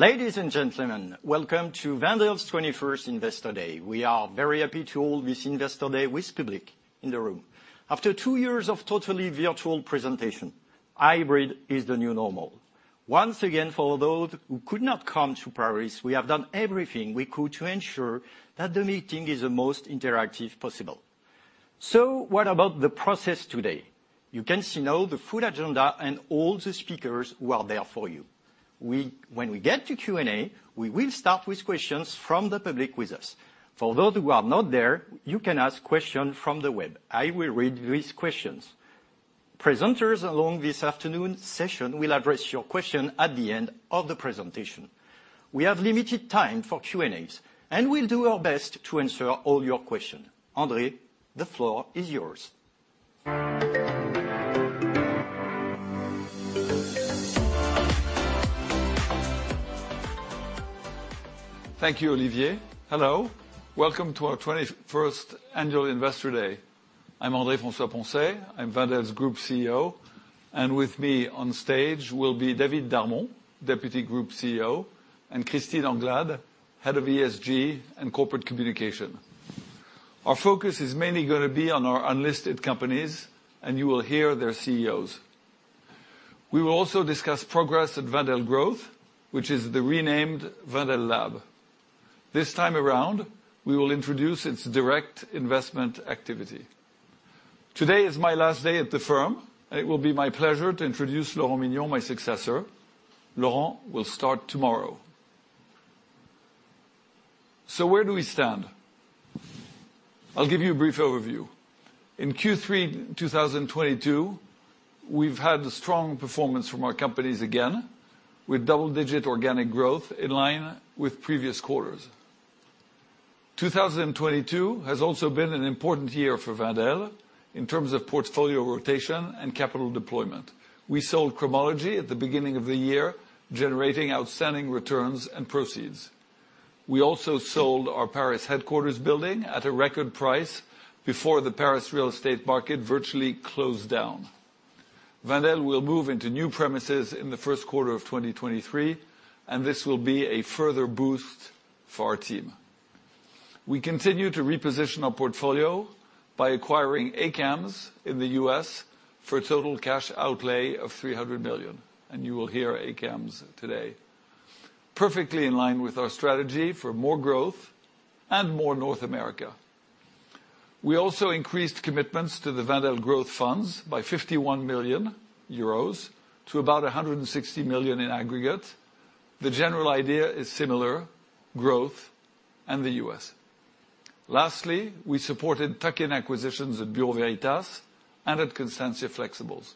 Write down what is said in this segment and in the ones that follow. Ladies and gentlemen, welcome to Wendel's 21st Investor Day. We are very happy to hold this Investor Day with public in the room. After two years of totally virtual presentation, hybrid is the new normal. Once again, for those who could not come to Paris, we have done everything we could to ensure that the meeting is the most interactive possible. What about the process today? You can see now the full agenda and all the speakers who are there for you. When we get to Q&A, we will start with questions from the public with us. For those who are not there, you can ask question from the web. I will read these questions. Presenters along this afternoon's session will address your question at the end of the presentation. We have limited time for Q&As, and we'll do our best to answer all your question. André, the floor is yours. Thank you, Olivier. Hello. Welcome to our 21st annual Investor Day. I'm André François-Poncet. I'm Wendel's Group CEO. With me on stage will be David Darmon, Deputy Group CEO, and Christine Anglade, head of ESG and Corporate Communication. Our focus is mainly gonna be on our unlisted companies, and you will hear their CEOs. We will also discuss progress at Wendel Growth, which is the renamed Wendel Lab. This time around, we will introduce its direct investment activity. Today is my last day at the firm, and it will be my pleasure to introduce Laurent Mignon, my successor. Laurent will start tomorrow. Where do we stand? I'll give you a brief overview. In Q3 2022, we've had strong performance from our companies again, with double-digit organic growth in line with previous quarters. 2022 has also been an important year for Wendel in terms of portfolio rotation and capital deployment. We sold Cromology at the beginning of the year, generating outstanding returns and proceeds. We also sold our Paris headquarters building at a record price before the Paris real estate market virtually closed down. Wendel will move into new premises in the first quarter of 2023. This will be a further boost for our team. We continue to reposition our portfolio by acquiring ACAMS in the U.S. for a total cash outlay of $300 million. You will hear ACAMS today. Perfectly in line with our strategy for more growth and more North America. We also increased commitments to the Wendel Growth Funds by 51 million euros to about 160 million in aggregate. The general idea is similar, growth and the U.S. We supported tuck-in acquisitions at Bureau Veritas and at Constantia Flexibles.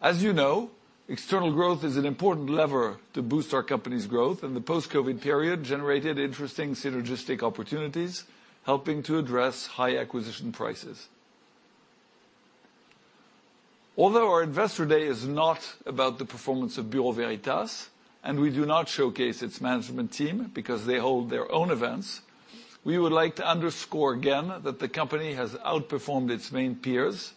As you know, external growth is an important lever to boost our company's growth, and the post-COVID period generated interesting synergistic opportunities, helping to address high acquisition prices. Although our Investor Day is not about the performance of Bureau Veritas, and we do not showcase its management team because they hold their own events, we would like to underscore again that the company has outperformed its main peers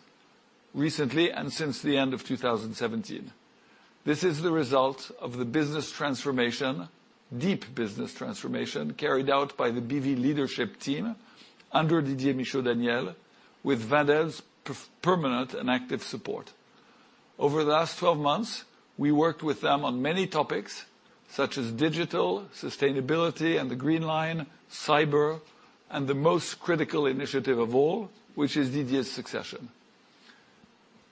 recently and since the end of 2017. This is the result of the business transformation, deep business transformation, carried out by the BV leadership team under Didier Michaud-Daniel with Wendel's permanent and active support. Over the last 12 months, we worked with them on many topics, such as digital, sustainability and the Green Line, cyber, and the most critical initiative of all, which is Didier's succession.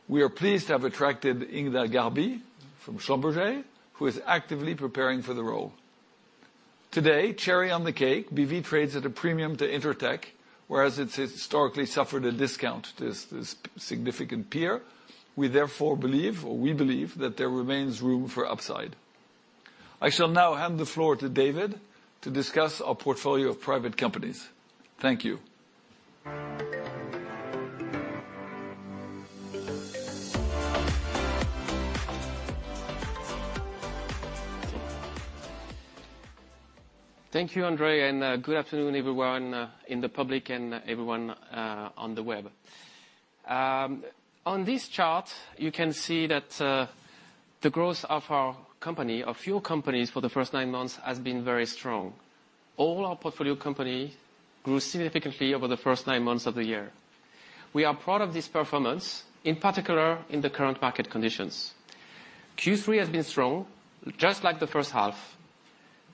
We are pleased to have attracted Hinda Gharbi from Schlumberger, who is actively preparing for the role. Today, cherry on the cake, BV trades at a premium to Intertek, whereas it's historically suffered a discount to this significant peer. We therefore believe, or we believe, that there remains room for upside. I shall now hand the floor to David to discuss our portfolio of private companies. Thank you. Thank you, André, good afternoon, everyone, in the public and everyone on the web. On this chart, you can see that the growth of our company, a few companies for the first nine months has been very strong. All our portfolio company grew significantly over the first nine months of the year. We are proud of this performance, in particular, in the current market conditions. Q3 has been strong, just like the first half.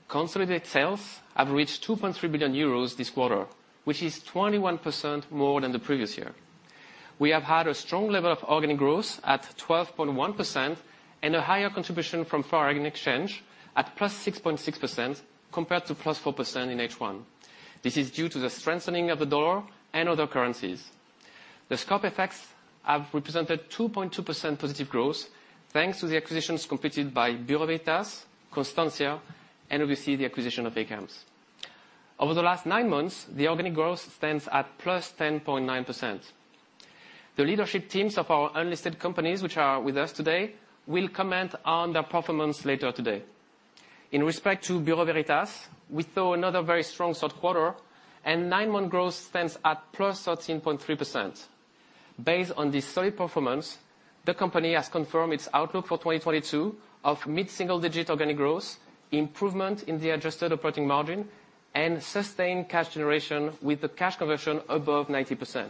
Consolidated sales have reached 2.3 billion euros this quarter, which is 21% more than the previous year. We have had a strong level of organic growth at 12.1% and a higher contribution from foreign exchange at +6.6% compared to +4% in H1. This is due to the strengthening of the dollar and other currencies. The scope effects have represented 2.2% positive growth thanks to the acquisitions completed by Bureau Veritas, Constantia, and obviously, the acquisition of ACAMS. Over the last nine months, the organic growth stands at +10.9%. The leadership teams of our unlisted companies, which are with us today, will comment on their performance later today. In respect to Bureau Veritas, we saw another very strong third quarter, and nine-month growth stands at +13.3%. Based on this solid performance, the company has confirmed its outlook for 2022 of mid-single digit organic growth, improvement in the adjusted operating margin, and sustained cash generation with the cash conversion above 90%.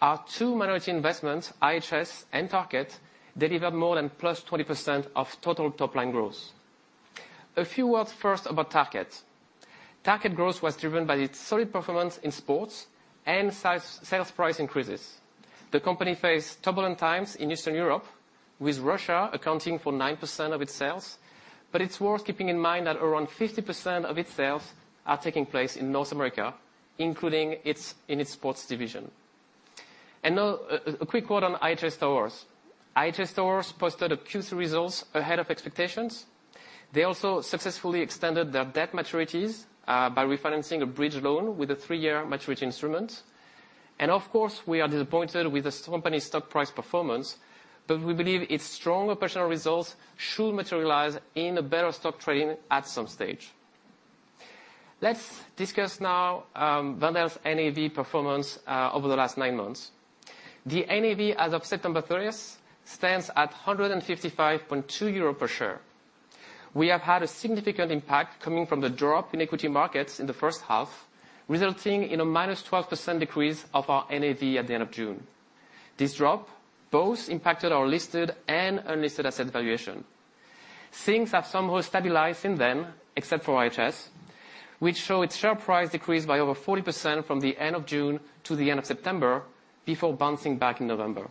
Our two minority investments, IHS and Target, delivered more than +20% of total top line growth. A few words first about Target. Target growth was driven by its solid performance in sports and sales price increases. The company faced turbulent times in Eastern Europe, with Russia accounting for 9% of its sales. It's worth keeping in mind that around 50% of its sales are taking place in North America, including in its sports division. Now, a quick word on IHS Towers. IHS Towers posted a Q3 results ahead of expectations. They also successfully extended their debt maturities by refinancing a bridge loan with a three-year maturity instrument. Of course, we are disappointed with the company's stock price performance, but we believe its strong operational results should materialize in a better stock trading at some stage. Let's discuss now Wendel's NAV performance over the last nine months. The NAV as of September 30th stands at 155.2 euro per share. We have had a significant impact coming from the drop in equity markets in the first half, resulting in a -12% decrease of our NAV at the end of June. This drop both impacted our listed and unlisted asset valuation. Things have somehow stabilized since then, except for IHS, which saw its share price decrease by over 40% from the end of June to the end of September before bouncing back in November.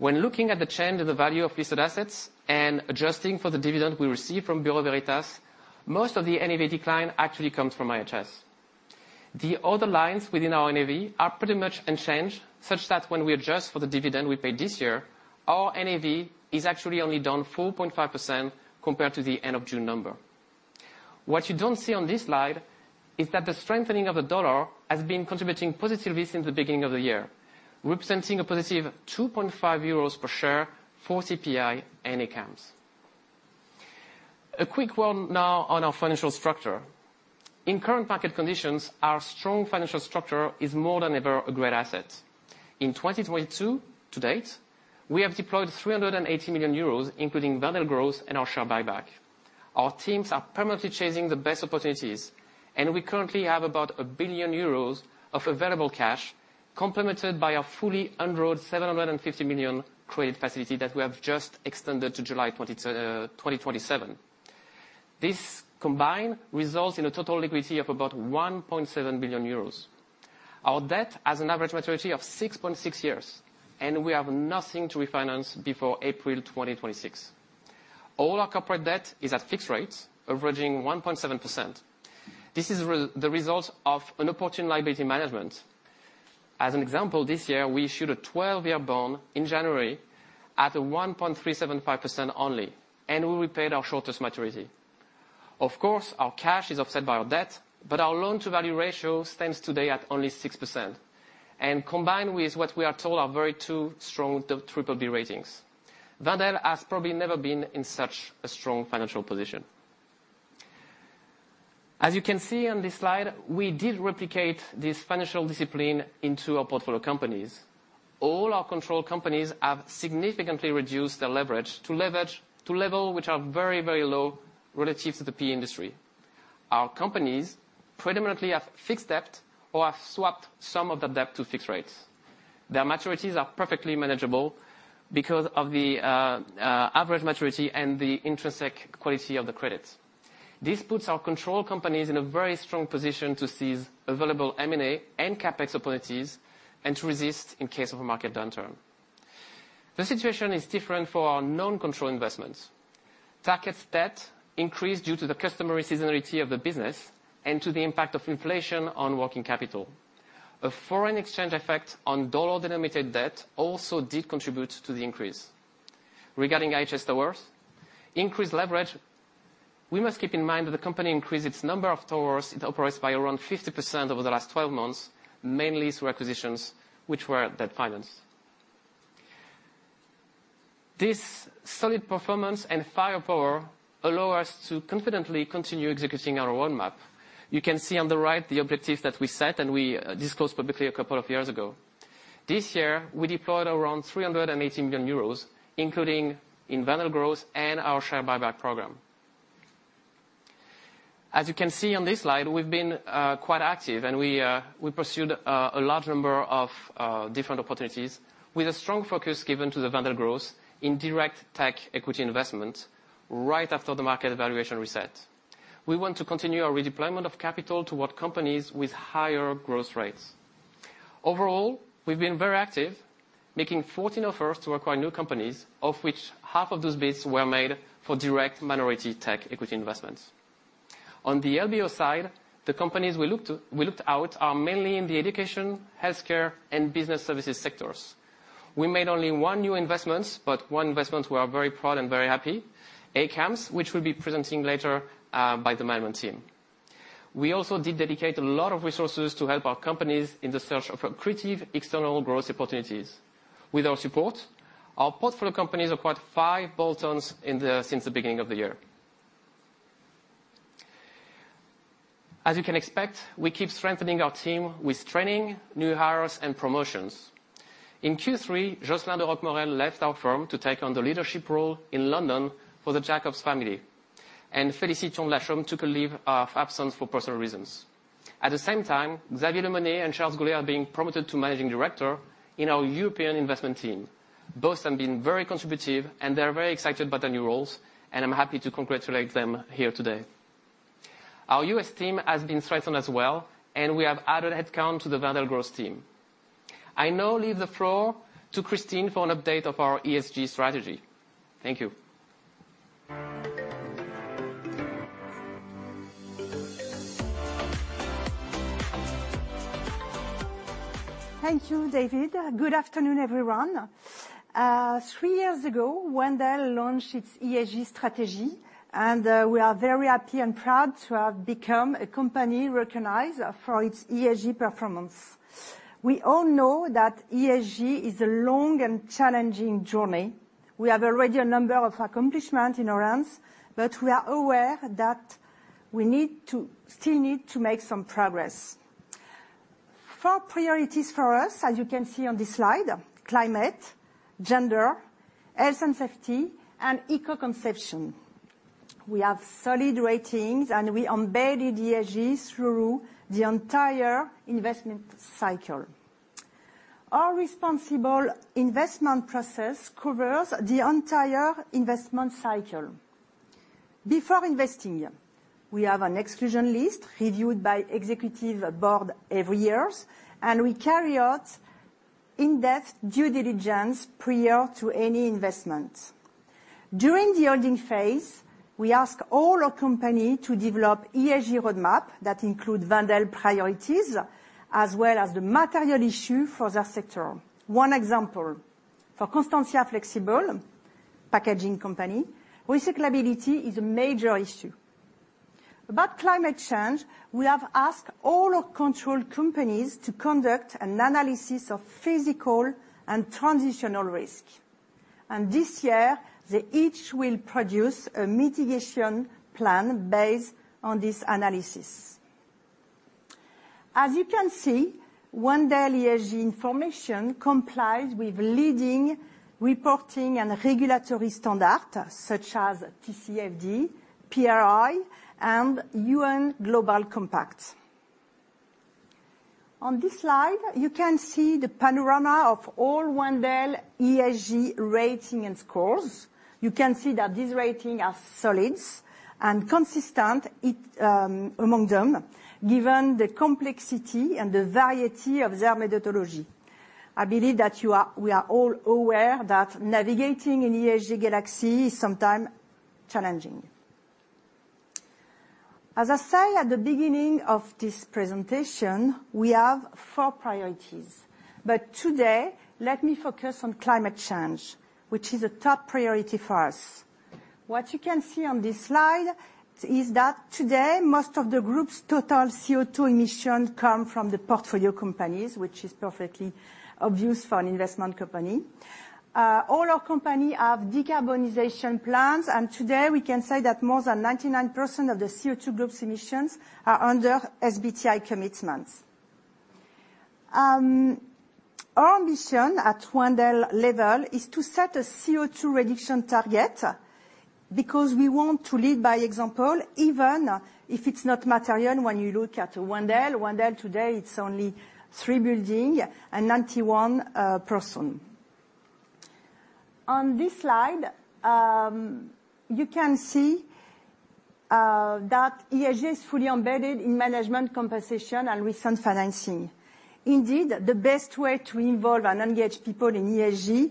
When looking at the change in the value of listed assets and adjusting for the dividend we received from Bureau Veritas, most of the NAV decline actually comes from IHS. The other lines within our NAV are pretty much unchanged, such that when we adjust for the dividend we paid this year, our NAV is actually only down 4.5% compared to the end of June number. What you don't see on this slide is that the strengthening of the dollar has been contributing positively since the beginning of the year, representing a positive 2.5 euros per share for CPI and ACAMS. A quick word now on our financial structure. In current market conditions, our strong financial structure is more than ever a great asset. In 2022, to date, we have deployed 380 million euros, including Wendel Growth and our share buyback. Our teams are permanently chasing the best opportunities. We currently have about 1 billion euros of available cash, complemented by our fully undrawn 750 million credit facility that we have just extended to July 2027. This combined results in a total liquidity of about 1.7 billion euros. Our debt has an average maturity of 6.6 years. We have nothing to refinance before April 2026. All our corporate debt is at fixed rates, averaging 1.7%. This is the result of an opportune liability management. As an example, this year, we issued a 12-year bond in January at a 1.375% only. We repaid our shortest maturity. Of course, our cash is offset by our debt, our loan-to-value ratio stands today at only 6%. Combined with what we are told are very two strong BBB ratings, Wendel has probably never been in such a strong financial position. As you can see on this slide, we did replicate this financial discipline into our portfolio companies. All our control companies have significantly reduced their leverage to level which are very, very low relative to the PE industry. Our companies predominantly have fixed debt or have swapped some of the debt to fixed rates. Their maturities are perfectly manageable because of the average maturity and the intrinsic quality of the credits. This puts our control companies in a very strong position to seize available M&A and CapEx opportunities and to resist in case of a market downturn. The situation is different for our non-control investments. Target's debt increased due to the customary seasonality of the business and to the impact of inflation on working capital. A foreign exchange effect on dollar-denominated debt also did contribute to the increase. Regarding IHS Towers, increased leverage, we must keep in mind that the company increased its number of towers it operates by around 50% over the last 12 months, mainly through acquisitions, which were debt financed. This solid performance and firepower allow us to confidently continue executing our roadmap. You can see on the right the objectives that we set and we disclosed publicly a couple of years ago. This year, we deployed around 380 million euros, including in Wendel Growth and our share buyback program. As you can see on this slide, we've been quite active, and we pursued a large number of different opportunities with a strong focus given to the Wendel Growth in direct tech equity investment right after the market evaluation reset. We want to continue our redeployment of capital toward companies with higher growth rates. Overall, we've been very active, making 14 offers to acquire new companies, of which half of those bids were made for direct minority tech equity investments. On the LBO side, the companies we looked out are mainly in the education, healthcare, and business services sectors. We made only one new investments, but one investment we are very proud and very happy, ACAMS, which will be presenting later by the management team. We also did dedicate a lot of resources to help our companies in the search of accretive external growth opportunities. With our support, our portfolio companies acquired 5 add-ons since the beginning of the year. As you can expect, we keep strengthening our team with training, new hires, and promotions. In Q3, Ghislaine de Rochemaure left our firm to take on the leadership role in London for the Jacobs family. Félicité Trogne-Lachomme took a leave of absence for personal reasons. At the same time, Xavier Lemonnier and Charles Goullier are being promoted to managing director in our European investment team. Both have been very contributive, and they're very excited about their new roles, and I'm happy to congratulate them here today. Our US team has been strengthened as well, and we have added headcount to the Wendel Growth team. I now leave the floor to Christine for an update of our ESG strategy. Thank you. Thank you, David. Good afternoon, everyone. Three years ago, Wendel launched its ESG strategy, we are very happy and proud to have become a company recognized for its ESG performance. We all know that ESG is a long and challenging journey. We have already a number of accomplishments in our hands, we are aware that we still need to make some progress. Four priorities for us, as you can see on this slide, climate, gender, health and safety, and eco-conception. We have solid ratings, we embedded ESG through the entire investment cycle. Our responsible investment process covers the entire investment cycle. Before investing, we have an exclusion list reviewed by Executive Board every year, we carry out in-depth due diligence prior to any investment. During the holding phase, we ask all our company to develop ESG roadmap that include Wendel priorities, as well as the material issue for their sector. One example: for Constantia Flexibles company, recyclability is a major issue. About climate change, we have asked all our controlled companies to conduct an analysis of physical and transitional risk. This year, they each will produce a mitigation plan based on this analysis. As you can see, Wendel ESG information complies with leading reporting and regulatory standard, such as TCFD, PRI, and UN Global Compact. On this slide, you can see the panorama of all Wendel ESG rating and scores. You can see that these rating are solids and consistent it, among them, given the complexity and the variety of their methodology. I believe that we are all aware that navigating an ESG galaxy is sometime challenging. As I say at the beginning of this presentation, we have four priorities. Today, let me focus on climate change, which is a top priority for us. What you can see on this slide is that today most of the group's total CO2 emission come from the portfolio companies, which is perfectly obvious for an investment company. All our company have decarbonization plans, and today we can say that more than 99% of the CO2 group's emissions are under SBTi commitments. Our mission at Wendel level is to set a CO2 reduction target because we want to lead by example, even if it's not material when you look at Wendel. Wendel today, it's only three building and 91 person. On this slide, you can see that ESG is fully embedded in management compensation and recent financing. Indeed, the best way to involve and engage people in ESG,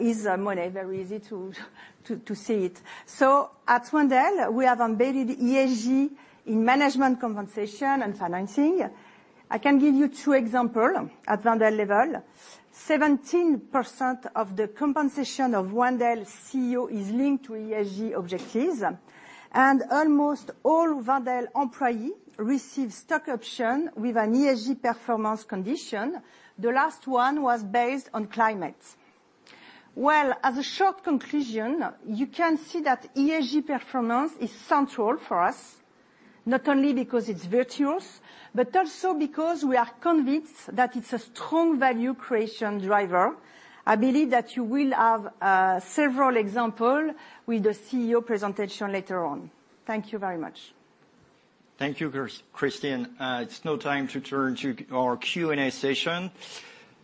is money. Very easy to say it. At Wendel, we have embedded ESG in management compensation and financing. I can give you two example at Wendel level. 17% of the compensation of Wendel CEO is linked to ESG objectives. Almost all Wendel employee receive stock option with an ESG performance condition. The last one was based on climate. As a short conclusion, you can see that ESG performance is central for us, not only because it's virtuous, but also because we are convinced that it's a strong value creation driver. I believe that you will have several example with the CEO presentation later on. Thank you very much. Thank you, Christine. It's now time to turn to our Q&A session.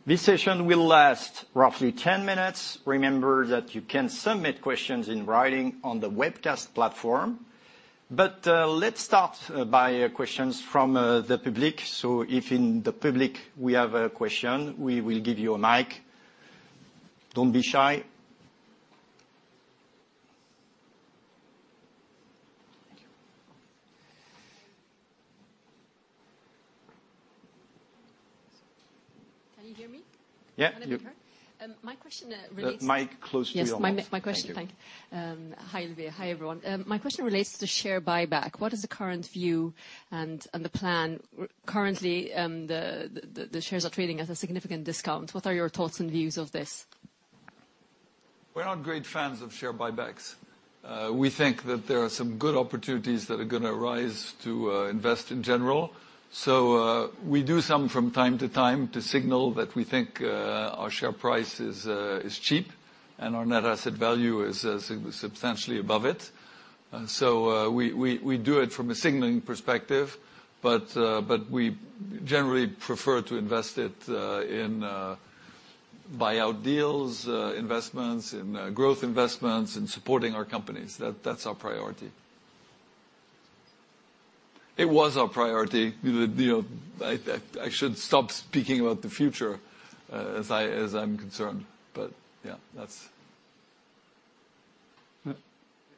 This session will last roughly 10 minutes. Remember that you can submit questions in writing on the webcast platform. Let's start by questions from the public. If in the public we have a question, we will give you a mic. Don't be shy. Can you hear me? Yeah. Can everyone hear? my question, relates- The mic close to your mouth. Yes, my question, thank you. Thank you. Hi, Olivier. Hi, everyone. My question relates to share buyback. What is the current view and the plan? Currently, the shares are trading at a significant discount. What are your thoughts and views of this? We're not great fans of share buybacks. We think that there are some good opportunities that are gonna arise to invest in general. We do some from time to time to signal that we think our share price is cheap and our net asset value is substantially above it. We do it from a signaling perspective, but we generally prefer to invest it in buyout deals, investments, in growth investments, in supporting our companies. That's our priority. It was our priority. You know, I should stop speaking about the future as I'm concerned. Yeah, that's...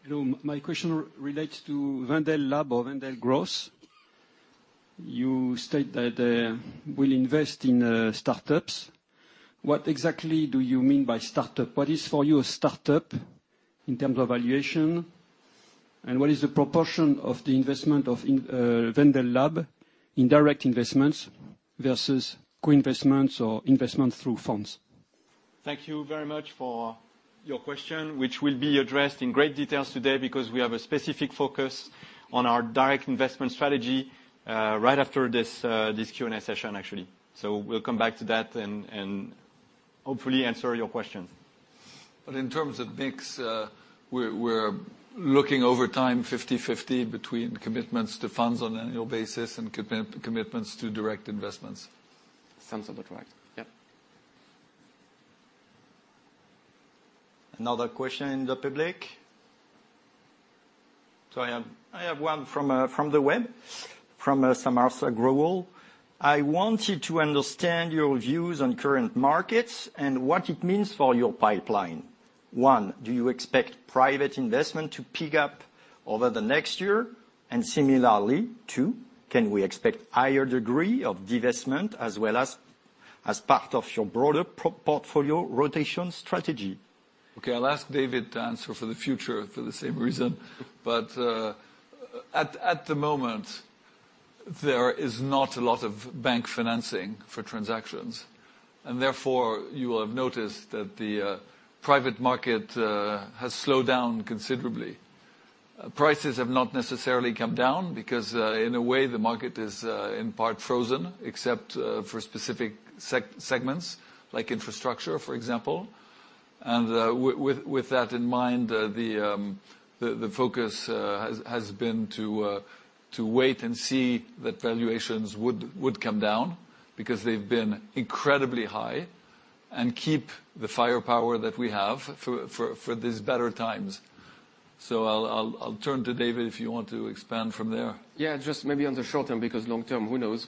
Hello. My question relates to Wendel Lab or Wendel Growth. You state that we'll invest in startups. What exactly do you mean by startup? What is for you a startup in terms of valuation, and what is the proportion of the investment of in Wendel Lab in direct investments versus co-investments or investments through funds? Thank you very much for your question, which will be addressed in great details today because we have a specific focus on our direct investment strategy, right after this Q&A session, actually. We'll come back to that and hopefully answer your question. In terms of mix, we're looking over time 50/50 between commitments to funds on an annual basis and commitments to direct investments. Sounds about right. Yep. Another question in the public? I have one from the web, from Sumant Gwal. I wanted to understand your views on current markets and what it means for your pipeline. One, do you expect private investment to pick up over the next year? Similarly, two, can we expect higher degree of divestment as well as part of your broader pro-portfolio rotation strategy? Okay. I'll ask David to answer for the future for the same reason. At the moment, there is not a lot of bank financing for transactions, and therefore you will have noticed that the private market has slowed down considerably. Prices have not necessarily come down because, in a way, the market is in part frozen, except for specific segments, like infrastructure, for example. With that in mind, the focus has been to wait and see that valuations would come down because they've been incredibly high, and keep the firepower that we have for these better times. I'll turn to David, if you want to expand from there. Yeah, just maybe on the short term, because long term, who knows?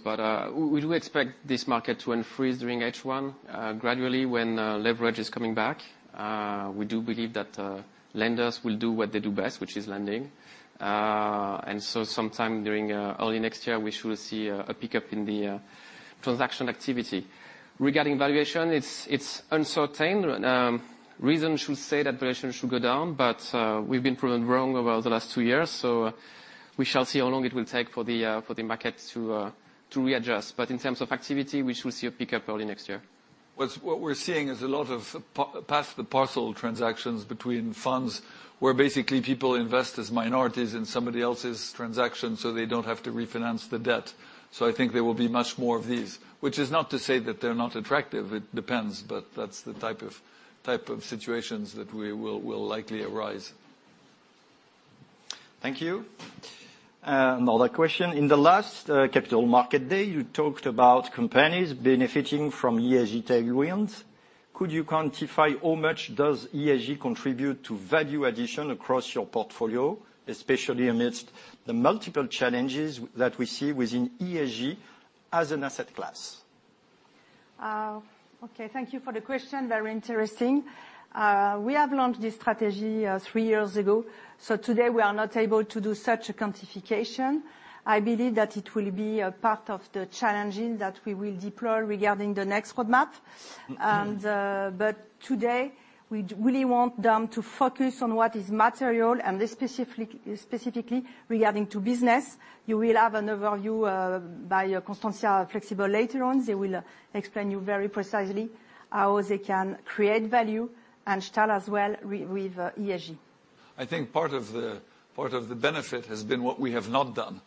We do expect this market to unfreeze during H1, gradually when leverage is coming back. We do believe that lenders will do what they do best, which is lending. Sometime during early next year, we should see a pickup in the transaction activity. Regarding valuation, it's uncertain. Reason should say that valuation should go down, but we've been proven wrong over the last two years, so we shall see how long it will take for the market to readjust. In terms of activity, we should see a pickup early next year. What we're seeing is a lot of pass the parcel transactions between funds, where basically people invest as minorities in somebody else's transaction, so they don't have to refinance the debt. I think there will be much more of these. Which is not to say that they're not attractive, it depends, but that's the type of situations that we will likely arise. Thank you. Another question. In the last, capital market day, you talked about companies benefiting from ESG tailwinds. Could you quantify how much does ESG contribute to value addition across your portfolio, especially amidst the multiple challenges that we see within ESG as an asset class? Okay. Thank you for the question. Very interesting. We have launched this strategy, three years ago, so today we are not able to do such a quantification. I believe that it will be a part of the challenging that we will deploy regarding the next roadmap. But today we really want them to focus on what is material and specifically regarding to business. You will have an overview by Constantia Flexibles later on. They will explain you very precisely how they can create value and stay as well with ESG. I think part of the benefit has been what we have not done.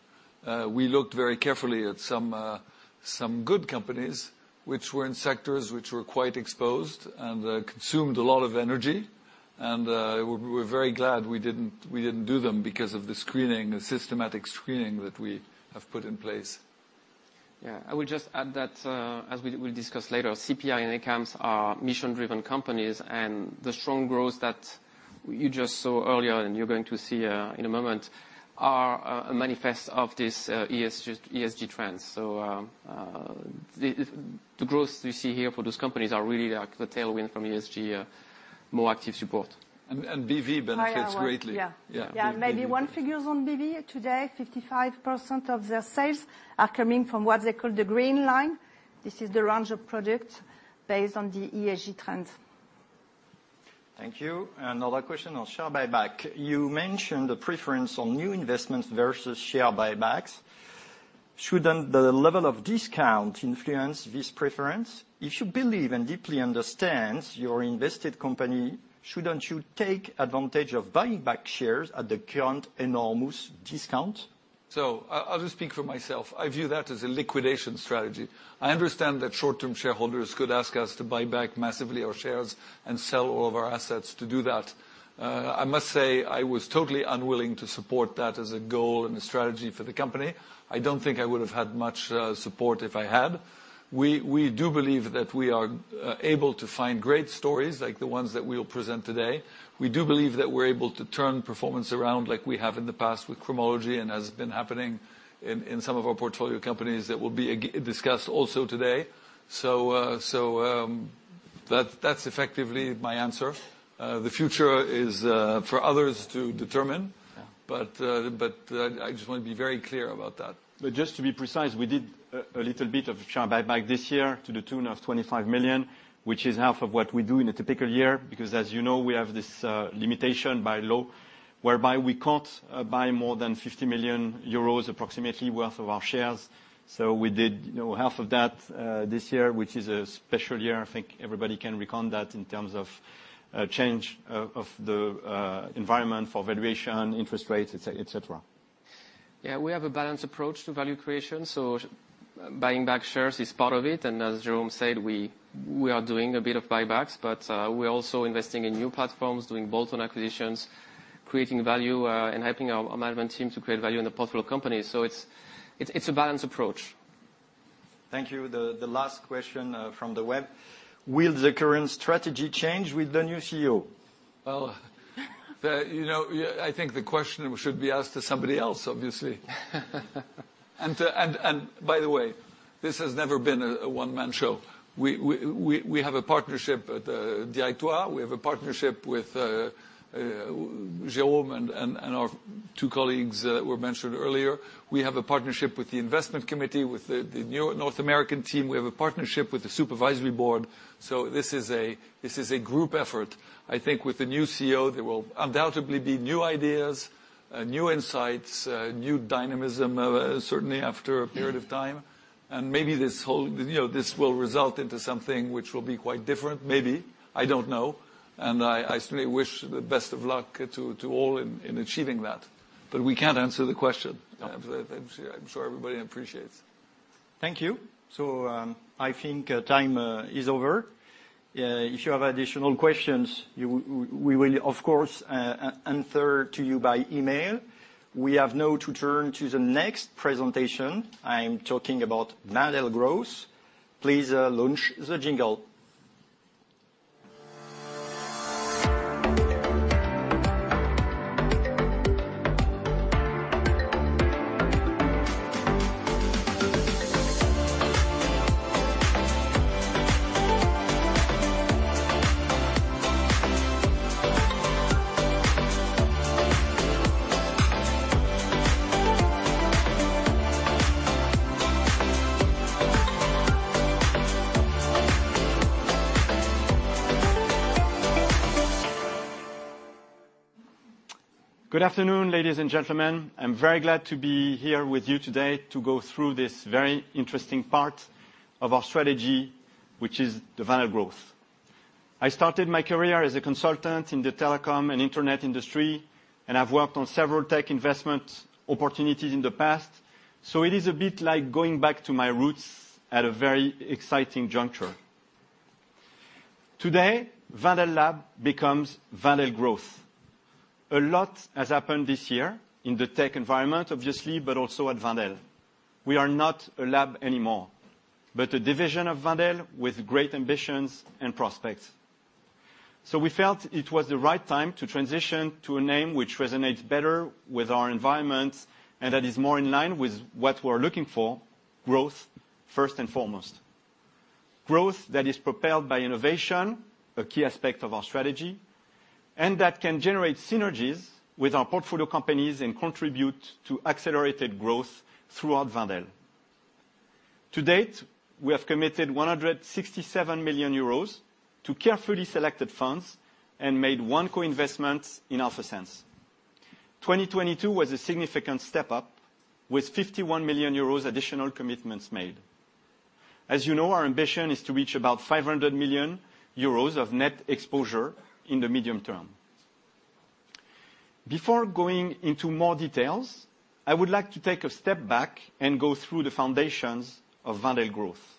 We looked very carefully at some good companies which were in sectors which were quite exposed and consumed a lot of energy. We're very glad we didn't do them because of the screening, the systematic screening that we have put in place. I would just add that, as we'll discuss later, CPI and ACAMS are mission-driven companies, and the strong growth that you just saw earlier and you're going to see in a moment are a manifest of this ESG trends. The growth we see here for those companies are really like the tailwind from ESG, more active support. BV benefits greatly. Higher one. Yeah. Yeah. Yeah. Maybe one figures on BV. Today 55% of their sales are coming from what they call the Green Line. This is the range of product based on the ESG trends. Thank you. Another question on share buyback. You mentioned the preference on new investments versus share buybacks. Shouldn't the level of discount influence this preference? If you believe and deeply understands your invested company, shouldn't you take advantage of buying back shares at the current enormous discount? I'll just speak for myself. I view that as a liquidation strategy. I understand that short-term shareholders could ask us to buy back massively our shares and sell all of our assets to do that. I must say I was totally unwilling to support that as a goal and a strategy for the company. I don't think I would have had much support if I had. We do believe that we are able to find great stories like the ones that we'll present today. We do believe that we're able to turn performance around like we have in the past with Cromology and has been happening in some of our portfolio companies that will be discussed also today. That's effectively my answer. The future is for others to determine. I just want to be very clear about that. Just to be precise, we did a little bit of share buyback this year to the tune of 25 million, which is half of what we do in a typical year, because as you know, we have this limitation by law whereby we can't buy more than 50 million euros approximately worth of our shares. We did, you know, half of that this year, which is a special year. I think everybody can reckon that in terms of change of the environment for valuation, interest rates, et cetera. We have a balanced approach to value creation, so buying back shares is part of it. As Jérôme said, we are doing a bit of buybacks. We're also investing in new platforms, doing bolt-on acquisitions, creating value and helping our management team to create value in the portfolio companies. It's a balanced approach. Thank you. The last question, from the web: Will the current strategy change with the new CEO? The, you know, I think the question should be asked to somebody else, obviously. By the way, this has never been a one-man show. We have a partnership at Directoire. We have a partnership with Jérôme and our two colleagues who were mentioned earlier. We have a partnership with the investment committee, with the new North American team. We have a partnership with the Supervisory Board. This is a group effort. I think with the new CEO, there will undoubtedly be new ideas, new insights, new dynamism, certainly after a period of time. Maybe this whole, you know, this will result into something which will be quite different. Maybe, I don't know. I certainly wish the best of luck to all in achieving that. We can't answer the question. No. I'm sure everybody appreciates. Thank you. I think time is over. If you have additional questions, we will of course answer to you by email. We have now to turn to the next presentation. I'm talking about Wendel Growth. Please launch the jingle. Good afternoon, ladies and gentlemen. I'm very glad to be here with you today to go through this very interesting part of our strategy, which is the Wendel Growth. I started my career as a consultant in the telecom and internet industry, and I've worked on several tech investment opportunities in the past. It is a bit like going back to my roots at a very exciting juncture. Today, Wendel Lab becomes Wendel Growth. A lot has happened this year in the tech environment, obviously, but also at Wendel. We are not a lab anymore, but a division of Wendel with great ambitions and prospects. We felt it was the right time to transition to a name which resonates better with our environment and that is more in line with what we're looking for, growth, first and foremost. Growth that is propelled by innovation, a key aspect of our strategy, and that can generate synergies with our portfolio companies and contribute to accelerated growth throughout Wendel. To date, we have committed 167 million euros to carefully selected funds and made one co-investment in AlphaSense. 2022 was a significant step up with 51 million euros additional commitments made. As you know, our ambition is to reach about 500 million euros of net exposure in the medium term. Before going into more details, I would like to take a step back and go through the foundations of Wendel Growth.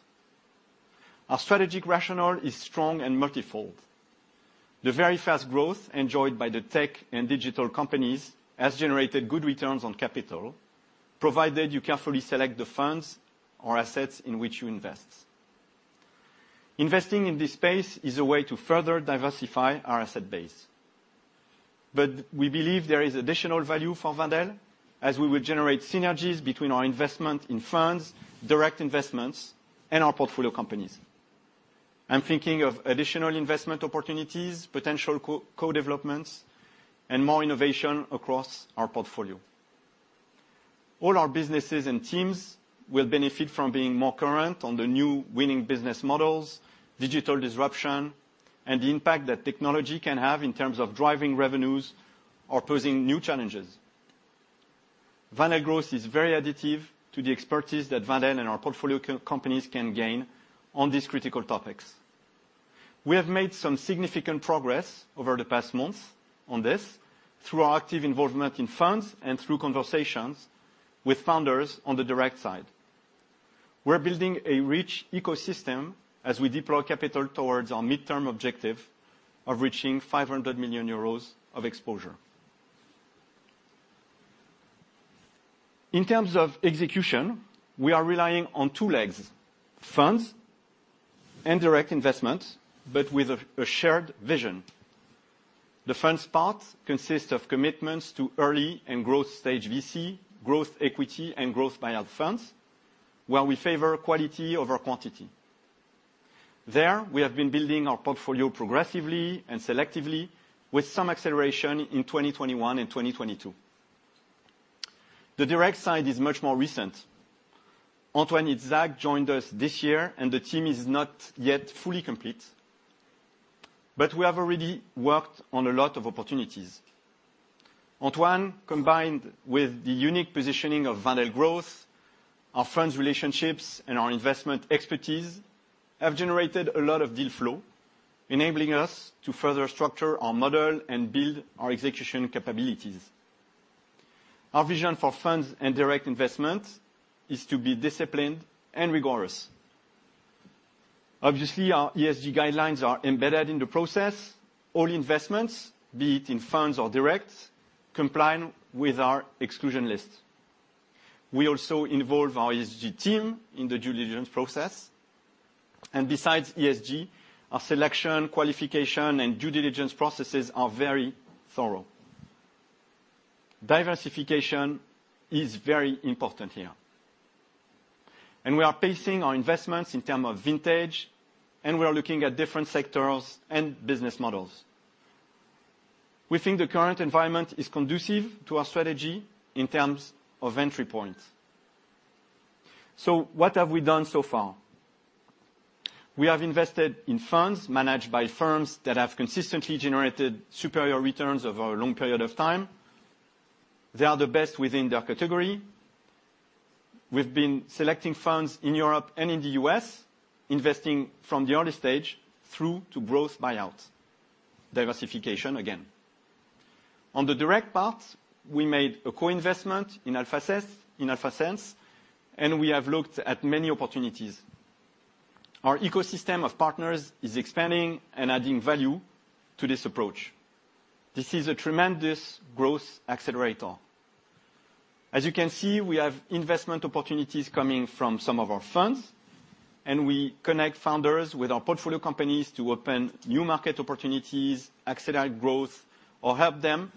Our strategic rationale is strong and multifold. The very fast growth enjoyed by the tech and digital companies has generated good returns on capital, provided you carefully select the funds or assets in which you invest. Investing in this space is a way to further diversify our asset base. We believe there is additional value for Wendel, as we will generate synergies between our investment in funds, direct investments, and our portfolio companies. I'm thinking of additional investment opportunities, potential co-developments, and more innovation across our portfolio. All our businesses and teams will benefit from being more current on the new winning business models, digital disruption, and the impact that technology can have in terms of driving revenues or posing new challenges. Wendel Growth is very additive to the expertise that Wendel and our portfolio co-companies can gain on these critical topics. We have made some significant progress over the past months on this through our active involvement in funds and through conversations with founders on the direct side. We're building a rich ecosystem as we deploy capital towards our midterm objective of reaching 500 million euros of exposure. In terms of execution, we are relying on two legs, funds and direct investments, but with a shared vision. The funds part consists of commitments to early and growth stage VC, growth equity, and growth buyout funds, where we favor quality over quantity. There, we have been building our portfolio progressively and selectively with some acceleration in 2021 and 2022. The direct side is much more recent. Antoine Izsak joined us this year, and the team is not yet fully complete. We have already worked on a lot of opportunities. Antoine, combined with the unique positioning of Wendel Growth, our funds relationships, and our investment expertise, have generated a lot of deal flow, enabling us to further structure our model and build our execution capabilities. Our vision for funds and direct investment is to be disciplined and rigorous. Obviously, our ESG guidelines are embedded in the process. All investments, be it in funds or direct, comply with our exclusion list. We also involve our ESG team in the due diligence process. Besides ESG, our selection, qualification, and due diligence processes are very thorough. Diversification is very important here. We are pacing our investments in term of vintage, and we are looking at different sectors and business models. We think the current environment is conducive to our strategy in terms of entry points. What have we done so far? We have invested in funds managed by firms that have consistently generated superior returns over a long period of time. They are the best within their category. We've been selecting funds in Europe and in the U.S., investing from the early stage through to growth buyouts. Diversification again. On the direct part, we made a co-investment in AlphaSense, and we have looked at many opportunities. Our ecosystem of partners is expanding and adding value to this approach. This is a tremendous growth accelerator. As you can see, we have investment opportunities coming from some of our funds, and we connect founders with our portfolio companies to open new market opportunities, accelerate growth, or help them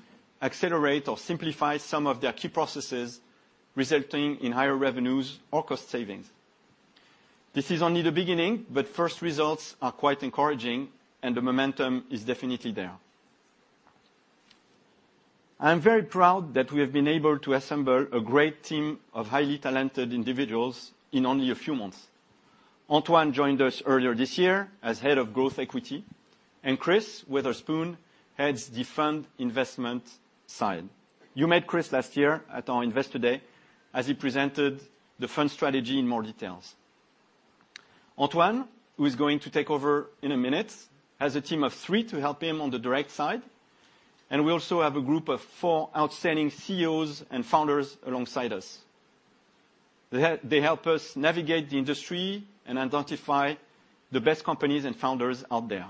accelerate or simplify some of their key processes, resulting in higher revenues or cost savings. First results are quite encouraging and the momentum is definitely there. I'm very proud that we have been able to assemble a great team of highly talented individuals in only a few months. Antoine joined us earlier this year as head of growth equity, and Chris Witherspoon heads the fund investment side. You met Chris last year at our Investor Day as he presented the fund strategy in more details. Antoine, who is going to take over in a minute, has a team of three to help him on the direct side, and we also have a group of four outstanding CEOs and founders alongside us. They help us navigate the industry and identify the best companies and founders out there.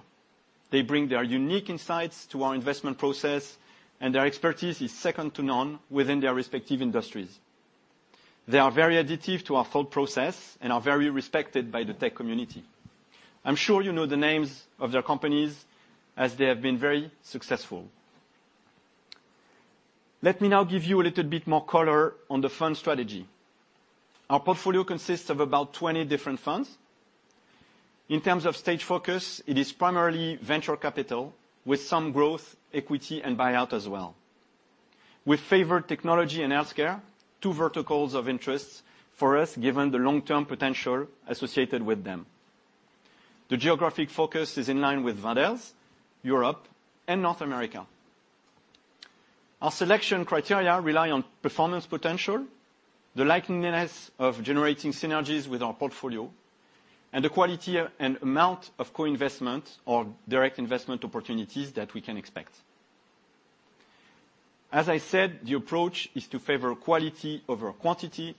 They bring their unique insights to our investment process, and their expertise is second to none within their respective industries. They are very additive to our thought process and are very respected by the tech community. I'm sure you know the names of their companies as they have been very successful. Let me now give you a little bit more color on the fund strategy. Our portfolio consists of about 20 different funds. In terms of stage focus, it is primarily venture capital with some growth equity and buyout as well. We favor technology and healthcare, two verticals of interest for us, given the long-term potential associated with them. The geographic focus is in line with Wendel's, Europe and North America. Our selection criteria rely on performance potential, the likeliness of generating synergies with our portfolio, and the quality and amount of co-investment or direct investment opportunities that we can expect. As I said, the approach is to favor quality over quantity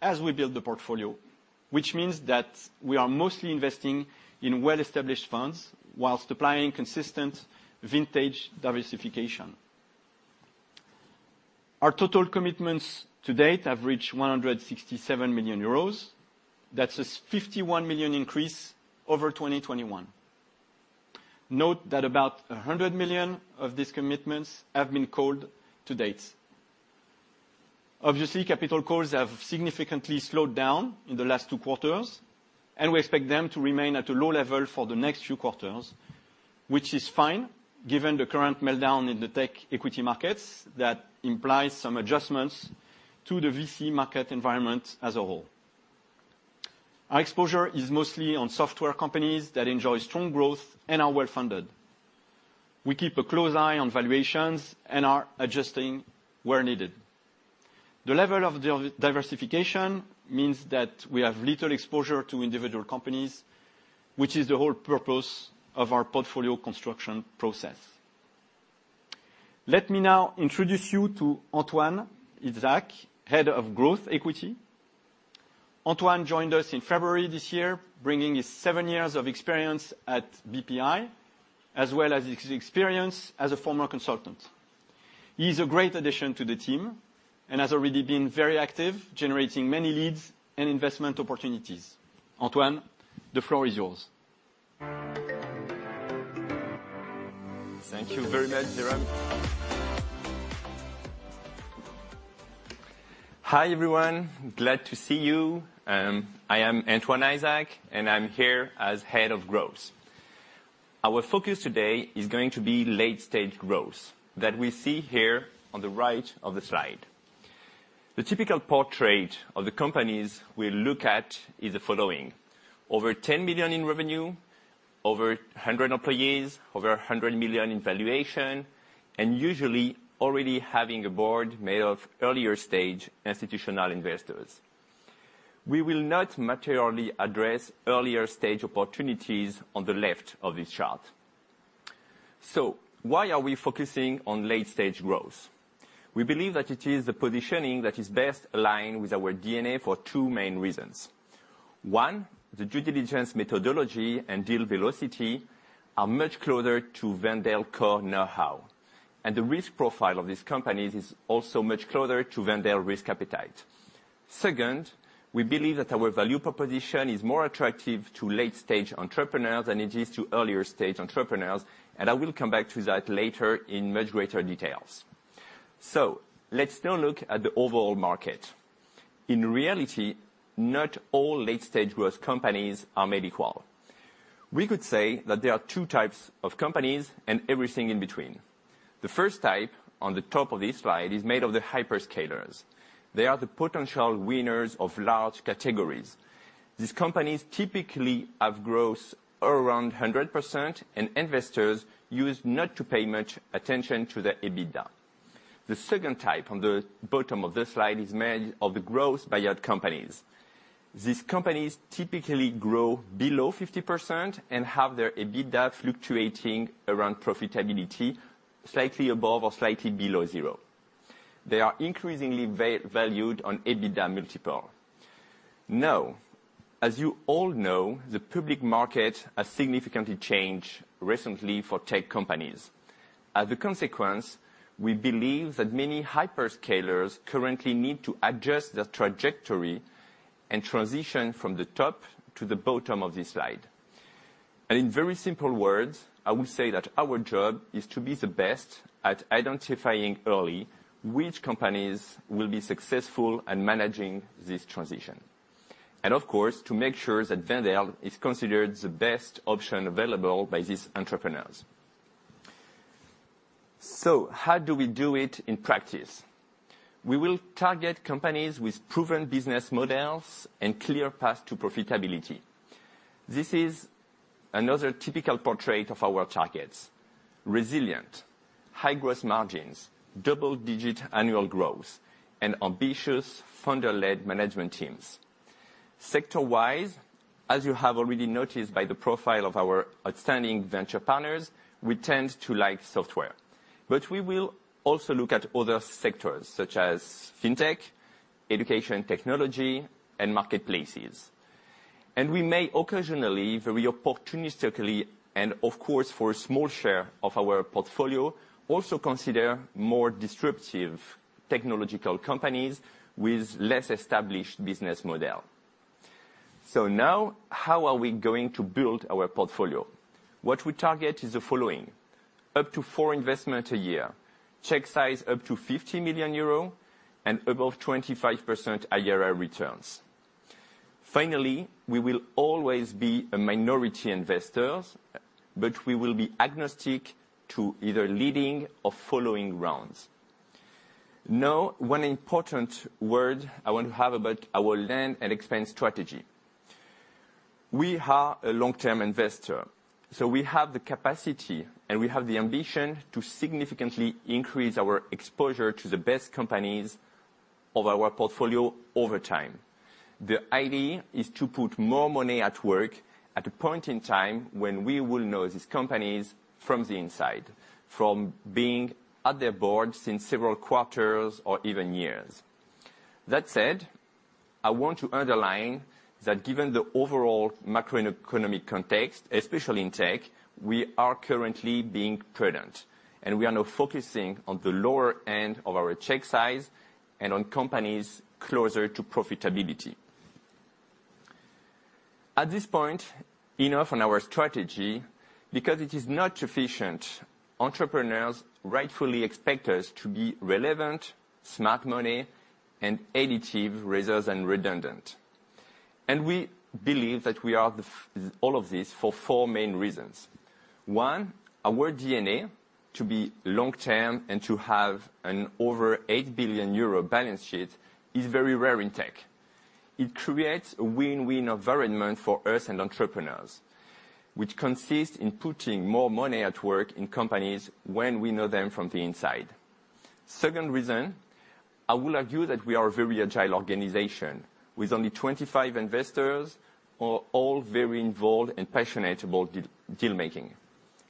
as we build the portfolio, which means that we are mostly investing in well-established funds while supplying consistent vintage diversification. Our total commitments to date have reached 167 million euros. That's a 51 million increase over 2021. Note that about 100 million of these commitments have been called to date. Obviously, capital calls have significantly slowed down in the last two quarters, and we expect them to remain at a low level for the next few quarters, which is fine given the current meltdown in the tech equity markets that implies some adjustments to the VC market environment as a whole. Our exposure is mostly on software companies that enjoy strong growth and are well-funded. We keep a close eye on valuations and are adjusting where needed. The level of diversification means that we have little exposure to individual companies, which is the whole purpose of our portfolio construction process. Let me now introduce you to Antoine Izsak, Head of Growth Equity. Antoine joined us in February this year, bringing his seven years of experience at Bpifrance, as well as his experience as a former consultant. He's a great addition to the team and has already been very active, generating many leads and investment opportunities. Antoine, the floor is yours. Thank you very much, Jérôme. Hi, everyone. Glad to see you. I am Antoine Izsak, and I'm here as head of growth. Our focus today is going to be late-stage growth that we see here on the right of the slide. The typical portrait of the companies we look at is the following: over 10 million in revenue, over 100 employees, over 100 million in valuation, and usually already having a board made of earlier stage institutional investors. We will not materially address earlier stage opportunities on the left of this chart. Why are we focusing on late-stage growth? We believe that it is the positioning that is best aligned with our DNA for two main reasons. 1, the due diligence methodology and deal velocity are much closer to Wendel core know-how, the risk profile of these companies is also much closer to Wendel risk appetite. Two we believe that our value proposition is more attractive to late stage entrepreneurs than it is to earlier stage entrepreneurs, I will come back to that later in much greater details. Let's now look at the overall market. In reality, not all late stage growth companies are made equal. We could say that there are two types of companies and everything in between. The first type, on the top of this slide, is made of the hyperscalers. They are the potential winners of large categories. These companies typically have growth around 100%, investors use not to pay much attention to their EBITDA. The second type, on the bottom of this slide, is made of the growth buyout companies. These companies typically grow below 50% and have their EBITDA fluctuating around profitability, slightly above or slightly below zero. They are increasingly valued on EBITDA multiple. Now, as you all know, the public market has significantly changed recently for tech companies. As a consequence, we believe that many hyperscalers currently need to adjust their trajectory and transition from the top to the bottom of this slide. In very simple words, I would say that our job is to be the best at identifying early which companies will be successful in managing this transition. Of course, to make sure that Wendel is considered the best option available by these entrepreneurs. How do we do it in practice? We will target companies with proven business models and clear path to profitability. This is another typical portrait of our targets. Resilient, high growth margins, double-digit annual growth, and ambitious founder-led management teams. Sector-wise, as you have already noticed by the profile of our outstanding venture partners, we tend to like software. We will also look at other sectors such as fintech, education technology, and marketplaces. We may occasionally, very opportunistically, and of course, for a small share of our portfolio, also consider more disruptive technological companies with less established business model. How are we going to build our portfolio? What we target is the following: up to four investment a year, check size up to 50 million euro, and above 25% IRR returns. Finally, we will always be a minority investors, but we will be agnostic to either leading or following rounds. One important word I want to have about our land and expand strategy. We are a long-term investor, we have the capacity and we have the ambition to significantly increase our exposure to the best companies of our portfolio over time. The idea is to put more money at work at a point in time when we will know these companies from the inside, from being at their boards in several quarters or even years. That said, I want to underline that given the overall macroeconomic context, especially in tech, we are currently being prudent, and we are now focusing on the lower end of our check size and on companies closer to profitability. At this point, enough on our strategy, because it is not sufficient. Entrepreneurs rightfully expect us to be relevant, smart money, and additive rather than redundant. We believe that we are all of this for four main reasons. One, our DNA to be long-term and to have an over 8 billion euro balance sheet is very rare in tech. It creates a win-win environment for us and entrepreneurs, which consists in putting more money at work in companies when we know them from the inside. Second reason, I will argue that we are a very agile organization with only 25 investors, all very involved and passionate about de-deal making.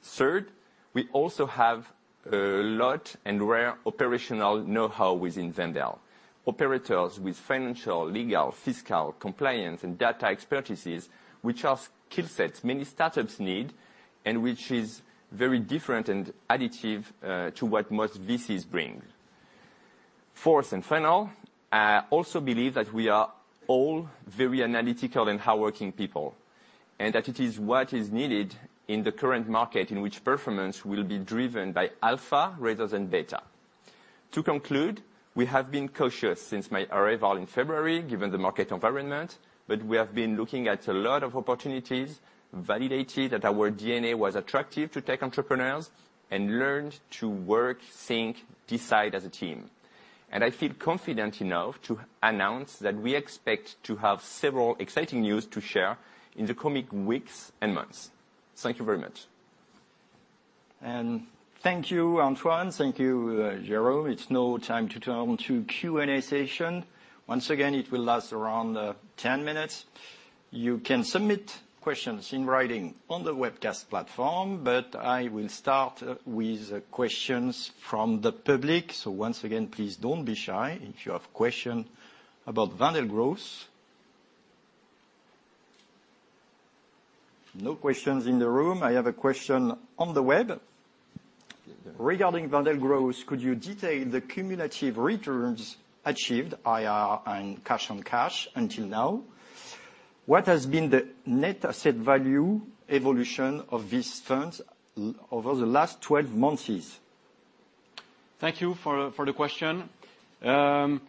Third, we also have a lot and rare operational know-how within Wendel. Operators with financial, legal, fiscal, compliance, and data expertises, which are skill sets many startups need, and which is very different and additive to what most VCs bring. Fourth and final, I also believe that we are all very analytical and hard-working people, and that it is what is needed in the current market in which performance will be driven by alpha rather than beta. To conclude, we have been cautious since my arrival in February, given the market environment, but we have been looking at a lot of opportunities, validated that our DNA was attractive to tech entrepreneurs, and learned to work, think, decide as a team. I feel confident enough to announce that we expect to have several exciting news to share in the coming weeks and months. Thank you very much. Thank you, Antoine. Thank you, Jérôme. It's now time to turn to Q&A session. Once again, it will last around 10 minutes. You can submit questions in writing on the webcast platform, but I will start with questions from the public. Once again, please don't be shy if you have question about Wendel Growth. No questions in the room. I have a question on the web. Take that. Regarding Wendel Growth, could you detail the cumulative returns achieved, IRR, and cash on cash until now? What has been the net asset value evolution of these funds over the last 12 months is? Thank you for the question. Well,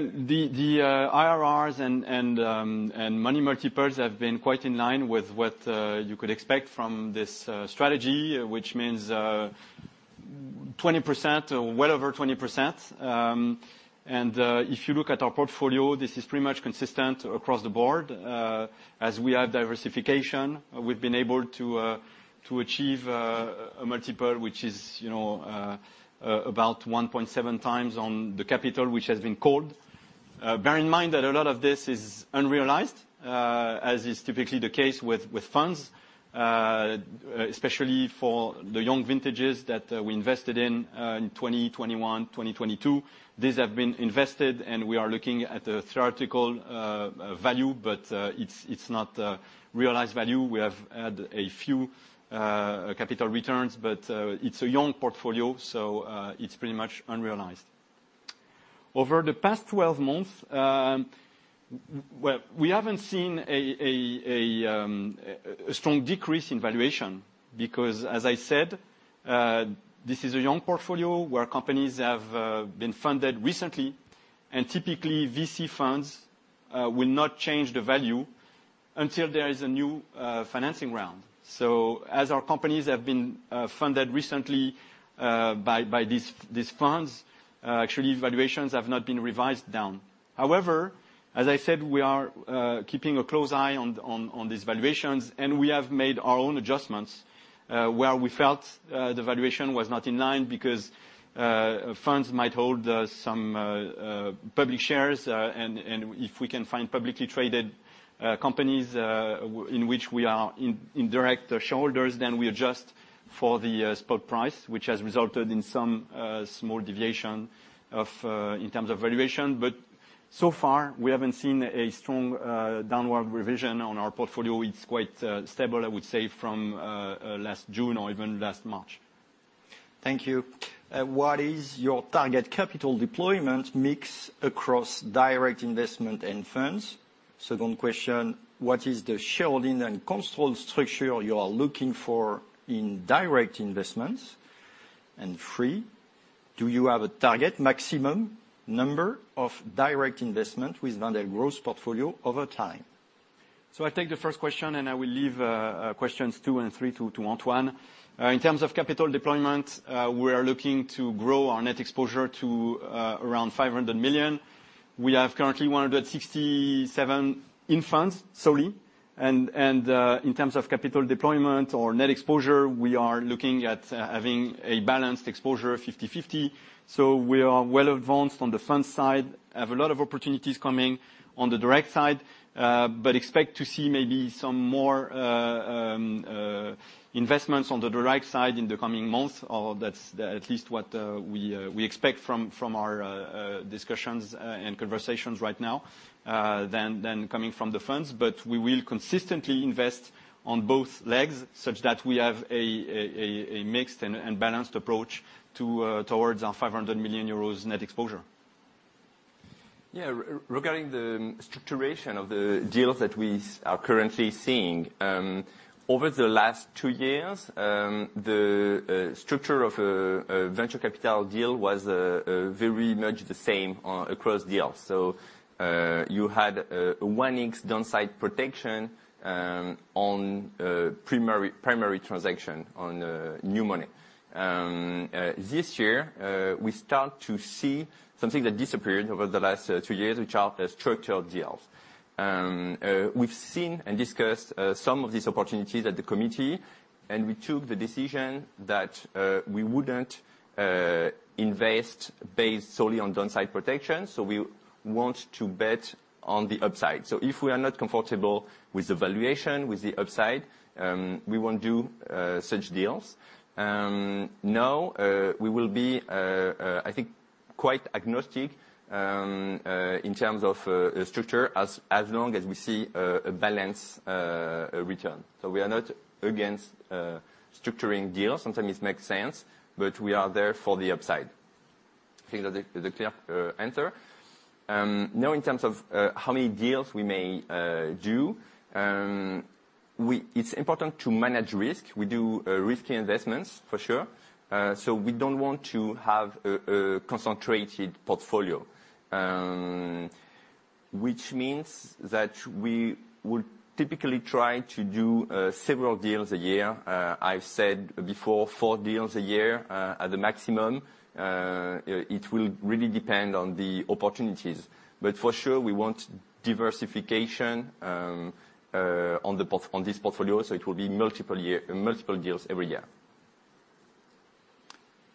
the IRRs and money multiples have been quite in line with what you could expect from this strategy, which means 20% or well over 20%. If you look at our portfolio, this is pretty much consistent across the board. As we have diversification, we've been able to achieve a multiple, which is, you know, about 1.7x on the capital which has been called. Bear in mind that a lot of this is unrealized, as is typically the case with funds, especially for the young vintages that we invested in 2021, 2022. These have been invested, we are looking at the theoretical value, it's not realized value. We have had a few capital returns, but it's a young portfolio, so it's pretty much unrealized. Over the past 12 months, well, we haven't seen a strong decrease in valuation because, as I said, this is a young portfolio where companies have been funded recently. Typically, VC funds will not change the value until there is a new financing round. As our companies have been funded recently by these funds, actually valuations have not been revised down. However, as I said, we are keeping a close eye on these valuations, and we have made our own adjustments where we felt the valuation was not in line because funds might hold some public shares. If we can find publicly traded companies, in which we are indirect shareholders, then we adjust for the spot price, which has resulted in some small deviation of in terms of valuation. So far, we haven't seen a strong downward revision on our portfolio. It's quite stable, I would say, from last June or even last March. Thank you. What is your target capital deployment mix across direct investment and funds? Two. question, what is the shareholding and control structure you are looking for in direct investments? Three. do you have a target maximum number of direct investment with Wendel Growth portfolio over time? I take the first question, and I will leave questions two and three to Antoine. In terms of capital deployment, we are looking to grow our net exposure to around 500 million. We have currently 167 million in funds solely. In terms of capital deployment or net exposure, we are looking at having a balanced exposure of 50/50. We are well advanced on the fund side, have a lot of opportunities coming on the direct side, but expect to see maybe some more investments on the direct side in the coming months, or that's at least what we expect from our discussions and conversations right now, than coming from the funds. we will consistently invest on both legs such that we have a mixed and balanced approach to towards our 500 million euros net exposure. Yeah. Regarding the structuration of the deals that we are currently seeing, over the last two years, the structure of a venture capital deal was very much the same across deals. You had one is downside protection on primary transaction on new money. This year, we start to see something that disappeared over the last two years, which are the structured deals. We've seen and discussed some of these opportunities at the committee, and we took the decision that we wouldn't invest based solely on downside protection, so we want to bet on the upside. If we are not comfortable with the valuation, with the upside, we won't do such deals. Now, we will be, I think, quite agnostic in terms of structure as long as we see a balanced return. So we are not against structuring deals. Sometimes it makes sense, but we are there for the upside. Think that's a clear answer. Now in terms of how many deals we may do, it's important to manage risk. We do risky investments for sure, so we don't want to have a concentrated portfolio, which means that we would typically try to do several deals a year. I've said before four deals a year at the maximum. It will really depend on the opportunities. For sure we want diversification, on this portfolio, so it will be multiple year, multiple deals every year.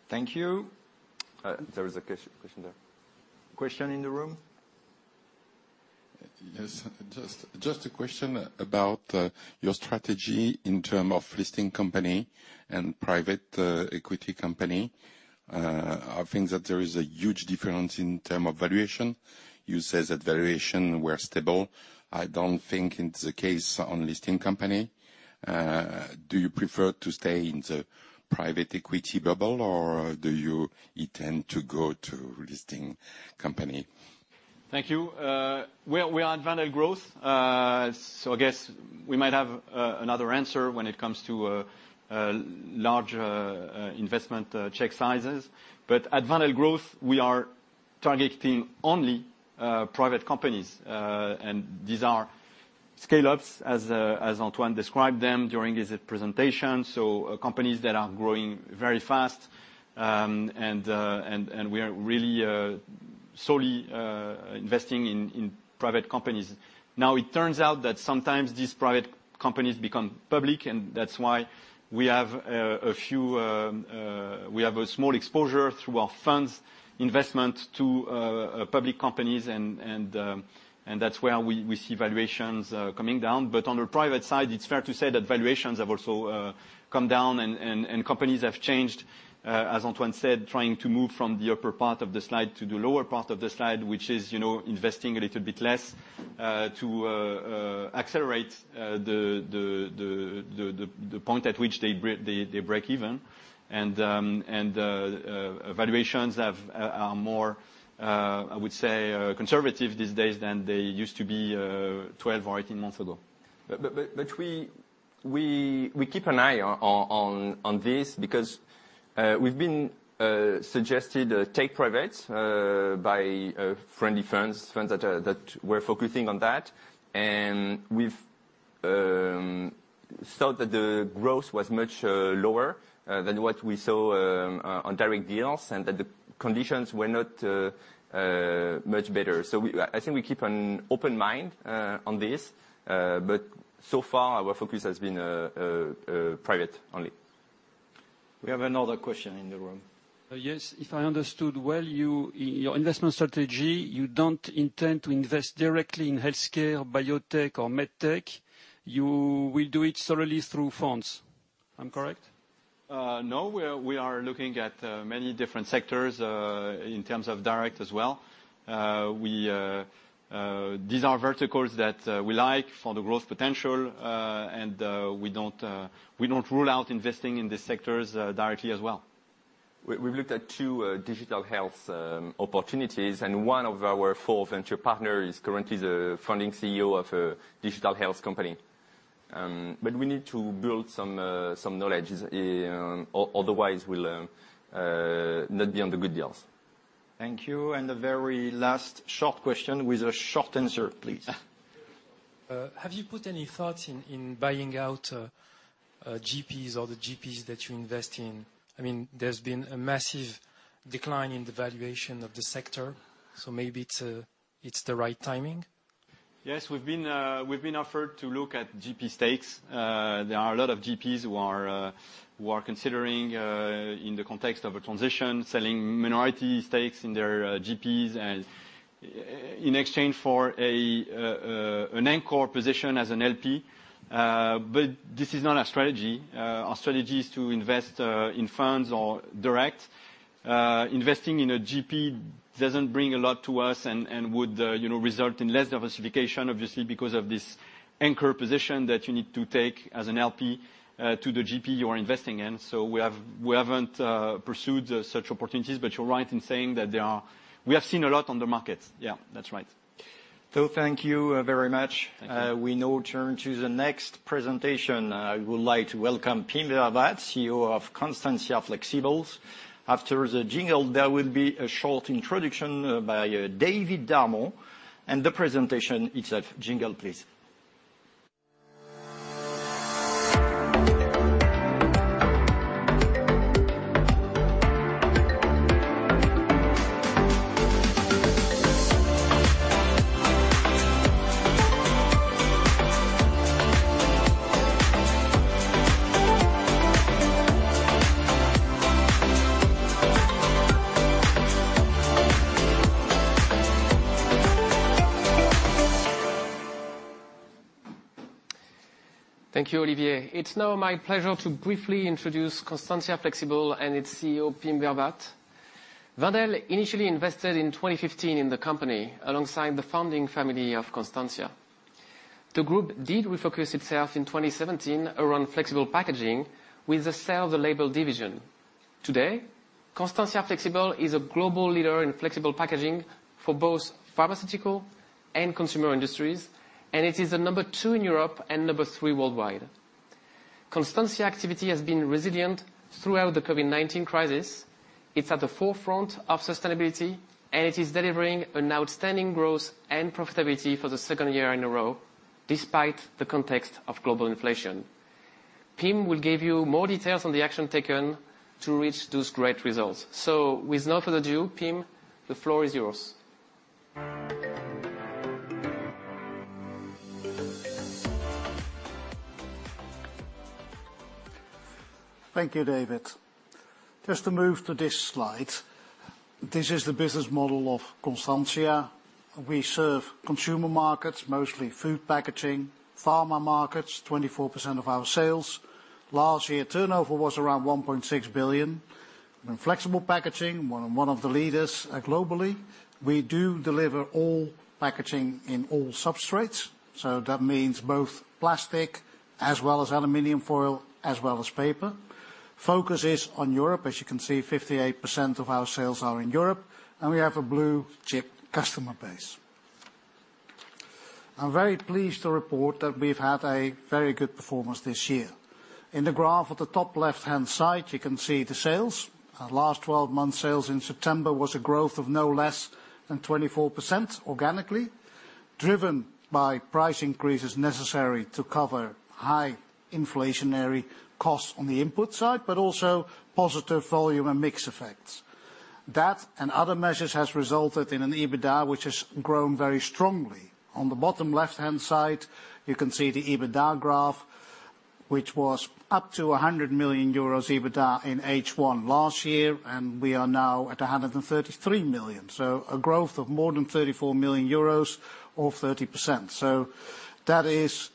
Thank you. There is a question there. Question in the room. Yes. Just a question about your strategy in term of listing company and private equity company. I think that there is a huge difference in term of valuation. You said that valuation were stable. I don't think it's the case on listing company. Do you prefer to stay in the private equity bubble, or do you intend to go to listing company? Thank you. We are Wendel Growth, I guess we might have another answer when it comes to larger investment check sizes. Wendel Growth, we are targeting only private companies, and these are scale-ups as Antoine described them during his presentation, so companies that are growing very fast. And we are really solely investing in private companies. Now, it turns out that sometimes these private companies become public, and that's why we have a few, we have a small exposure through our funds investment to public companies and that's where we see valuations coming down. On the private side, it's fair to say that valuations have also come down and companies have changed, as Antoine said, trying to move from the upper part of the slide to the lower part of the slide, which is, you know, investing a little bit less to accelerate the point at which they break even. Valuations are more, I would say, conservative these days than they used to be, 12 or 18 months ago. We keep an eye on this because we've been suggested take privates by friendly firms that were focusing on that. We've thought that the growth was much lower than what we saw on direct deals, and that the conditions were not much better. I think we keep an open mind on this. So far our focus has been private only. We have another question in the room. Yes. If I understood well, you, your investment strategy, you don't intend to invest directly in healthcare, biotech or med tech. You will do it solely through funds. I'm correct? No, we are looking at many different sectors in terms of direct as well. These are verticals that we like for the growth potential, and we don't rule out investing in these sectors directly as well. We've looked at 2 digital health opportunities. One of our 4 venture partner is currently the founding CEO of a digital health company. We need to build some knowledge, otherwise we'll not be on the good deals. Thank you. The very last short question with a short answer, please. Have you put any thoughts in buying out GPs or the GPs that you invest in? I mean, there's been a massive decline in the valuation of the sector. Maybe it's the right timing. Yes, we've been offered to look at GP stakes. There are a lot of GPs who are considering in the context of a transition, selling minority stakes in their GPs and in exchange for an anchor position as an LP. This is not our strategy. Our strategy is to invest in firms or direct. Investing in a GP doesn't bring a lot to us and would, you know, result in less diversification, obviously, because of this anchor position that you need to take as an LP to the GP you are investing in. We haven't pursued such opportunities. You're right in saying that there are. We have seen a lot on the market. Yeah, that's right. Thank you, very much. Thank you. We now turn to the next presentation. We would like to welcome Pim Vervaat, CEO of Constantia Flexibles. After the jingle, there will be a short introduction by David Darmon, and the presentation itself. Jingle, please. Thank you, Olivier. It's now my pleasure to briefly introduce Constantia Flexibles and its CEO, Pim Vervaat. Wendel initially invested in 2015 in the company alongside the founding family of Constantia. The group did refocus itself in 2017 around flexible packaging with the sale of the label division. Today, Constantia Flexibles is a global leader in flexible packaging for both pharmaceutical and consumer industries, and it is the number two in Europe and number three worldwide. Constantia activity has been resilient throughout the COVID-19 crisis. It's at the forefront of sustainability, and it is delivering an outstanding growth and profitability for the second year in a row despite the context of global inflation. Pim will give you more details on the action taken to reach those great results. With no further ado, Pim, the floor is yours. Thank you, David. Just to move to this slide, this is the business model of Constantia. We serve consumer markets, mostly food packaging, pharma markets, 24% of our sales. Last year, turnover was around 1.6 billion. In flexible packaging, one of the leaders globally, we do deliver all packaging in all substrates. That means both plastic as well as aluminum foil as well as paper. Focus is on Europe. As you can see, 58% of our sales are in Europe, and we have a blue-chip customer base. I'm very pleased to report that we've had a very good performance this year. In the graph at the top left-hand side, you can see the sales. Last 12 months sales in September was a growth of no less than 24% organically, driven by price increases necessary to cover high inflationary costs on the input side. Also positive volume and mix effects. That and other measures has resulted in an EBITDA which has grown very strongly. On the bottom left-hand side, you can see the EBITDA graph, which was up to 100 million euros EBITDA in H1 last year, and we are now at 133 million. A growth of more than 34 million euros or 30%. That is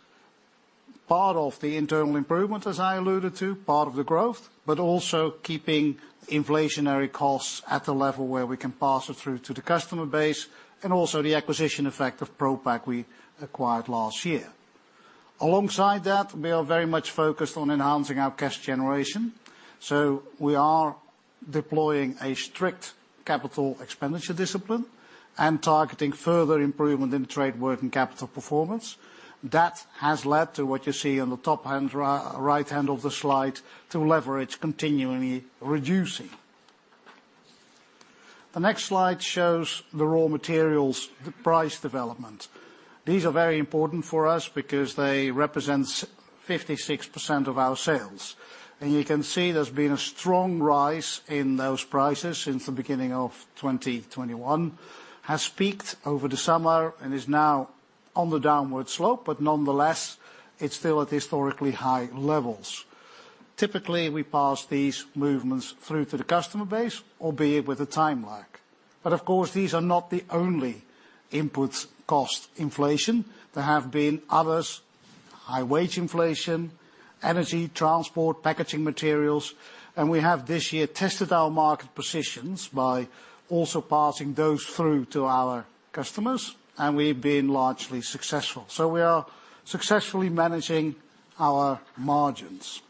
part of the internal improvement, as I alluded to, part of the growth, but also keeping inflationary costs at the level where we can pass it through to the customer base, and also the acquisition effect of Propak we acquired last year. We are very much focused on enhancing our cash generation. We are deploying a strict CapEx discipline and targeting further improvement in trade working capital performance. That has led to what you see on the top hand right hand of the slide to leverage continually reducing. The next slide shows the raw materials, the price development. These are very important for us because they represent 56% of our sales. You can see there's been a strong rise in those prices since the beginning of 2021, has peaked over the summer and is now on the downward slope. Nonetheless, it's still at historically high levels. Typically, we pass these movements through to the customer base, albeit with a time lag. Of course, these are not the only input cost inflation. There have been others, high wage inflation, energy, transport, packaging materials, and we have this year tested our market positions by also passing those through to our customers, and we've been largely successful. We are successfully managing our margins.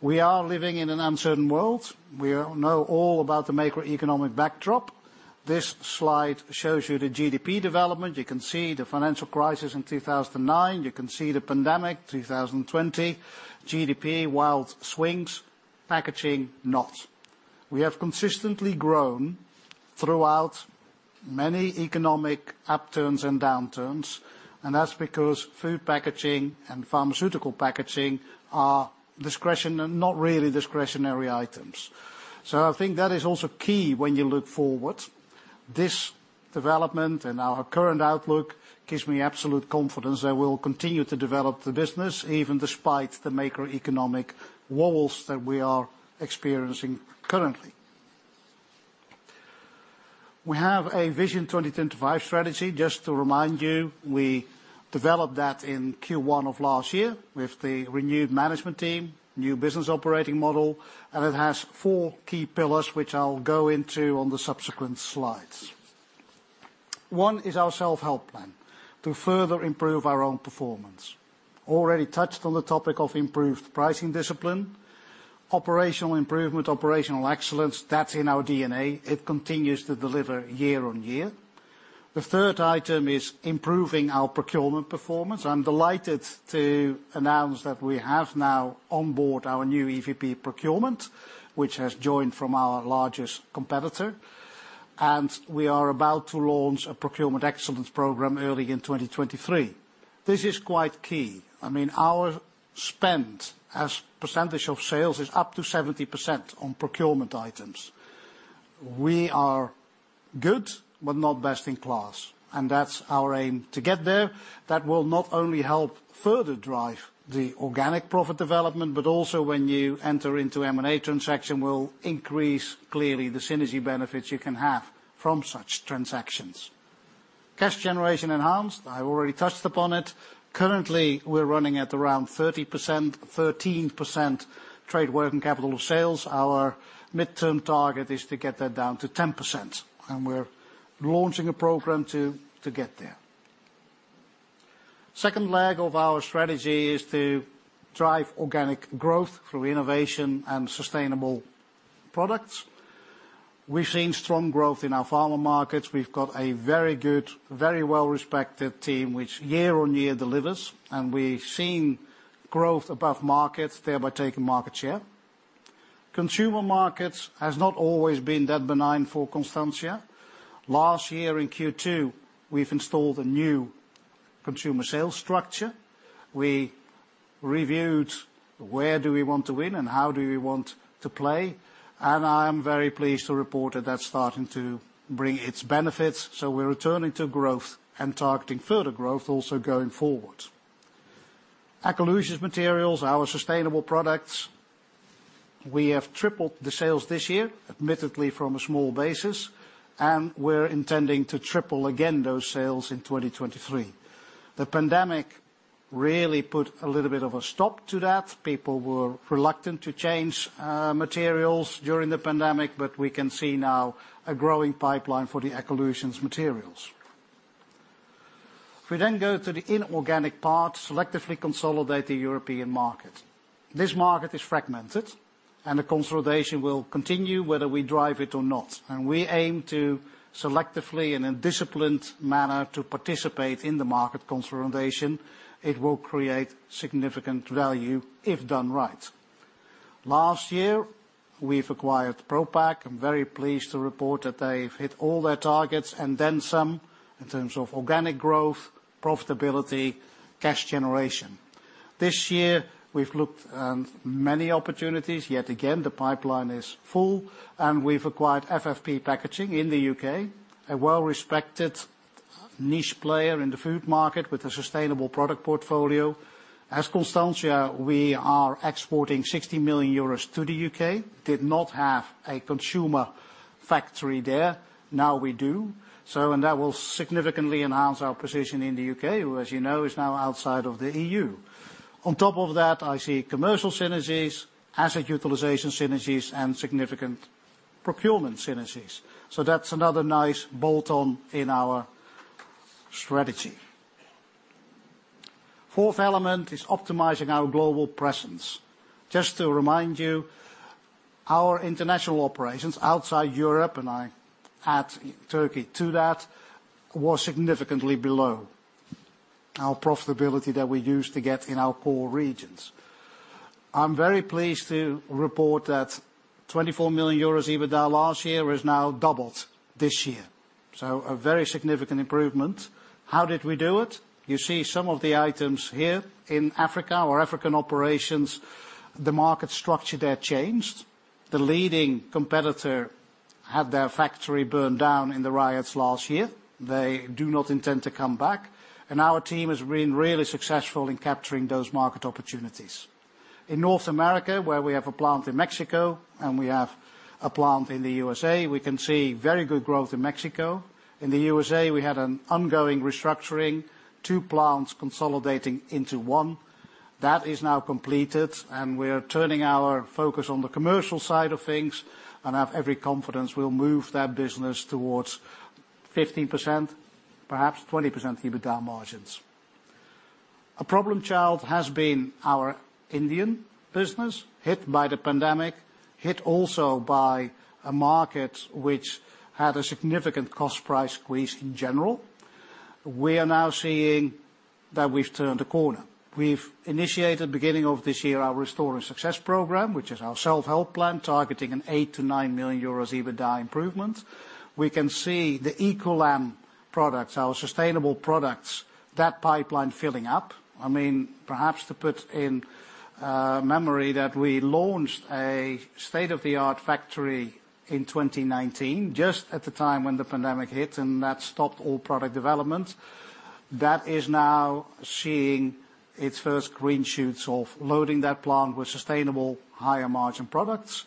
We are living in an uncertain world. We know all about the macroeconomic backdrop. This slide shows you the GDP development. You can see the financial crisis in 2009. You can see the pandemic, 2020. GDP, wild swings, packaging, not. We have consistently grown throughout many economic upturns and downturns, and that's because food packaging and pharmaceutical packaging are not really discretionary items. I think that is also key when you look forward. This development and our current outlook gives me absolute confidence that we'll continue to develop the business even despite the macroeconomic wobbles that we are experiencing currently. We have a Vision 2025 strategy. Just to remind you, we developed that in Q1 of last year with the renewed management team, new business operating model, it has four key pillars, which I'll go into on the subsequent slides. One is our self-help plan to further improve our own performance. Already touched on the topic of improved pricing discipline. Operational improvement, operational excellence, that's in our DNA. It continues to deliver year on year. The third item is improving our procurement performance. I'm delighted to announce that we have now on board our new EVP procurement, which has joined from our largest competitor, we are about to launch a procurement excellence program early in 2023. This is quite key. I mean, our spend as percentage of sales is up to 70% on procurement items. We are good, but not best in class. That's our aim to get there. That will not only help further drive the organic profit development, but also when you enter into M&A transaction will increase clearly the synergy benefits you can have from such transactions. Cash generation enhanced, I've already touched upon it. Currently, we're running at around 30%, 13% trade working capital sales. Our midterm target is to get that down to 10%. We're launching a program to get there. Second leg of our strategy is to drive organic growth through innovation and sustainable products. We've seen strong growth in our pharma markets. We've got a very good, very well-respected team which year-on-year delivers. We've seen growth above market, thereby taking market share. Consumer markets has not always been that benign for Constantia. Last year in Q2, we've installed a new consumer sales structure. We reviewed where do we want to win and how do we want to play, and I am very pleased to report that that's starting to bring its benefits. We're returning to growth and targeting further growth also going forward. Ecolutions materials, our sustainable products, we have tripled the sales this year, admittedly from a small basis, and we're intending to triple again those sales in 2023. The pandemic really put a little bit of a stop to that. People were reluctant to change materials during the pandemic, but we can see now a growing pipeline for the Ecolutions materials. We then go to the inorganic part, selectively consolidate the European market. This market is fragmented and the consolidation will continue whether we drive it or not. We aim to selectively in a disciplined manner to participate in the market consolidation. It will create significant value if done right. Last year, we've acquired Propak. I'm very pleased to report that they've hit all their targets and then some in terms of organic growth, profitability, cash generation. This year, we've looked at many opportunities. Yet again, the pipeline is full, and we've acquired FFP Packaging Solutions in the U.K., a well-respected niche player in the food market with a sustainable product portfolio. As Constantia Flexibles, we are exporting 60 million euros to the U.K. Did not have a consumer factory there. Now we do. That will significantly enhance our position in the U.K., who as you know, is now outside of the E.U. On top of that, I see commercial synergies, asset utilization synergies, and significant procurement synergies. That's another nice bolt on in our strategy. Fourth element is optimizing our global presence. Just to remind you, our international operations outside Europe, and I add Turkey to that, was significantly below our profitability that we used to get in our poor regions. I'm very pleased to report that 24 million euros EBITDA last year is now doubled this year. A very significant improvement. How did we do it? You see some of the items here. In Africa, our African operations, the market structure there changed. The leading competitor had their factory burned down in the riots last year. They do not intend to come back. Our team has been really successful in capturing those market opportunities. In North America, where we have a plant in Mexico and we have a plant in the USA, we can see very good growth in Mexico. In the USA, we had an ongoing restructuring, 2 plants consolidating into 1. That is now completed, we're turning our focus on the commercial side of things and have every confidence we'll move that business towards 15%, perhaps 20% EBITDA margins. A problem child has been our Indian business, hit by the pandemic, hit also by a market which had a significant cost price squeeze in general. We are now seeing that we've turned a corner. We've initiated beginning of this year our Restore and Success program, which is our self-help plan targeting an 8-9 million euros EBITDA improvement. We can see the EcoLam products, our sustainable products, that pipeline filling up. I mean, perhaps to put in memory that we launched a state-of-the-art factory in 2019, just at the time when the pandemic hit, that stopped all product development. That is now seeing its first green shoots of loading that plant with sustainable higher margin products.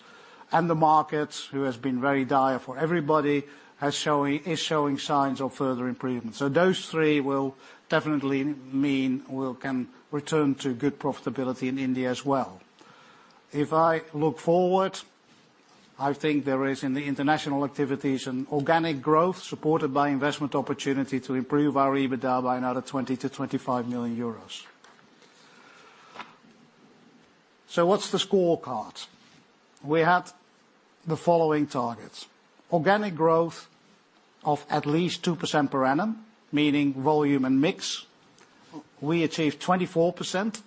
The market, who has been very dire for everybody, is showing signs of further improvement. Those three will definitely mean we can return to good profitability in India as well. If I look forward, I think there is in the international activities an organic growth supported by investment opportunity to improve our EBITDA by another 20 million-25 million euros. What's the scorecard? We had the following targets: organic growth of at least 2% per annum, meaning volume and mix. We achieved 24%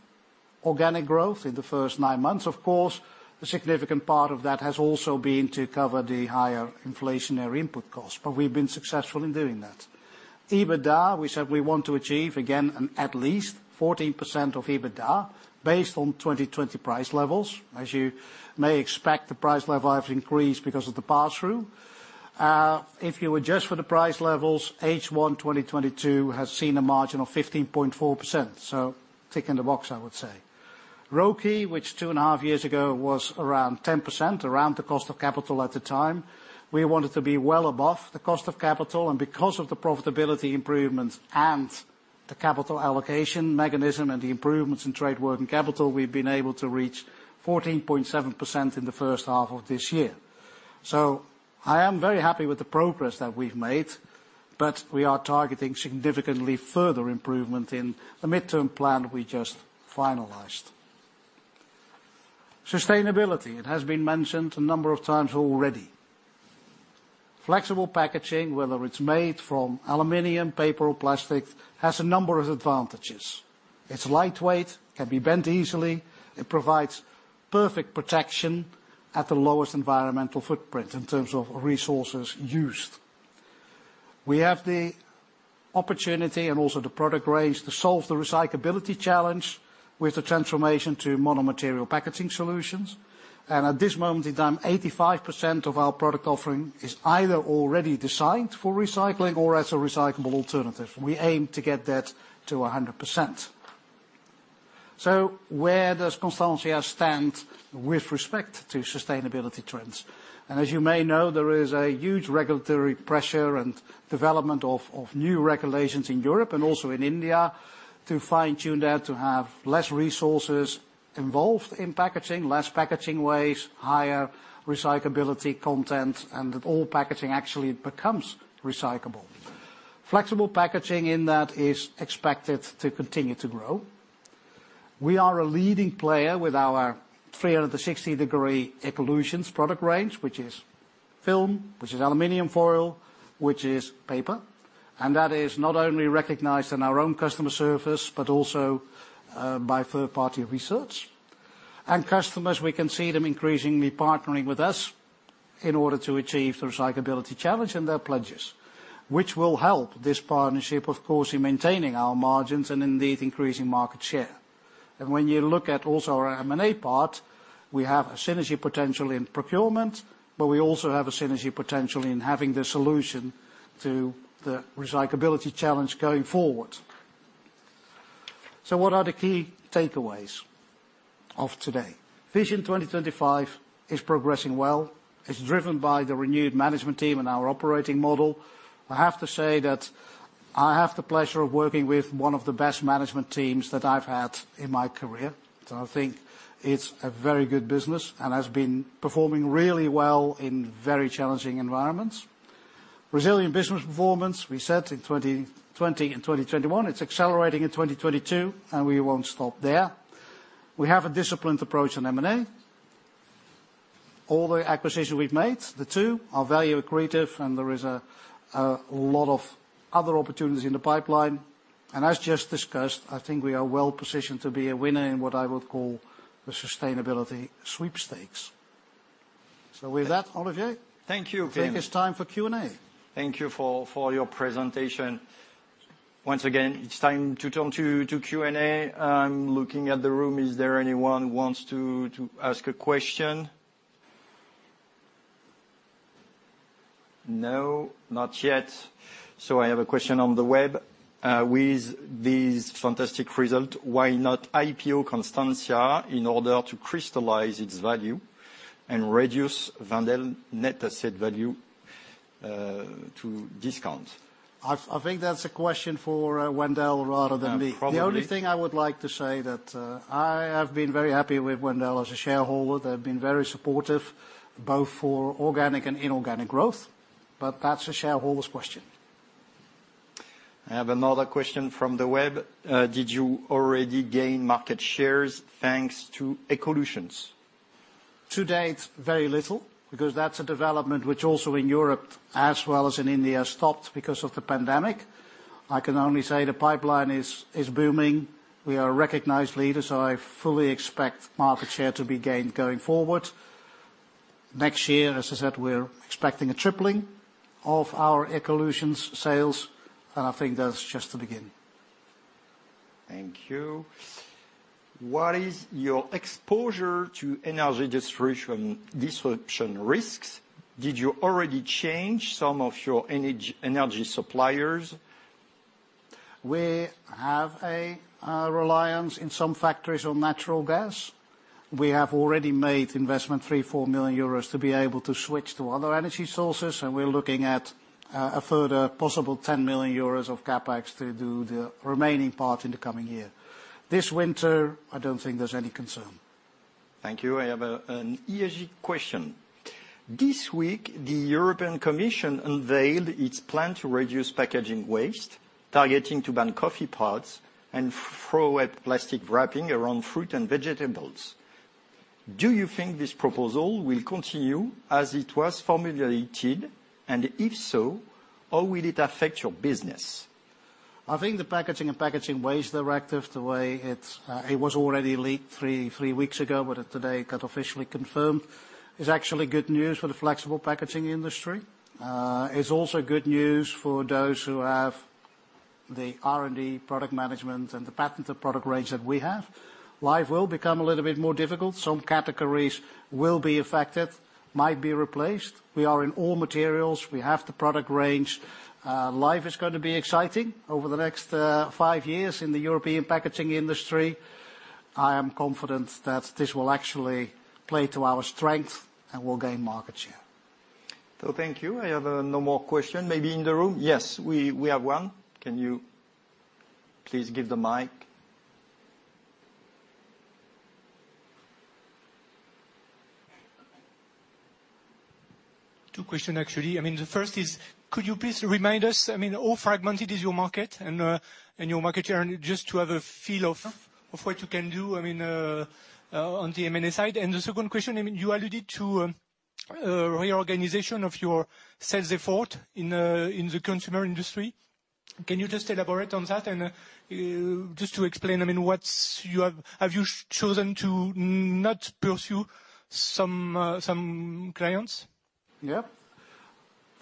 organic growth in the first nine months. Of course, a significant part of that has also been to cover the higher inflationary input costs, but we've been successful in doing that. EBITDA, we said we want to achieve, again, an at least 14% of EBITDA based on 2020 price levels. As you may expect, the price level have increased because of the pass-through. If you adjust for the price levels, H1 2022 has seen a margin of 15.4%, so tick in the box I would say. ROCE, which two and a half years ago was around 10%, around the cost of capital at the time, we wanted to be well above the cost of capital. Because of the profitability improvements and the capital allocation mechanism and the improvements in trade working capital, we've been able to reach 14.7% in the first half of this year. I am very happy with the progress that we've made, but we are targeting significantly further improvement in the midterm plan we just finalized. Sustainability. It has been mentioned a number of times already. Flexible packaging, whether it's made from aluminum, paper or plastic, has a number of advantages. It's lightweight, can be bent easily. It provides perfect protection at the lowest environmental footprint in terms of resources used. We have the opportunity and also the product range to solve the recyclability challenge with the transformation to mono-material packaging solutions. At this moment in time, 85% of our product offering is either already designed for recycling or as a recyclable alternative. We aim to get that to 100%. Where does Constantia stand with respect to sustainability trends? As you may know, there is a huge regulatory pressure and development of new regulations in Europe and also in India to fine-tune that to have less resources involved in packaging, less packaging waste, higher recyclability content, and that all packaging actually becomes recyclable. Flexible packaging in that is expected to continue to grow. We are a leading player with our 360 degree Ecolutions product range. Which is film, which is aluminum foil, which is paper. That is not only recognized in our own customer service, but also by third party research. Customers, we can see them increasingly partnering with us in order to achieve the recyclability challenge in their pledges, which will help this partnership, of course, in maintaining our margins and indeed increasing market share. When you look at also our M&A part, we have a synergy potential in procurement, but we also have a synergy potential in having the solution to the recyclability challenge going forward. What are the key takeaways of today? Vision 2025 is progressing well. It's driven by the renewed management team and our operating model. I have to say that I have the pleasure of working with one of the best management teams that I've had in my career. I think it's a very good business and has been performing really well in very challenging environments. Resilient business performance, we said in 2020 and 2021. It's accelerating in 2022, and we won't stop there. We have a disciplined approach on M&A. All the acquisitions we've made, the two, are value accretive, and there is a lot of other opportunities in the pipeline. As just discussed, I think we are well-positioned to be a winner in what I would call the sustainability sweepstakes. With that, Olivier. Thank you, Vervaat.... I think it's time for Q&A. Thank you for your presentation. Once again, it's time to turn to Q&A. I'm looking at the room. Is there anyone who wants to ask a question? No, not yet. I have a question on the web. With these fantastic result, why not IPO Constantia in order to crystallize its value and reduce Wendel net asset value to discount? I think that's a question for Wendel rather than me. Yeah, probably. The only thing I would like to say that, I have been very happy with Wendel as a shareholder. They've been very supportive both for organic and inorganic growth. That's a shareholder's question. I have another question from the web. Did you already gain market shares thanks to Ecolutions? To date, very little, because that's a development which also in Europe as well as in India stopped because of the pandemic. I can only say the pipeline is booming. I fully expect market share to be gained going forward. Next year, as I said, we're expecting a tripling of our Ecolutions sales. I think that's just the beginning. Thank you. What is your exposure to energy distribution disruption risks? Did you already change some of your energy suppliers? We have a reliance in some factories on natural gas. We have already made investment, 3 million-4 million euros, to be able to switch to other energy sources, and we're looking at a further possible 10 million euros of CapEx to do the remaining part in the coming year. This winter, I don't think there's any concern. Thank you. I have an ESG question. This week, the European Commission unveiled its plan to reduce packaging waste, targeting to ban coffee pods and throw away plastic wrapping around fruit and vegetables. Do you think this proposal will continue as it was formulated? If so, how will it affect your business? I think the Packaging and Packaging Waste Directive, the way it's, it was already leaked three weeks ago, but today it got officially confirmed, is actually good news for the flexible packaging industry. It's also good news for those who have the R&D product management and the patented product range that we have. Life will become a little bit more difficult. Some categories will be affected, might be replaced. We are in all materials. We have the product range. Life is gonna be exciting over the next five years in the European packaging industry. I am confident that this will actually play to our strength and we'll gain market share. Thank you. I have no more question. Maybe in the room. Yes, we have one. Can you please give the mic? Two question, actually. I mean, the first is could you please remind us, I mean, how fragmented is your market and your market share? Just to have a feel of what you can do, I mean, on the M&A side. The second question, I mean, you alluded to a reorganization of your sales effort in the consumer industry. Can you just elaborate on that? Just to explain, I mean, have you chosen to not pursue some clients?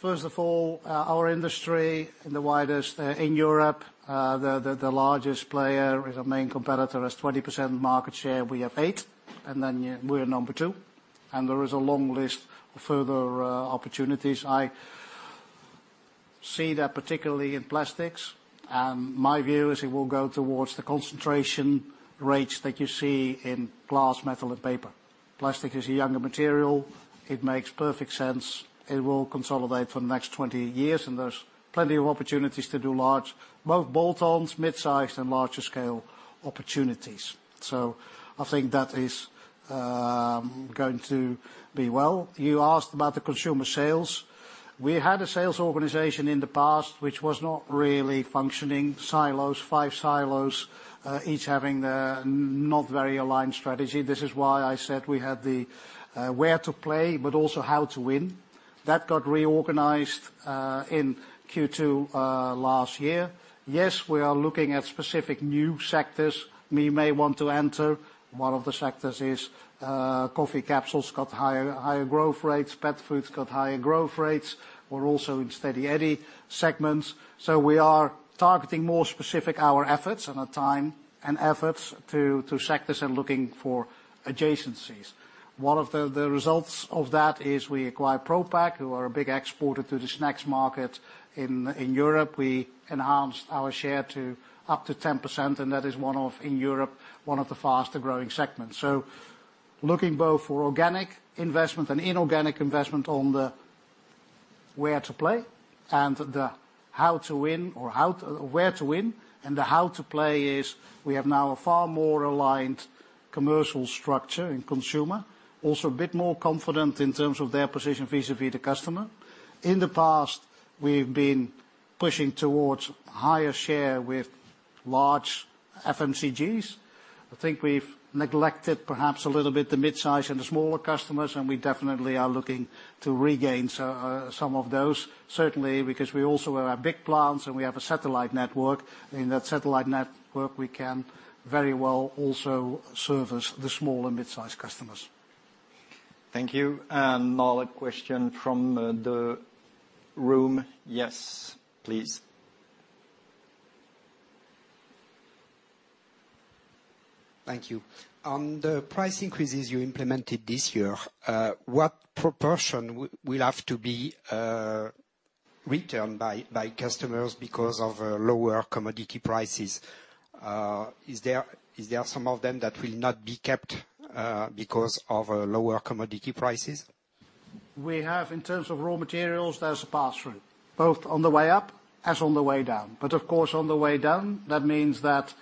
First of all, our industry in the widest, in Europe, the largest player is our main competitor, has 20% market share. We have 8, and then we're number two. There is a long list of further opportunities. I see that particularly in plastics. My view is it will go towards the concentration rates that you see in glass, metal and paper. Plastic is a younger material. It makes perfect sense. It will consolidate for the next 20 years, and there's plenty of opportunities to do large, both bolt-ons, mid-sized and larger scale opportunities. I think that is going to be well. You asked about the consumer sales. We had a sales organization in the past which was not really functioning. Silos, five silos, each having a not very aligned strategy. This is why I said we had the where to play but also how to win. That got reorganized in Q2 last year. We are looking at specific new sectors we may want to enter. One of the sectors is coffee capsules, got higher growth rates. Pet foods got higher growth rates. We're also in Steady Eddie segments. We are targeting more specific our efforts and our time and efforts to sectors and looking for adjacencies. One of the results of that is we acquired Propak, who are a big exporter to the snacks market in Europe. We enhanced our share to up to 10%, and that is one of, in Europe, one of the faster growing segments. Looking both for organic investment and inorganic investment on the where to play and the where to win and the how to play is we have now a far more aligned commercial structure in consumer. Also a bit more confident in terms of their position vis-à-vis the customer. In the past, we've been pushing towards higher share with large FMCGs. I think we've neglected perhaps a little bit the mid-size and the smaller customers, and we definitely are looking to regain some of those certainly because we also have big plants and we have a satellite network. In that satellite network, we can very well also service the small and mid-sized customers. Thank you. Now a question from the room. Yes, please. Thank you. On the price increases you implemented this year, what proportion will have to be returned by customers because of lower commodity prices? Is there some of them that will not be kept because of lower commodity prices? We have in terms of raw materials, there's a pass-through, both on the way up as on the way down. Of course, on the way down, that means that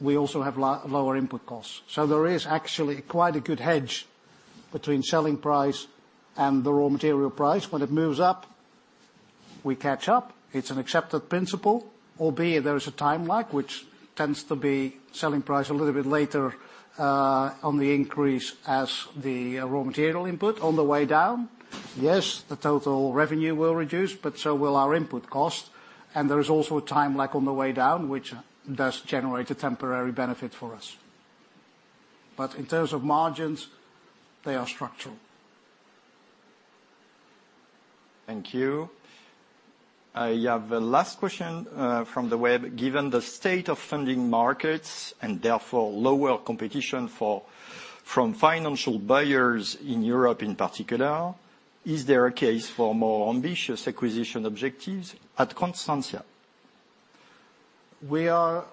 we also have lower input costs. There is actually quite a good hedge between selling price and the raw material price. When it moves up, we catch up. It's an accepted principle, albeit there is a time lag which tends to be selling price a little bit later on the increase as the raw material input. On the way down, yes, the total revenue will reduce, but so will our input cost. There is also a time lag on the way down, which does generate a temporary benefit for us. In terms of margins, they are structural. Thank you. I have a last question from the web. Given the state of funding markets and therefore lower competition from financial buyers in Europe in particular, is there a case for more ambitious acquisition objectives at Constantia? We are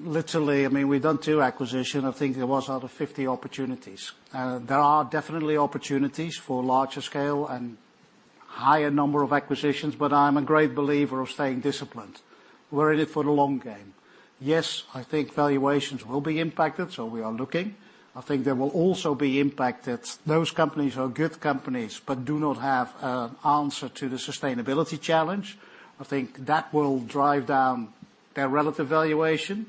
literally, I mean, we've done two acquisition. I think it was out of 50 opportunities. There are definitely opportunities for larger scale and higher number of acquisitions, but I'm a great believer of staying disciplined. We're in it for the long game. I think valuations will be impacted, we are looking. I think there will also be impact that those companies are good companies, but do not have an answer to the sustainability challenge. I think that will drive down their relative valuation.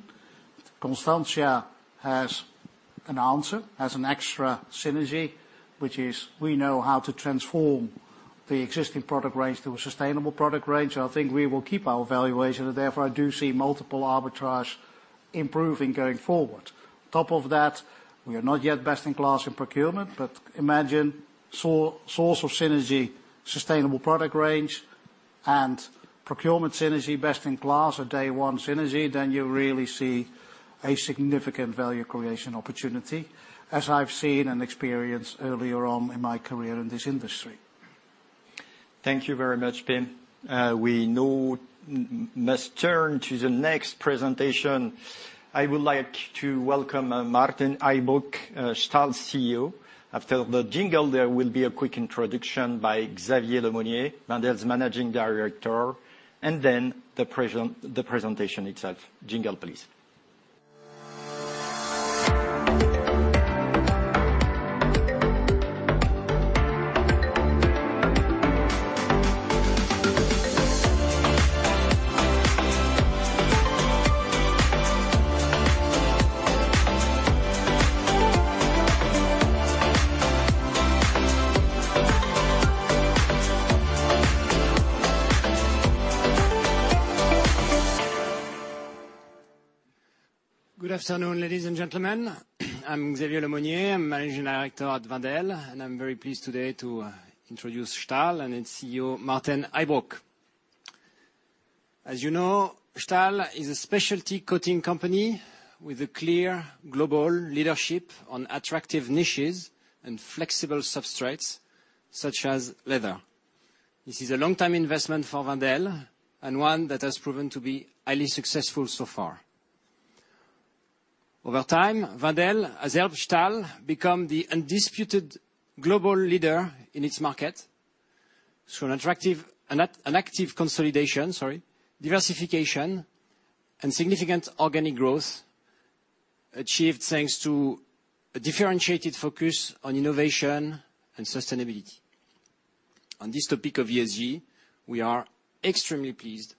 Constantia has an answer, has an extra synergy, which is we know how to transform the existing product range to a sustainable product range, I think we will keep our valuation, and therefore I do see multiple arbitrage improving going forward. Top of that, we are not yet best in class in procurement. Imagine source of synergy, sustainable product range, and procurement synergy best in class or day one synergy, then you really see a significant value creation opportunity, as I've seen and experienced earlier on in my career in this industry. Thank you very much, Pim. We now must turn to the next presentation. I would like to welcome Maarten Heijbroek, Stahl CEO. After the jingle, there will be a quick introduction by Xavier Lemonnier, Wendel's Managing Director, and then the presentation itself. Jingle, please. Good afternoon, ladies and gentlemen. I'm Xavier Lemonnier. I'm Managing Director at Wendel, and I'm very pleased today to introduce Stahl and its CEO, Maarten Heijbroek. As you know, Stahl is a specialty coating company with a clear global leadership on attractive niches and flexible substrates, such as leather. This is a long-time investment for Wendel and one that has proven to be highly successful so far. Over time, Wendel has helped Stahl become the undisputed global leader in its market through an attractive... an active consolidation, sorry, diversification, and significant organic growth achieved thanks to a differentiated focus on innovation and sustainability. On this topic of ESG, we are extremely pleased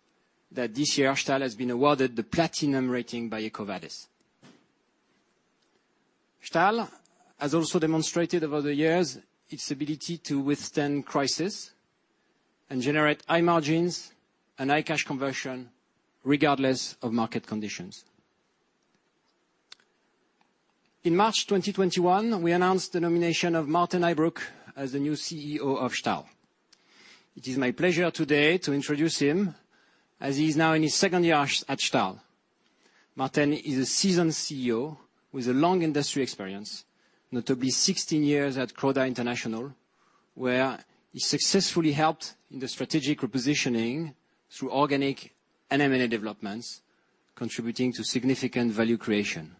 that this year Stahl has been awarded the platinum rating by EcoVadis. Stahl has also demonstrated over the years its ability to withstand crisis and generate high margins and high cash conversion regardless of market conditions. In March 2021, we announced the nomination of Maarten Heijbroek as the new CEO of Stahl. It is my pleasure today to introduce him as he is now in his second year at Stahl. Maarten is a seasoned CEO with a long industry experience, not to be 16 years at Croda International, where he successfully helped in the strategic repositioning through organic and M&A developments, contributing to significant value creation.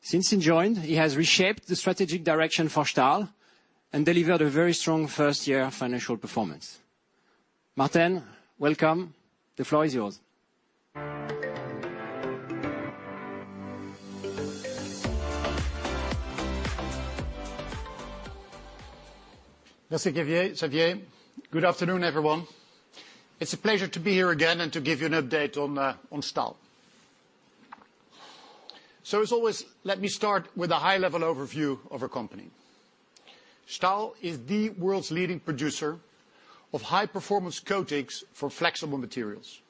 Since he joined, he has reshaped the strategic direction for Stahl and delivered a very strong first-year financial performance. Maarten, welcome. The floor is yours. Xavier. Good afternoon, everyone. It's a pleasure to be here again and to give you an update on Stahl. As always, let me start with a high-level overview of our company. Stahl is the world's leading producer of high-performance coatings for flexible materials.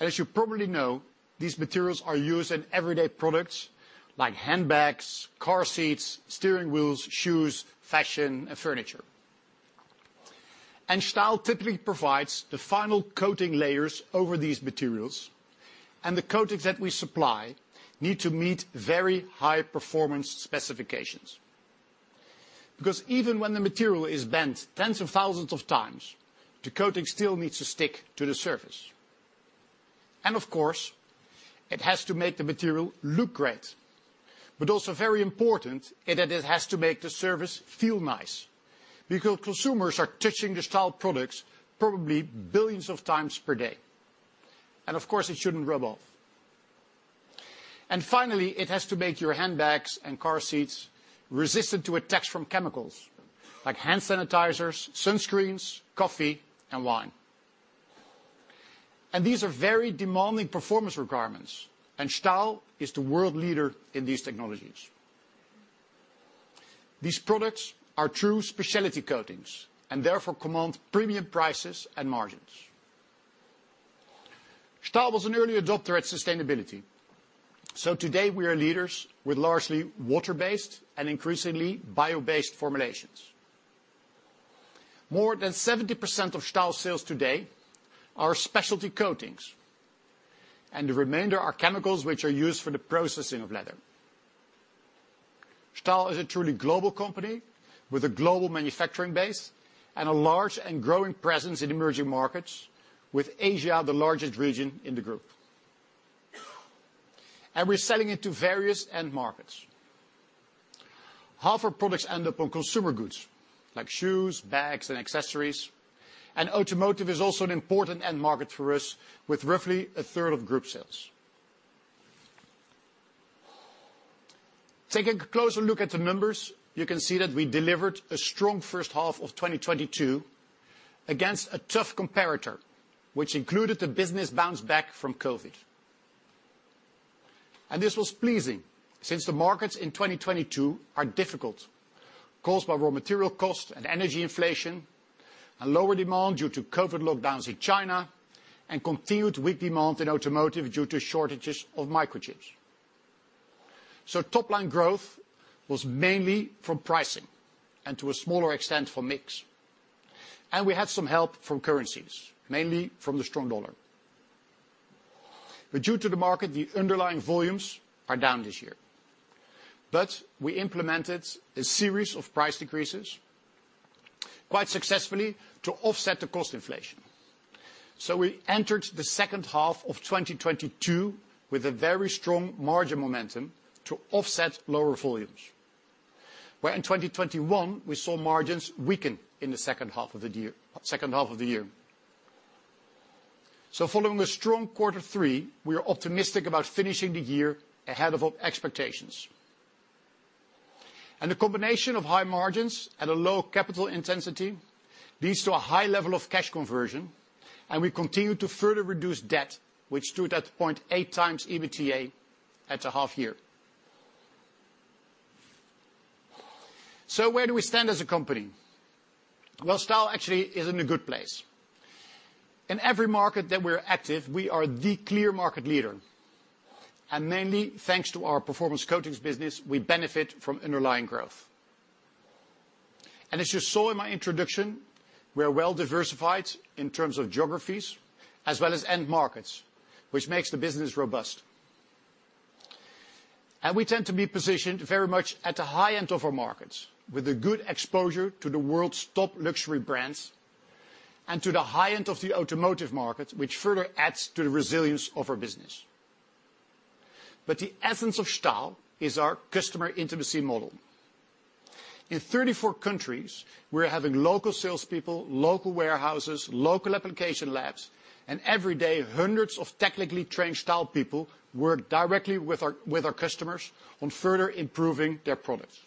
As you probably know, these materials are used in everyday products like handbags, car seats, steering wheels, shoes, fashion, and furniture. Stahl typically provides the final coating layers over these materials, and the coatings that we supply need to meet very high performance specifications. Because even when the material is bent tens of thousands of times, the coating still needs to stick to the surface. Of course, it has to make the material look great, but also very important is that it has to make the surface feel nice because consumers are touching the Stahl products probably billions of times per day. of course, it shouldn't rub off. finally, it has to make your handbags and car seats resistant to attacks from chemicals like hand sanitizers, sunscreens, coffee, and wine. these are very demanding performance requirements, and Stahl is the world leader in these technologies. These products are true specialty coatings and therefore command premium prices and margins. Stahl was an early adopter at sustainability, so today we are leaders with largely water-based and increasingly bio-based formulations. More than 70% of Stahl sales today are specialty coatings, and the remainder are chemicals which are used for the processing of leather. Stahl is a truly global company with a global manufacturing base and a large and growing presence in emerging markets, with Asia the largest region in the group. we're selling into various end markets. Half our products end up on consumer goods, like shoes, bags, and accessories. Automotive is also an important end market for us with roughly a third of group sales. Taking a closer look at the numbers, you can see that we delivered a strong first half of 2022 against a tough comparator, which included the business bounce back from COVID. This was pleasing since the markets in 2022 are difficult, caused by raw material cost and energy inflation, and lower demand due to COVID lockdowns in China, and continued weak demand in automotive due to shortages of microchips. Top line growth was mainly from pricing and to a smaller extent for mix. We had some help from currencies, mainly from the strong dollar. Due to the market, the underlying volumes are down this year. We implemented a series of price decreases quite successfully to offset the cost inflation. We entered the second half of 2022 with a very strong margin momentum to offset lower volumes. Where in 2021, we saw margins weaken in the second half of the year. Following a strong Q3, we are optimistic about finishing the year ahead of our expectations. The combination of high margins and a low capital intensity leads to a high level of cash conversion, and we continue to further reduce debt, which stood at 0.8x EBITDA at the half year. Where do we stand as a company? Well, Stahl actually is in a good place. In every market that we're active, we are the clear market leader. Mainly thanks to our performance coatings business, we benefit from underlying growth. As you saw in my introduction, we're well diversified in terms of geographies as well as end markets, which makes the business robust. We tend to be positioned very much at the high end of our markets with a good exposure to the world's top luxury brands and to the high end of the automotive market, which further adds to the resilience of our business. The essence of Stahl is our customer intimacy model. In 34 countries, we're having local salespeople, local warehouses, local application labs, and every day, hundreds of technically trained Stahl people work directly with our customers on further improving their products.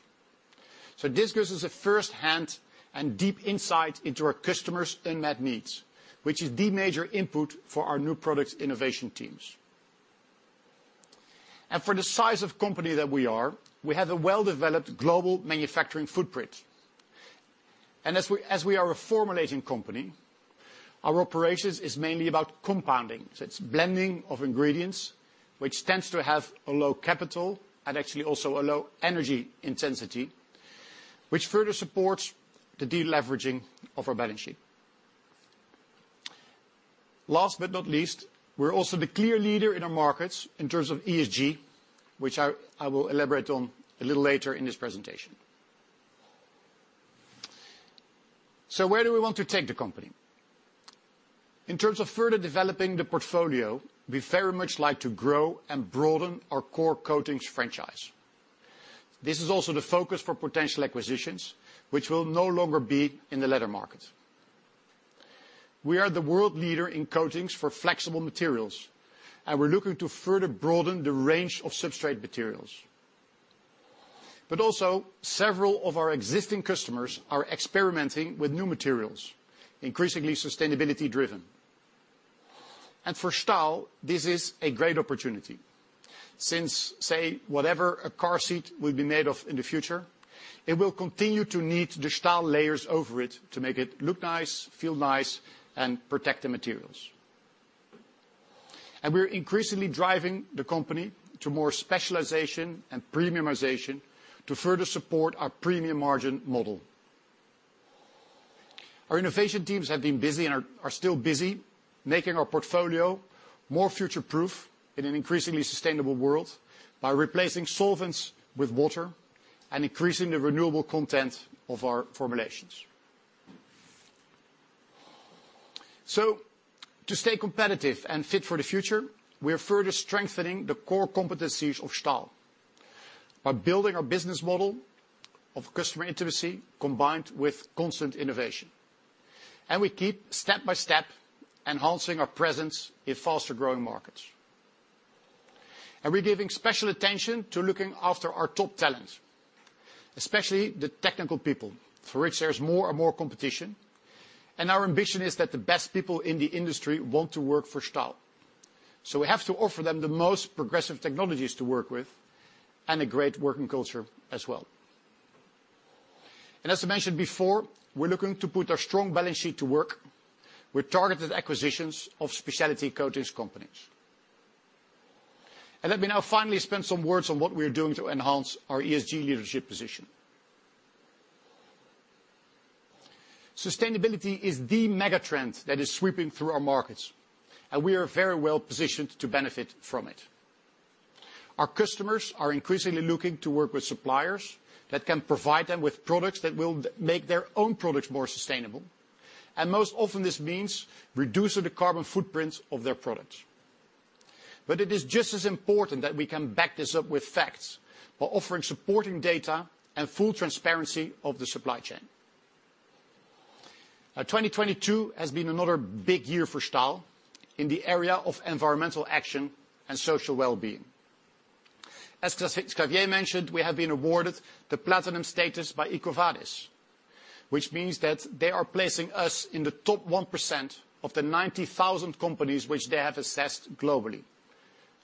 This gives us a firsthand and deep insight into our customers' unmet needs, which is the major input for our new product innovation teams. For the size of company that we are, we have a well-developed global manufacturing footprint. As we are a formulating company, our operations is mainly about compounding. It's blending of ingredients, which tends to have a low capital and actually also a low energy intensity, which further supports the deleveraging of our balance sheet. Last but not least, we're also the clear leader in our markets in terms of ESG, which I will elaborate on a little later in this presentation. Where do we want to take the company? In terms of further developing the portfolio, we very much like to grow and broaden our core coatings franchise. This is also the focus for potential acquisitions, which will no longer be in the leather market. We are the world leader in coatings for flexible materials, and we're looking to further broaden the range of substrate materials. Also several of our existing customers are experimenting with new materials, increasingly sustainability driven. For Stahl, this is a great opportunity. Since, say, whatever a car seat will be made of in the future, it will continue to need the Stahl layers over it to make it look nice, feel nice, and protect the materials. We're increasingly driving the company to more specialization and premiumization to further support our premium margin model. Our innovation teams have been busy and are still busy making our portfolio more future-proof in an increasingly sustainable world by replacing solvents with water and increasing the renewable content of our formulations. To stay competitive and fit for the future, we are further strengthening the core competencies of Stahl by building our business model of customer intimacy combined with constant innovation. We keep step-by-step enhancing our presence in faster-growing markets. We're giving special attention to looking after our top talent, especially the technical people, for which there's more and more competition. Our ambition is that the best people in the industry want to work for Stahl. We have to offer them the most progressive technologies to work with and a great working culture as well. As I mentioned before, we're looking to put our strong balance sheet to work with targeted acquisitions of specialty coatings companies. Let me now finally spend some words on what we're doing to enhance our ESG leadership position. Sustainability is the mega trend that is sweeping through our markets, and we are very well-positioned to benefit from it. Our customers are increasingly looking to work with suppliers that can provide them with products that will make their own products more sustainable, and most often this means reducing the carbon footprint of their products. It is just as important that we can back this up with facts by offering supporting data and full transparency of the supply chain. 2022 has been another big year for Stahl in the area of environmental action and social wellbeing. As Xavier mentioned, we have been awarded the platinum status by EcoVadis, which means that they are placing us in the top 1% of the 90,000 companies which they have assessed globally.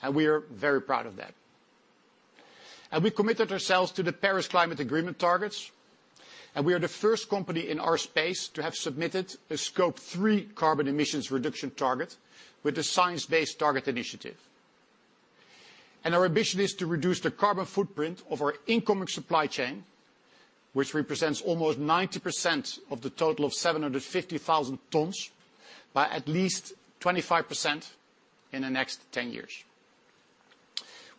We are very proud of that. We committed ourselves to the Paris Agreement targets, and we are the first company in our space to have submitted a Scope 3 carbon emissions reduction target with the Science Based Targets initiative. Our ambition is to reduce the carbon footprint of our incoming supply chain, which represents almost 90% of the total of 750,000 tons, by at least 25% in the next 10 years.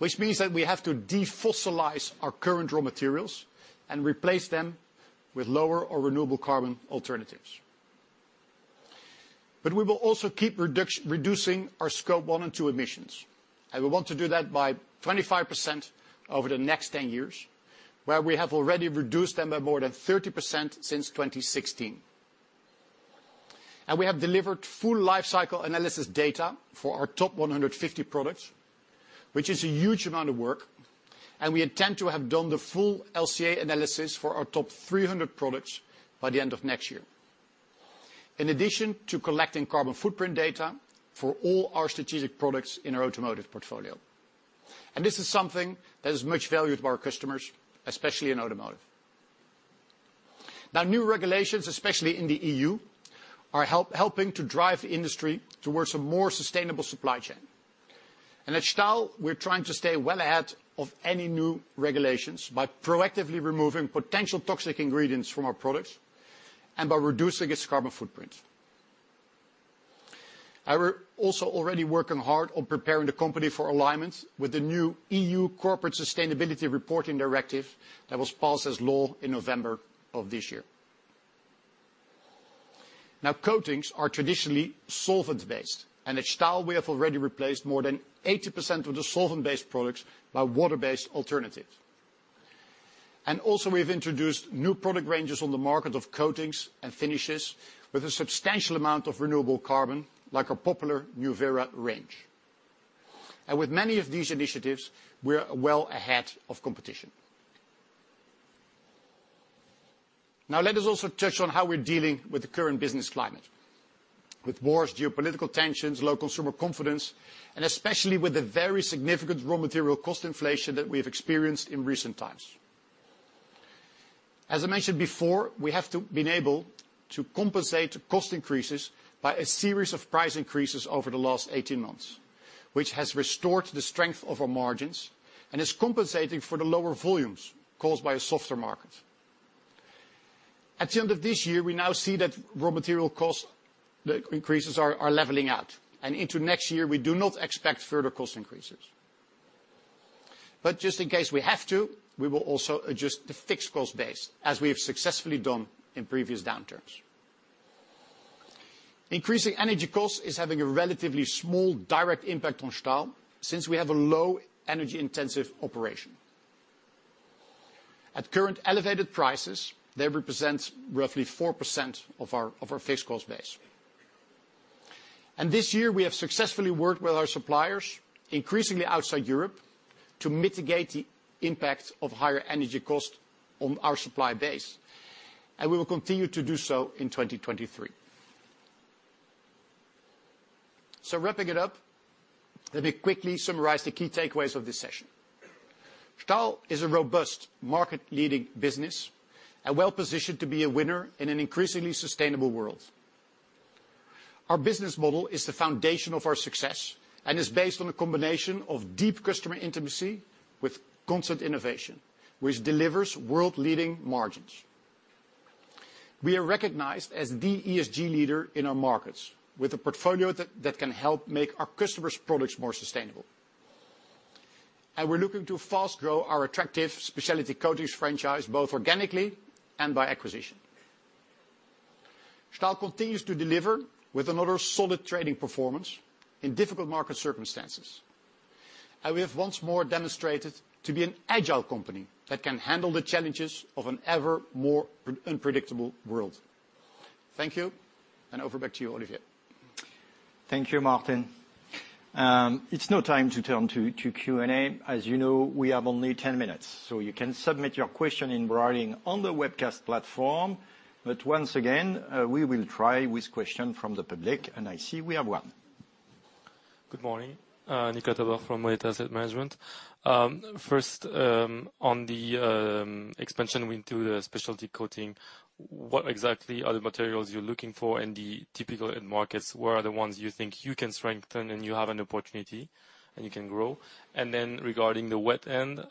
Which means that we have to defossilize our current raw materials and replace them with lower or renewable carbon alternatives. We will also keep reducing our Scope 1 and 2 emissions, and we want to do that by 25% over the next 10 years, where we have already reduced them by more than 30% since 2016. We have delivered full lifecycle analysis data for our top 150 products, which is a huge amount of work, and we intend to have done the full LCA analysis for our top 300 products by the end of next year, in addition to collecting carbon footprint data for all our strategic products in our automotive portfolio. This is something that is much valued by our customers, especially in automotive. New regulations, especially in the EU, are helping to drive the industry towards a more sustainable supply chain. At Stahl, we're trying to stay well ahead of any new regulations by proactively removing potential toxic ingredients from our products and by reducing its carbon footprint. We're also already working hard on preparing the company for alignment with the new EU Corporate Sustainability Reporting Directive that was passed as law in November of this year. Now, coatings are traditionally solvent-based, and at Stahl we have already replaced more than 80% of the solvent-based products by water-based alternatives. Also, we've introduced new product ranges on the market of coatings and finishes with a substantial amount of renewable carbon, like our popular Nuvera range. With many of these initiatives, we are well ahead of competition. Now, let us also touch on how we're dealing with the current business climate, with wars, geopolitical tensions, low consumer confidence, and especially with the very significant raw material cost inflation that we have experienced in recent times. As I mentioned before, we have been able to compensate the cost increases by a series of price increases over the last 18 months, which has restored the strength of our margins and is compensating for the lower volumes caused by a softer market. At the end of this year, we now see that raw material cost, the increases are leveling out, and into next year we do not expect further cost increases. Just in case we have to, we will also adjust the fixed cost base as we have successfully done in previous downturns. Increasing energy costs is having a relatively small direct impact on Stahl since we have a low energy-intensive operation. At current elevated prices, they represent roughly 4% of our fixed cost base. This year we have successfully worked with our suppliers, increasingly outside Europe, to mitigate the impact of higher energy costs on our supply base, and we will continue to do so in 2023. Wrapping it up, let me quickly summarize the key takeaways of this session. Stahl is a robust market-leading business and well positioned to be a winner in an increasingly sustainable world. Our business model is the foundation of our success and is based on a combination of deep customer intimacy with constant innovation, which delivers world-leading margins. We are recognized as the ESG leader in our markets, with a portfolio that can help make our customers' products more sustainable. We're looking to fast grow our attractive specialty coatings franchise, both organically and by acquisition. Stahl continues to deliver with another solid trading performance in difficult market circumstances, and we have once more demonstrated to be an agile company that can handle the challenges of an ever more unpredictable world. Thank you, and over back to you, Olivier. Thank you, Maarten. It's no time to turn to Q&A. You know, we have only 10 minutes, so you can submit your question in writing on the webcast platform. Once again, we will try with question from the public. I see we have one. Good morning, Nico Tabor from ODDO BHF Asset Management. first, on the expansion into the specialty coating, what exactly are the materials you're looking for in the typical end markets? Where are the ones you think you can strengthen and you have an opportunity and you can grow? Regarding the wet end,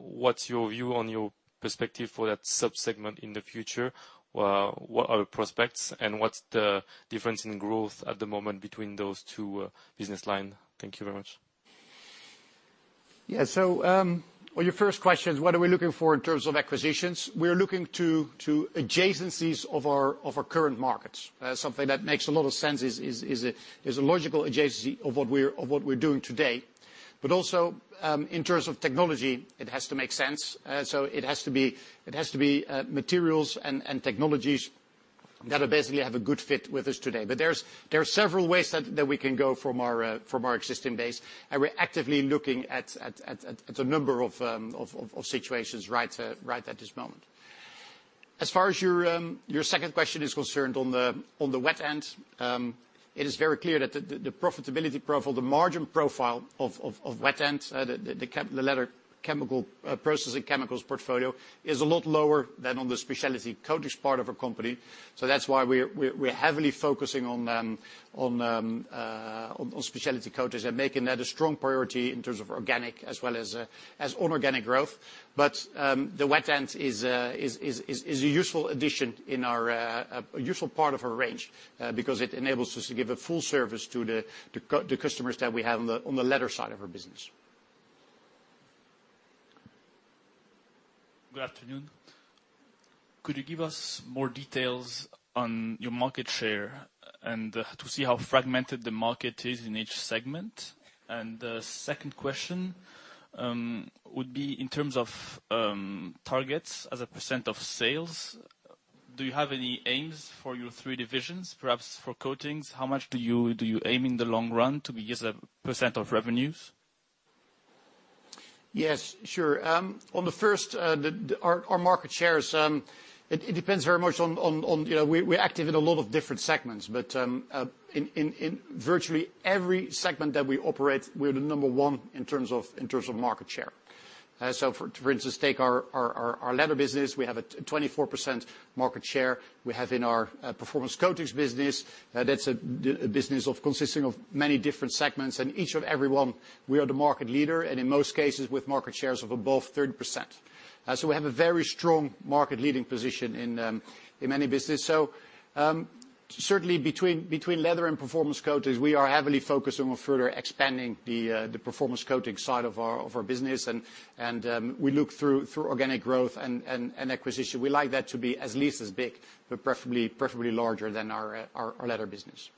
what's your view on your perspective for that sub-segment in the future? What are the prospects and what's the difference in growth at the moment between those two business line? Thank you very much. Yeah. Well, your first question is what are we looking for in terms of acquisitions? We're looking to adjacencies of our current markets. Something that makes a lot of sense is a logical adjacency of what we're doing today. Also, in terms of technology it has to make sense. It has to be materials and technologies that'll basically have a good fit with us today. There are several ways that we can go from our existing base, and we're actively looking at a number of situations right at this moment. As far as your second question is concerned on the wet end, it is very clear that the profitability profile, the margin profile of wet end, the leather chemical processing chemicals portfolio is a lot lower than on the specialty coatings part of our company. That's why we're heavily focusing on specialty coatings and making that a strong priority in terms of organic as well as inorganic growth. The wet end is a useful addition in our a useful part of our range because it enables us to give a full service to the customers that we have on the leather side of our business. Good afternoon. Could you give us more details on your market share and to see how fragmented the market is in each segment? The second question would be in terms of targets as a % of sales, do you have any aims for your 3 divisions, perhaps for coatings? How much do you aim in the long run to be as a % of revenues? Yes, sure. On the first, the, our market shares, it depends very much on, you know, we're active in a lot of different segments. In virtually every segment that we operate, we're the number one in terms of market share. For instance, take our leather business. We have a 24% market share. We have in our performance coatings business, that's a business consisting of many different segments, and each and every one we are the market leader, and in most cases with market shares of above 30%. We have a very strong market-leading position in many business. Certainly between leather and performance coatings, we are heavily focused on further expanding the performance coatings side of our business, and we look through organic growth and acquisition. We like that to be as least as big, but preferably larger than our leather business.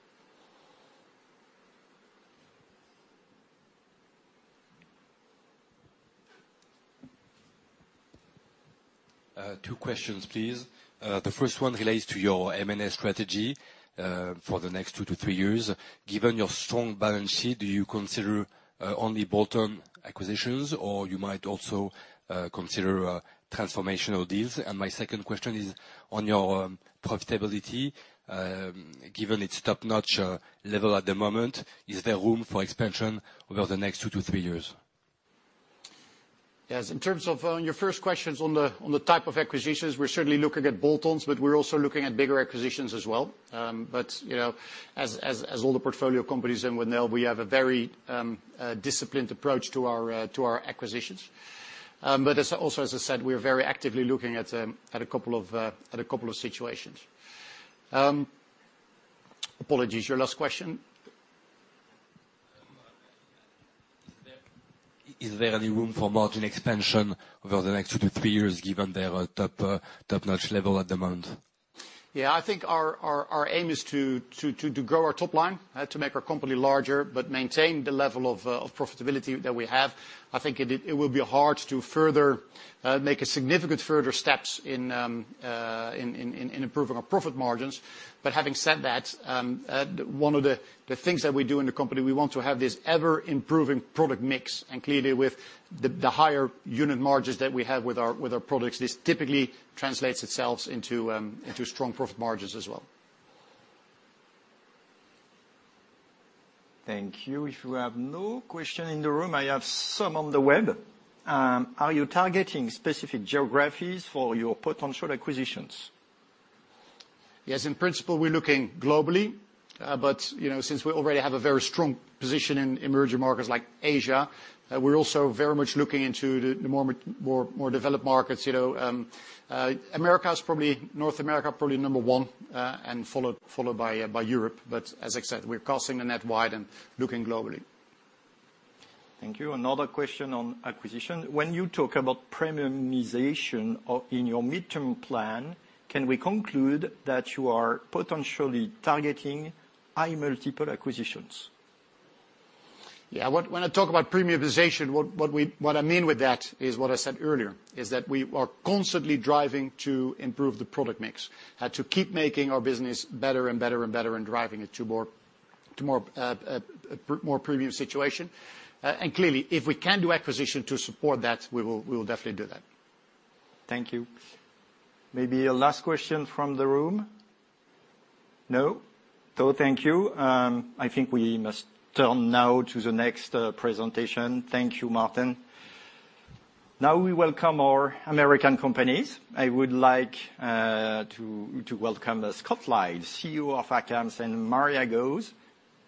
Two questions, please. The first one relates to your M&A strategy for the next two to three years. Given your strong balance sheet, do you consider only bolt-on acquisitions, or you might also consider transformational deals? My second question is on your profitability. Given its top-notch level at the moment, is there room for expansion over the next two to three years? Yes, in terms of on your first questions on the, on the type of acquisitions, we're certainly looking at bolt-ons, but we're also looking at bigger acquisitions as well. You know, as all the portfolio companies in Van Oord, we have a very disciplined approach to our acquisitions. As, also as I said, we're very actively looking at a couple of situations. Apologies, your last question? Is there any room for margin expansion over the next two to three years given their top-notch level at the moment? Yeah, I think our aim is to grow our top line, to make our company larger, but maintain the level of profitability that we have. I think it will be hard to further make a significant further steps in improving our profit margins. Having said that, one of the things that we do in the company, we want to have this ever-improving product mix. Clearly with the higher unit margins that we have with our products, this typically translates itself into strong profit margins as well. Thank you. If you have no question in the room, I have some on the web. Are you targeting specific geographies for your potential acquisitions? Yes, in principle, we're looking globally. You know, since we already have a very strong position in emerging markets like Asia, we're also very much looking into the more developed markets, you know, America is probably, North America probably number one, and followed by Europe. As I said, we're casting the net wide and looking globally. Thank you. Another question on acquisition. When you talk about premiumization of, in your midterm plan, can we conclude that you are potentially targeting high multiple acquisitions? Yeah. When I talk about premiumization, what I mean with that is what I said earlier, is that we are constantly driving to improve the product mix, to keep making our business better and better and better and driving it to more, more premium situation. Clearly, if we can do acquisition to support that, we will definitely do that. Thank you. Maybe a last question from the room. No? Thank you. I think we must turn now to the next presentation. Thank you, Maarten. We welcome our American companies. I would like to welcome Scott Liles, CEO of ACAMS and Mariah Gause,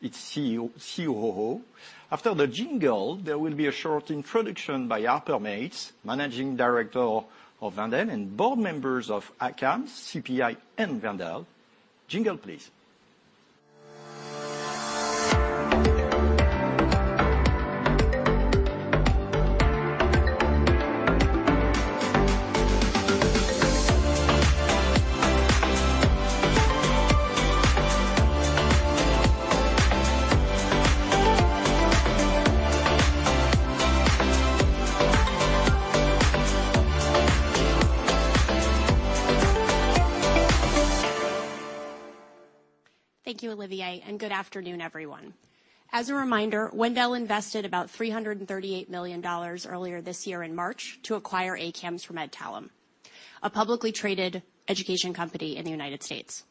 its CEO, COO. After the jingle, there will be a short introduction by Arthur Maes, Managing Director of Van Den and board members of ACAMS, CPI and Van Den. Jingle, please Thank you, Olivier. Good afternoon, everyone. As a reminder, Wendel invested about $338 million earlier this year in March to acquire ACAMS from Adtalem, a publicly traded education company in the United States.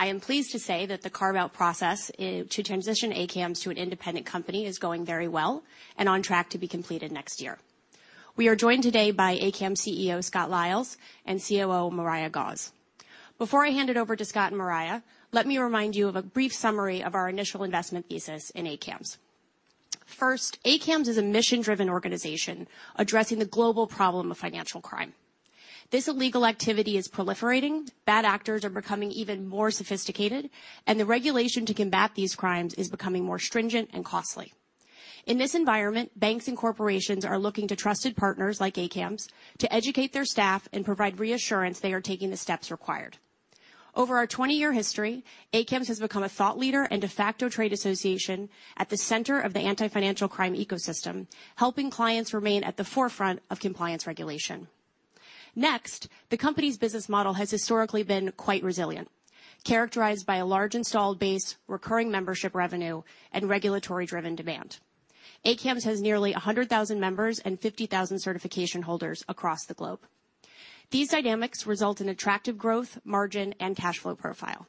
I am pleased to say that the carve-out process to transition ACAMS to an independent company is going very well and on track to be completed next year. We are joined today by ACAMS CEO, Scott Liles, and COO, Mariah Gause. Before I hand it over to Scott and Mariah, let me remind you of a brief summary of our initial investment thesis in ACAMS. First, ACAMS is a mission-driven organization addressing the global problem of financial crime. This illegal activity is proliferating, bad actors are becoming even more sophisticated, and the regulation to combat these crimes is becoming more stringent and costly. In this environment, banks and corporations are looking to trusted partners like ACAMS to educate their staff and provide reassurance they are taking the steps required. Over our 20-year history, ACAMS has become a thought leader and de facto trade association at the center of the anti-financial crime ecosystem, helping clients remain at the forefront of compliance regulation. The company's business model has historically been quite resilient, characterized by a large installed base, recurring membership revenue, and regulatory-driven demand. ACAMS has nearly 100,000 members and 50,000 certification holders across the globe. These dynamics result in attractive growth, margin, and cash flow profile.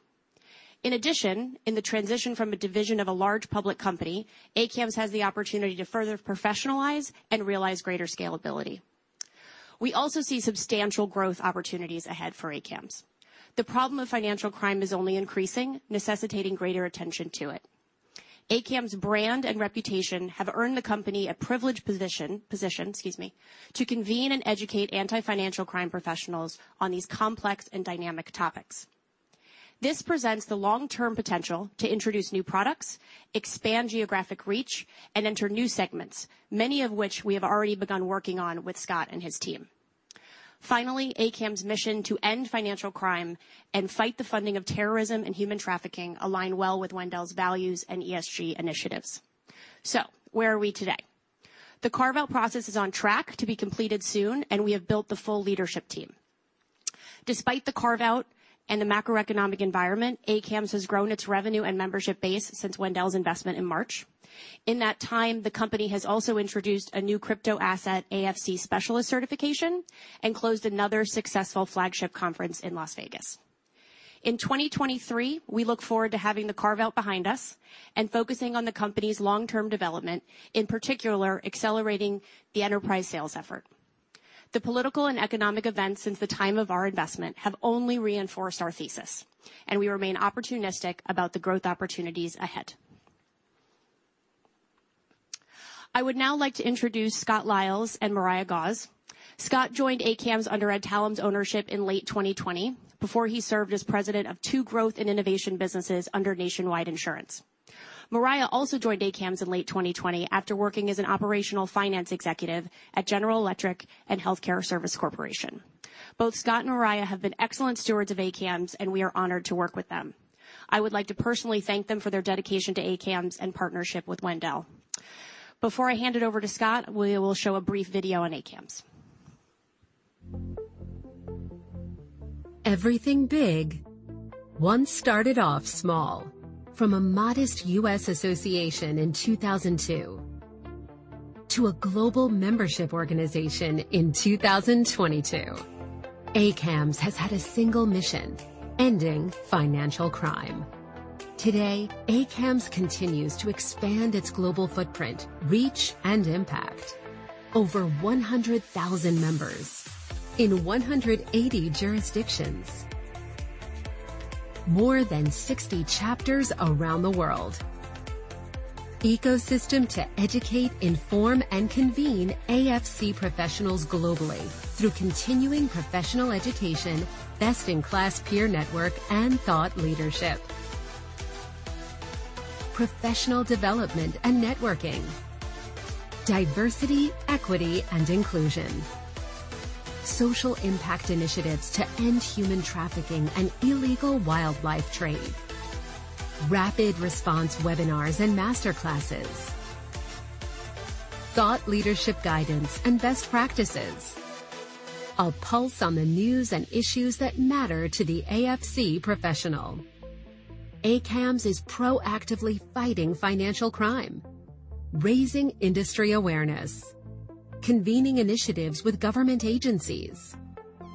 In the transition from a division of a large public company, ACAMS has the opportunity to further professionalize and realize greater scalability. We also see substantial growth opportunities ahead for ACAMS. The problem of financial crime is only increasing, necessitating greater attention to it. ACAMS' brand and reputation have earned the company a privileged position, excuse me, to convene and educate anti-financial crime professionals on these complex and dynamic topics. This presents the long-term potential to introduce new products, expand geographic reach, and enter new segments, many of which we have already begun working on with Scott and his team. Finally, ACAMS' mission to end financial crime and fight the funding of terrorism and human trafficking align well with Wendel's values and ESG initiatives. Where are we today? The carve-out process is on track to be completed soon, and we have built the full leadership team. Despite the carve out and the macroeconomic environment, ACAMS has grown its revenue and membership base since Wendel's investment in March. In that time, the company has also introduced a new cryptoasset, AFC Specialist Certification, and closed another successful flagship conference in Las Vegas. In 2023, we look forward to having the carve out behind us and focusing on the company's long-term development, in particular, accelerating the enterprise sales effort. The political and economic events since the time of our investment have only reinforced our thesis, and we remain opportunistic about the growth opportunities ahead. I would now like to introduce Scott Lilies and Mariah Gause. Scott joined ACAMS under Adtalem's ownership in late 2020 before he served as president of two growth and innovation businesses under Nationwide Insurance. Mariah also joined ACAMS in late 2020 after working as an operational finance executive at General Electric and Health Care Service Corporation. Both Scott and Mariah have been excellent stewards of ACAMS, and we are honored to work with them. I would like to personally thank them for their dedication to ACAMS and partnership with Wendel. Before I hand it over to Scott, we will show a brief video on ACAMS. Everything big once started off small. From a modest U.S. association in 2002 to a global membership organization in 2022. ACAMS has had a single mission: ending financial crime. Today, ACAMS continues to expand its global footprint, reach, and impact. Over 100,000 members in 180 jurisdictions. More than 60 chapters around the world. Ecosystem to educate, inform, and convene AFC professionals globally through continuing professional education, best-in-class peer network, and thought leadership. Professional development and networking. Diversity, equity, and inclusion. Social impact initiatives to end human trafficking and illegal wildlife trade. Rapid response webinars and master classes. Thought leadership guidance and best practices. A pulse on the news and issues that matter to the AFC professional. ACAMS is proactively fighting financial crime, raising industry awareness, convening initiatives with government agencies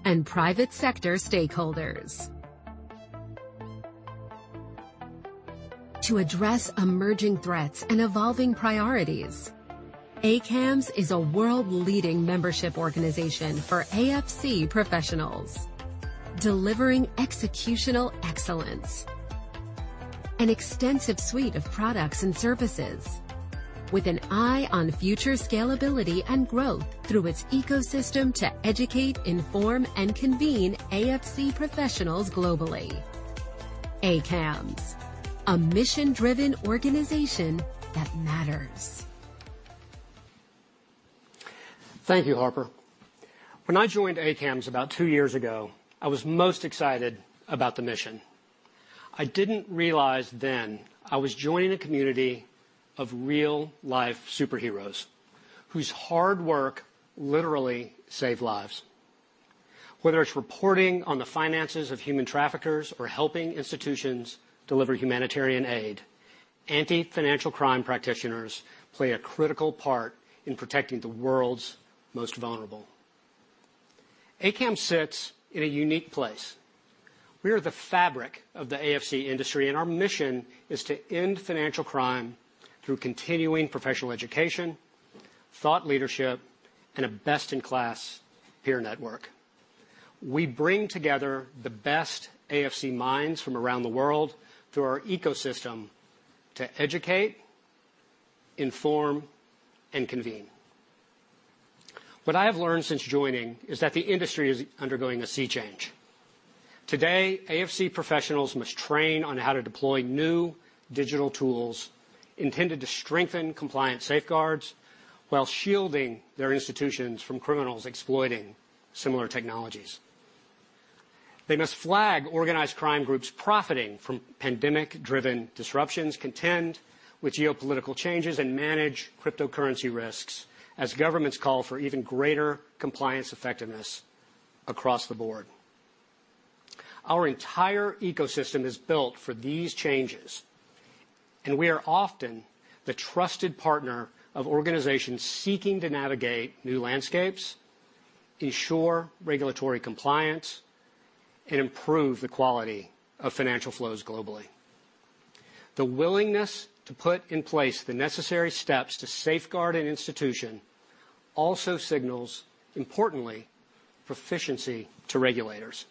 and private sector stakeholders. To address emerging threats and evolving priorities, ACAMS is a world leading membership organization for AFC professionals, delivering executional excellence. An extensive suite of products and services. With an eye on future scalability and growth through its ecosystem to educate, inform, and convene AFC professionals globally. ACAMS, a mission-driven organization that matters. Thank you, Harper. When I joined ACAMS about two years ago, I was most excited about the mission. I didn't realize then I was joining a community of real-life superheroes whose hard work literally saved lives. Whether it's reporting on the finances of human traffickers or helping institutions deliver humanitarian aid, anti-financial crime practitioners play a critical part in protecting the world's most vulnerable. ACAMS sits in a unique place. We are the fabric of the AFC industry, and our mission is to end financial crime through continuing professional education, thought leadership, and a best-in-class peer network. We bring together the best AFC minds from around the world through our ecosystem to educate, inform, and convene. What I have learned since joining is that the industry is undergoing a sea change. Today, AFC professionals must train on how to deploy new digital tools intended to strengthen compliance safeguards while shielding their institutions from criminals exploiting similar technologies. They must flag organized crime groups profiting from pandemic-driven disruptions, contend with geopolitical changes, and manage cryptocurrency risks as governments call for even greater compliance effectiveness across the board. Our entire ecosystem is built for these changes, and we are often the trusted partner of organizations seeking to navigate new landscapes, ensure regulatory compliance, and improve the quality of financial flows globally. The willingness to put in place the necessary steps to safeguard an institution also signals, importantly, proficiency to regulators.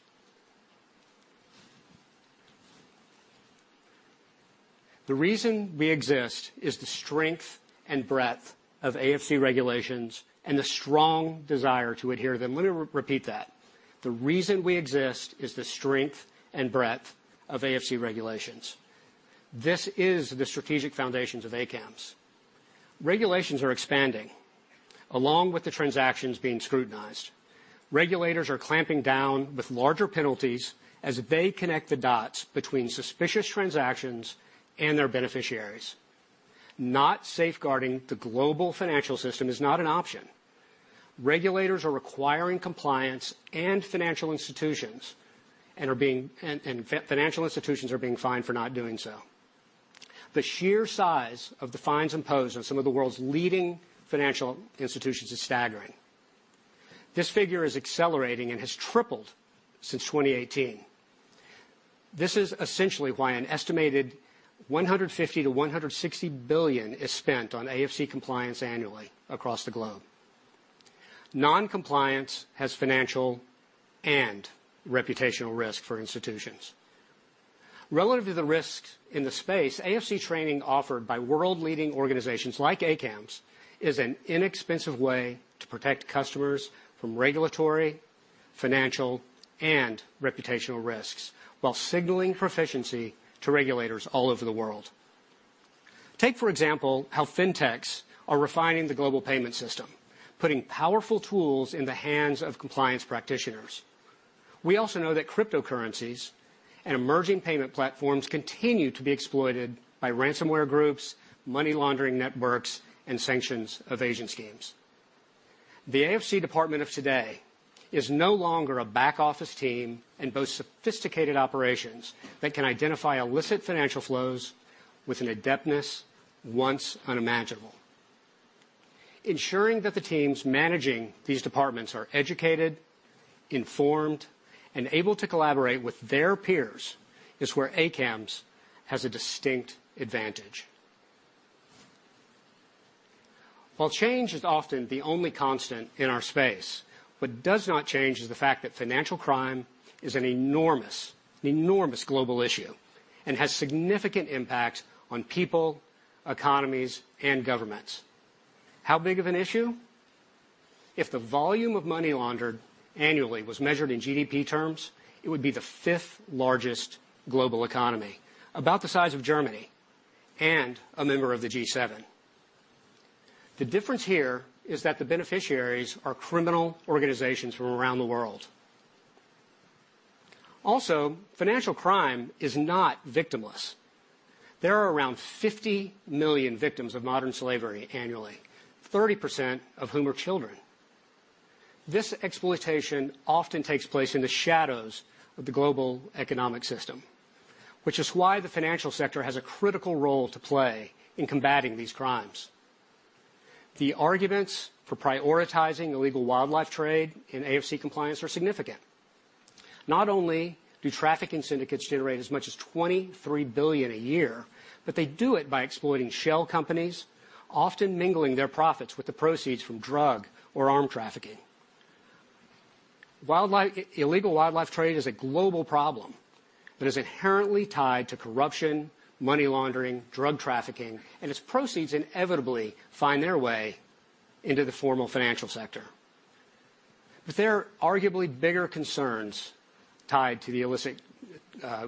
The reason we exist is the strength and breadth of AFC regulations and the strong desire to adhere to them. Let me re-repeat that. The reason we exist is the strength and breadth of AFC regulations. This is the strategic foundations of ACAMS. Regulations are expanding, along with the transactions being scrutinized. Regulators are clamping down with larger penalties as they connect the dots between suspicious transactions and their beneficiaries. Not safeguarding the global financial system is not an option. Regulators are requiring compliance and financial institutions, and financial institutions are being fined for not doing so. The sheer size of the fines imposed on some of the world's leading financial institutions is staggering. This figure is accelerating and has tripled since 2018. This is essentially why an estimated $150 billion-$160 billion is spent on AFC compliance annually across the globe. Non-compliance has financial and reputational risk for institutions. Relative to the risks in the space, AFC training offered by world-leading organizations like ACAMS is an inexpensive way to protect customers from regulatory, financial, and reputational risks while signaling proficiency to regulators all over the world. Take, for example, how fintechs are refining the global payment system, putting powerful tools in the hands of compliance practitioners. We also know that cryptocurrencies and emerging payment platforms continue to be exploited by ransomware groups, money laundering networks, and sanctions of Asian schemes. The AFC department of today is no longer a back-office team and boasts sophisticated operations that can identify illicit financial flows with an adeptness once unimaginable. Ensuring that the teams managing these departments are educated, informed, and able to collaborate with their peers is where ACAMS has a distinct advantage. While change is often the only constant in our space, what does not change is the fact that financial crime is an enormous global issue and has significant impacts on people, economies, and governments. How big of an issue? If the volume of money laundered annually was measured in GDP terms, it would be the fifth largest global economy, about the size of Germany and a member of the G7. The difference here is that the beneficiaries are criminal organizations from around the world. Financial crime is not victimless. There are around 50 million victims of modern slavery annually, 30% of whom are children. This exploitation often takes place in the shadows of the global economic system, which is why the financial sector has a critical role to play in combating these crimes. The arguments for prioritizing illegal wildlife trade in AFC compliance are significant. Not only do trafficking syndicates generate as much as $23 billion a year, but they do it by exploiting shell companies, often mingling their profits with the proceeds from drug or arm trafficking. Illegal wildlife trade is a global problem that is inherently tied to corruption, money laundering, drug trafficking, and its proceeds inevitably find their way into the formal financial sector. There are arguably bigger concerns tied to the illicit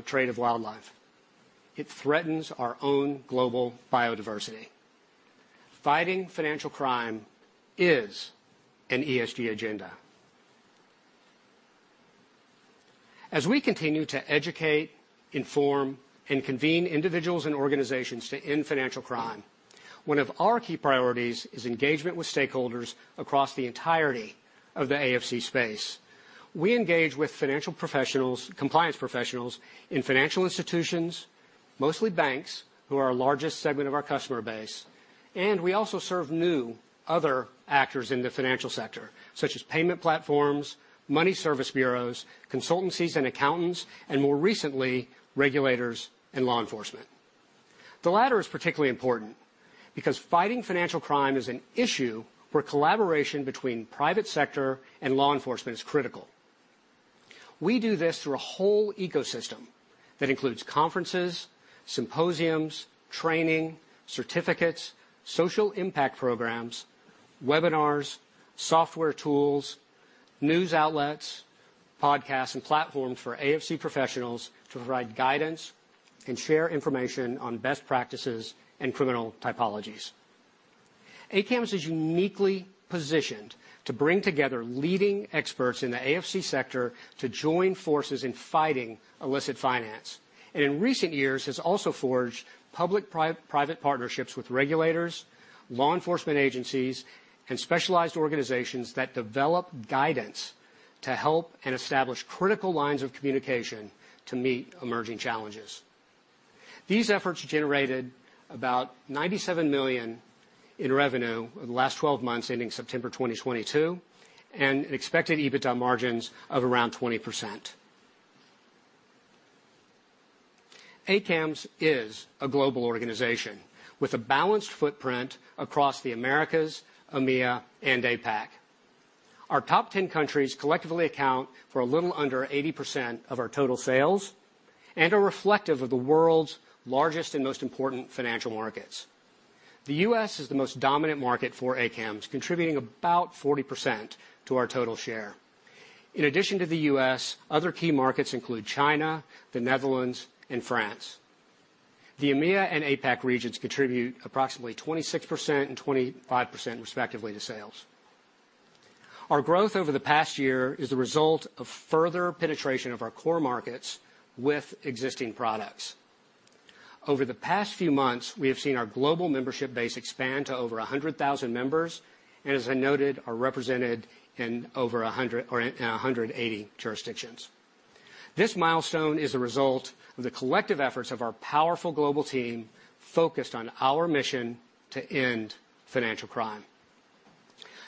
trade of wildlife. It threatens our own global biodiversity. Fighting financial crime is an ESG agenda. As we continue to educate, inform, and convene individuals and organizations to end financial crime, one of our key priorities is engagement with stakeholders across the entirety of the AFC space. We engage with financial professionals, compliance professionals in financial institutions, mostly banks, who are our largest segment of our customer base. We also serve new other actors in the financial sector, such as payment platforms, money service bureaus, consultancies and accountants, and more recently, regulators and law enforcement. The latter is particularly important because fighting financial crime is an issue where collaboration between private sector and law enforcement is critical. We do this through a whole ecosystem that includes conferences, symposiums, training, certificates, social impact programs, webinars, software tools, news outlets, podcasts, and platforms for AFC professionals to provide guidance and share information on best practices and criminal typologies. ACAMS is uniquely positioned to bring together leading experts in the AFC sector to join forces in fighting illicit finance. In recent years, has also forged public-private partnerships with regulators, law enforcement agencies, and specialized organizations that develop guidance to help and establish critical lines of communication to meet emerging challenges. These efforts generated about $97 million in revenue over the last 12 months, ending September 2022, and an expected EBITDA margins of around 20%. ACAMS is a global organization with a balanced footprint across the Americas, EMEA, and APAC. Our top 10 countries collectively account for a little under 80% of our total sales and are reflective of the world's largest and most important financial markets. The US is the most dominant market for ACAMS, contributing about 40% to our total share. In addition to the US, other key markets include China, the Netherlands, and France. The EMEA and APAC regions contribute approximately 26% and 25%, respectively, to sales. Our growth over the past year is the result of further penetration of our core markets with existing products. Over the past few months, we have seen our global membership base expand to over 100,000 members, and as I noted, are represented in over 100 or in 180 jurisdictions. This milestone is a result of the collective efforts of our powerful global team focused on our mission to end financial crime.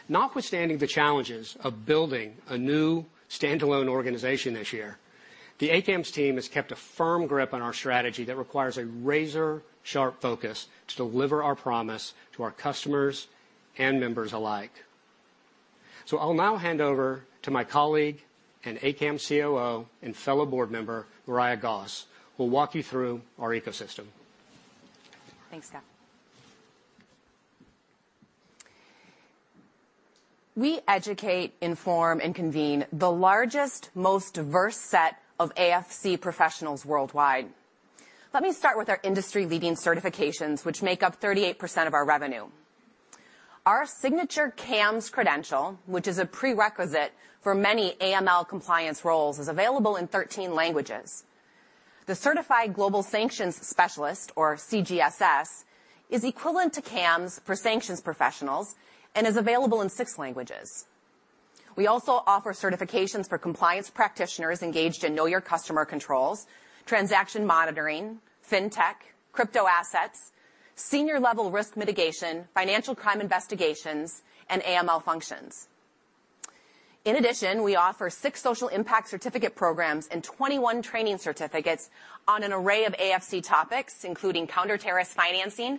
Notwithstanding the challenges of building a new standalone organization this year, the ACAMS team has kept a firm grip on our strategy that requires a razor-sharp focus to deliver our promise to our customers and members alike. I'll now hand over to my colleague and ACAMS COO and fellow board member, Mariah Gause, who will walk you through our ecosystem. Thanks, Scott. We educate, inform, and convene the largest, most diverse set of AFC professionals worldwide. Let me start with our industry-leading certifications, which make up 38% of our revenue. Our signature CAMS credential, which is a prerequisite for many AML compliance roles, is available in 13 languages. The Certified Global Sanctions Specialist, or CGSS, is equivalent to CAMS for sanctions professionals and is available in six languages. We also offer certifications for compliance practitioners engaged in know your customer controls, transaction monitoring, fintech, crypto assets, senior-level risk mitigation, financial crime investigations, and AML functions. In addition, we offer six social impact certificate programs and 21 training certificates on an array of AFC topics, including counterterrorist financing,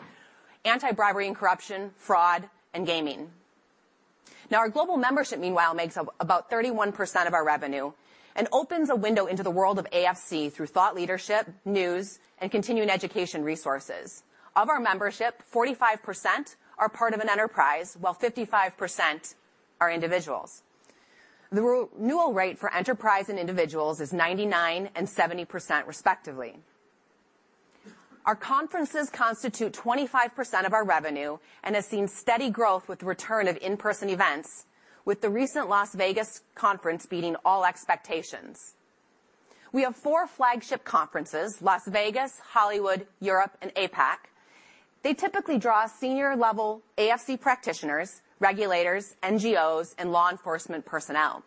anti-bribery and corruption, fraud, and gaming. Our global membership, meanwhile, makes up about 31% of our revenue and opens a window into the world of AFC through thought leadership, news, and continuing education resources. Of our membership, 45% are part of an enterprise, while 55% are individuals. The re-renewal rate for enterprise and individuals is 99% and 70%, respectively. Our conferences constitute 25% of our revenue and have seen steady growth with the return of in-person events, with the recent Las Vegas conference beating all expectations. We have four flagship conferences: Las Vegas, Hollywood, Europe, and APAC. They typically draw senior-level AFC practitioners, regulators, NGOs, and law enforcement personnel.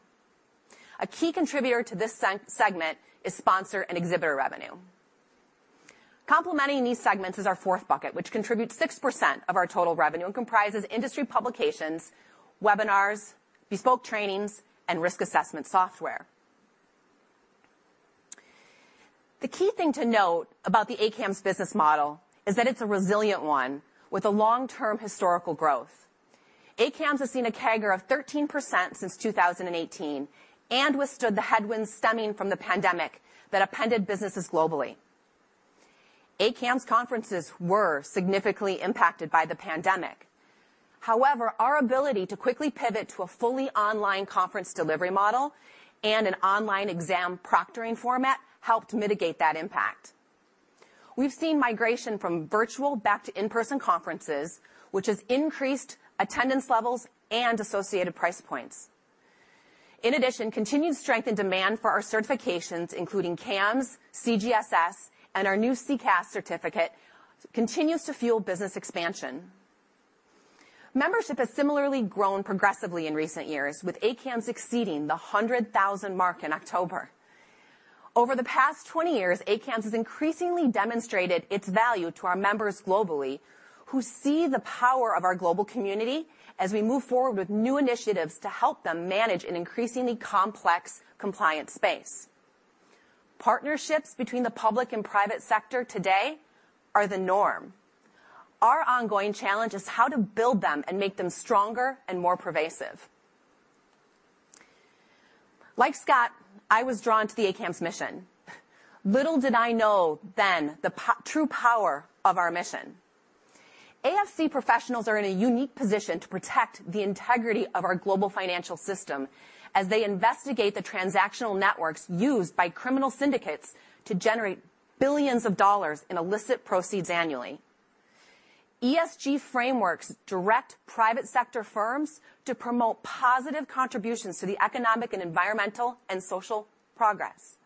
A key contributor to this segment is sponsor and exhibitor revenue. Complementing these segments is our fourth bucket, which contributes 6% of our total revenue and comprises industry publications, webinars, bespoke trainings, and risk assessment software. The key thing to note about the ACAMS business model is that it's a resilient one with a long-term historical growth. ACAMS has seen a CAGR of 13% since 2018 and withstood the headwinds stemming from the pandemic that upended businesses globally. ACAMS conferences were significantly impacted by the pandemic. Our ability to quickly pivot to a fully online conference delivery model and an online exam proctoring format helped mitigate that impact. We've seen migration from virtual back to in-person conferences, which has increased attendance levels and associated price points. Continued strength and demand for our certifications, including CAMS, CGSS, and our new CCAS certificate, continues to fuel business expansion. Membership has similarly grown progressively in recent years, with ACAMS exceeding the 100,000 mark in October. Over the past 20 years, ACAMS has increasingly demonstrated its value to our members globally, who see the power of our global community as we move forward with new initiatives to help them manage an increasingly complex compliance space. Partnerships between the public and private sector today are the norm. Our ongoing challenge is how to build them and make them stronger and more pervasive. Like Scott, I was drawn to the ACAMS mission. Little did I know then the true power of our mission. AFC professionals are in a unique position to protect the integrity of our global financial system as they investigate the transactional networks used by criminal syndicates to generate billions of dollars in illicit proceeds annually. ESG frameworks direct private sector firms to promote positive contributions to the economic and environmental and social progress.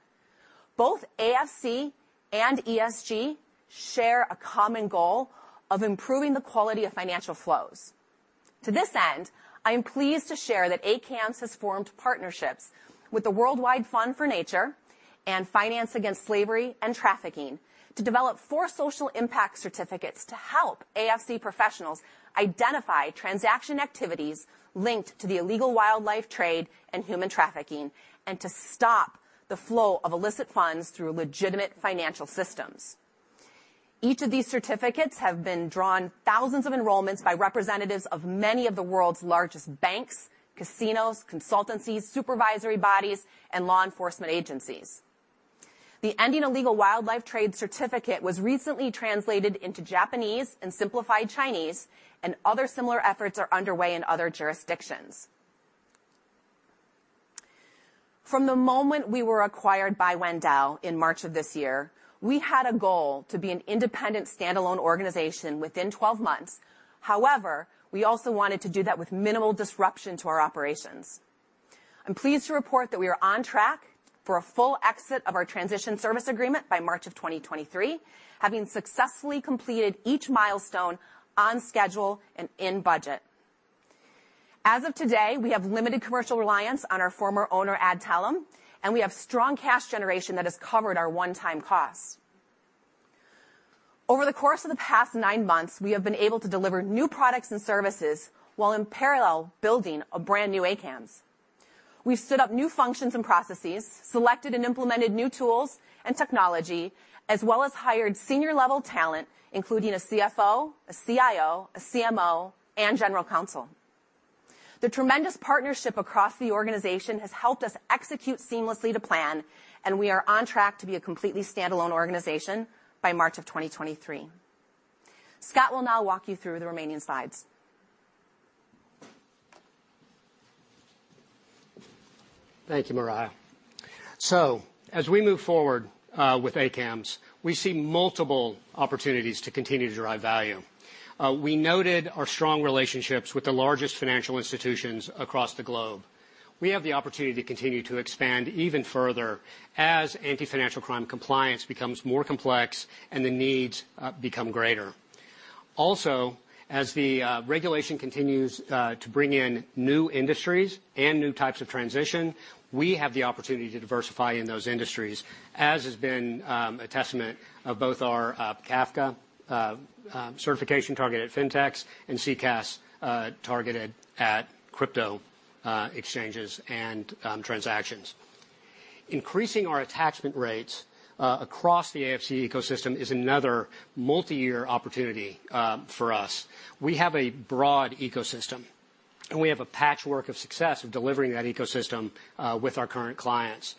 Both AFC and ESG share a common goal of improving the quality of financial flows. To this end, I am pleased to share that ACAMS has formed partnerships with the World Wide Fund for Nature and Finance Against Slavery and Trafficking to develop four social impact certificates to help AFC professionals identify transaction activities linked to the illegal wildlife trade and human trafficking and to stop the flow of illicit funds through legitimate financial systems. Each of these certificates have been drawn thousands of enrollments by representatives of many of the world's largest banks, casinos, consultancies, supervisory bodies, and law enforcement agencies. The Ending Illegal Wildlife Trade Certificate was recently translated into Japanese and simplified Chinese, other similar efforts are underway in other jurisdictions. From the moment we were acquired by Wendel in March of this year, we had a goal to be an independent standalone organization within 12 months. However, we also wanted to do that with minimal disruption to our operations. I'm pleased to report that we are on track for a full exit of our transition service agreement by March of 2023, having successfully completed each milestone on schedule and in budget. As of today, we have limited commercial reliance on our former owner, Adtalem, and we have strong cash generation that has covered our one-time cost. Over the course of the past 9 months, we have been able to deliver new products and services while in parallel building a brand-new ACAMS. We've stood up new functions and processes, selected and implemented new tools and technology, as well as hired senior-level talent, including a CFO, a CIO, a CMO, and general counsel. The tremendous partnership across the organization has helped us execute seamlessly to plan. We are on track to be a completely standalone organization by March of 2023. Scott will now walk you through the remaining slides. Thank you, Mariah. As we move forward with ACAMS, we see multiple opportunities to continue to drive value. We noted our strong relationships with the largest financial institutions across the globe. We have the opportunity to continue to expand even further as anti-financial crime compliance becomes more complex and the needs become greater. Also, as the regulation continues to bring in new industries and new types of transition, we have the opportunity to diversify in those industries, as has been a testament of both our CAFCA certification targeted fintechs and CCAS targeted at crypto exchanges and transactions. Increasing our attachment rates across the AFC ecosystem is another multiyear opportunity for us. We have a broad ecosystem, and we have a patchwork of success of delivering that ecosystem with our current clients.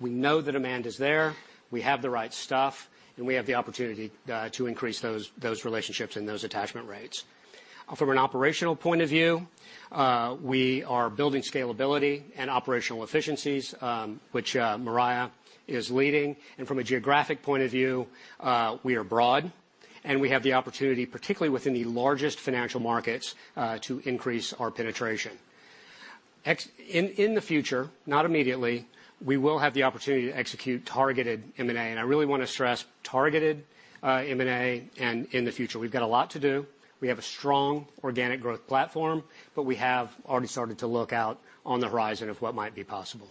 We know the demand is there, we have the right stuff, and we have the opportunity to increase those relationships and those attachment rates. From an operational point of view, we are building scalability and operational efficiencies, which Mariah is leading, and from a geographic point of view, we are broad, and we have the opportunity, particularly within the largest financial markets, to increase our penetration. In the future, not immediately, we will have the opportunity to execute targeted M&A, and I really wanna stress targeted M&A and in the future. We've got a lot to do. We have a strong organic growth platform, but we have already started to look out on the horizon of what might be possible.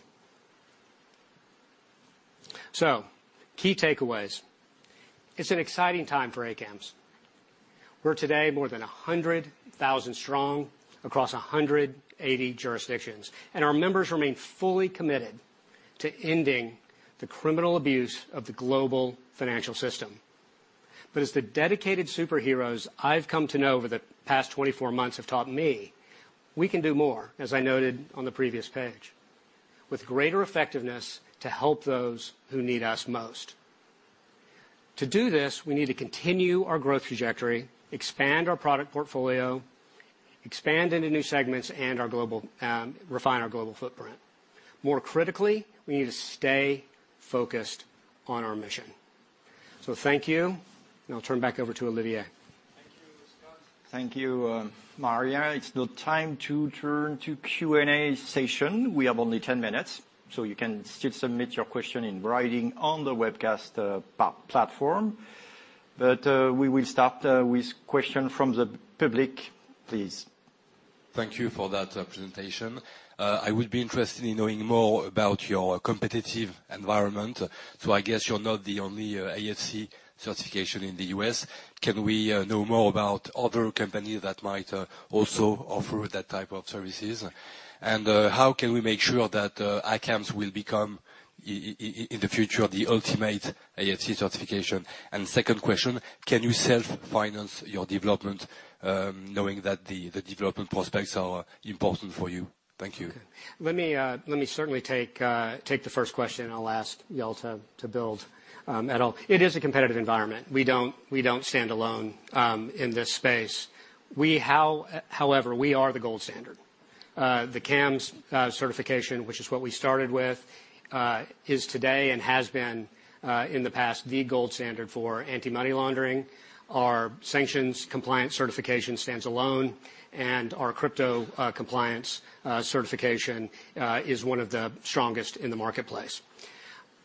Key takeaways. It's an exciting time for ACAMS. We're today more than 100,000 strong across 180 jurisdictions, our members remain fully committed to ending the criminal abuse of the global financial system. As the dedicated superheroes I've come to know over the past 24 months have taught me, we can do more, as I noted on the previous page, with greater effectiveness to help those who need us most. To do this, we need to continue our growth trajectory, expand our product portfolio, expand into new segments, refine our global footprint. More critically, we need to stay focused on our mission. Thank you. I'll turn back over to Olivier. Thank you, Scott. Thank you, Mariah. It's now time to turn to Q&A session. We have only 10 minutes, so you can still submit your question in writing on the webcast platform. We will start with question from the public, please. Thank you for that presentation. I would be interested in knowing more about your competitive environment. I guess you're not the only AFC certification in the U.S. Can we know more about other companies that might also offer that type of services? How can we make sure that ACAMS will become in the future, the ultimate AFC certification? Second question, can you self-finance your development, knowing that the development prospects are important for you? Thank you. Let me certainly take the first question. I'll ask y'all to build at all. It is a competitive environment. We don't stand alone in this space. However, we are the gold standard. The CAMS certification, which is what we started with, is today and has been in the past, the gold standard for anti-money laundering. Our sanctions compliance certification stands alone. Our crypto compliance certification is one of the strongest in the marketplace.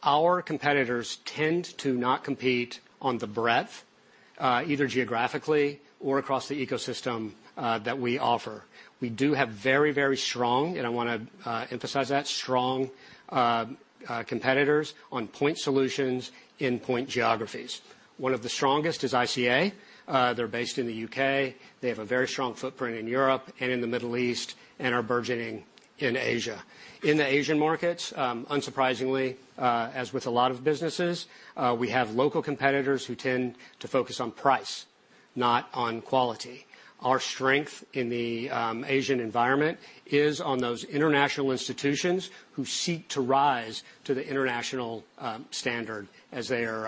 Our competitors tend to not compete on the breadth either geographically or across the ecosystem that we offer. We do have very strong, and I wanna emphasize that, strong competitors on point solutions in point geographies. One of the strongest is ICA. They're based in the UK. They have a very strong footprint in Europe and in the Middle East, and are burgeoning in Asia. In the Asian markets, unsurprisingly, as with a lot of businesses, we have local competitors who tend to focus on price, not on quality. Our strength in the Asian environment is on those international institutions who seek to rise to the international standard as they are,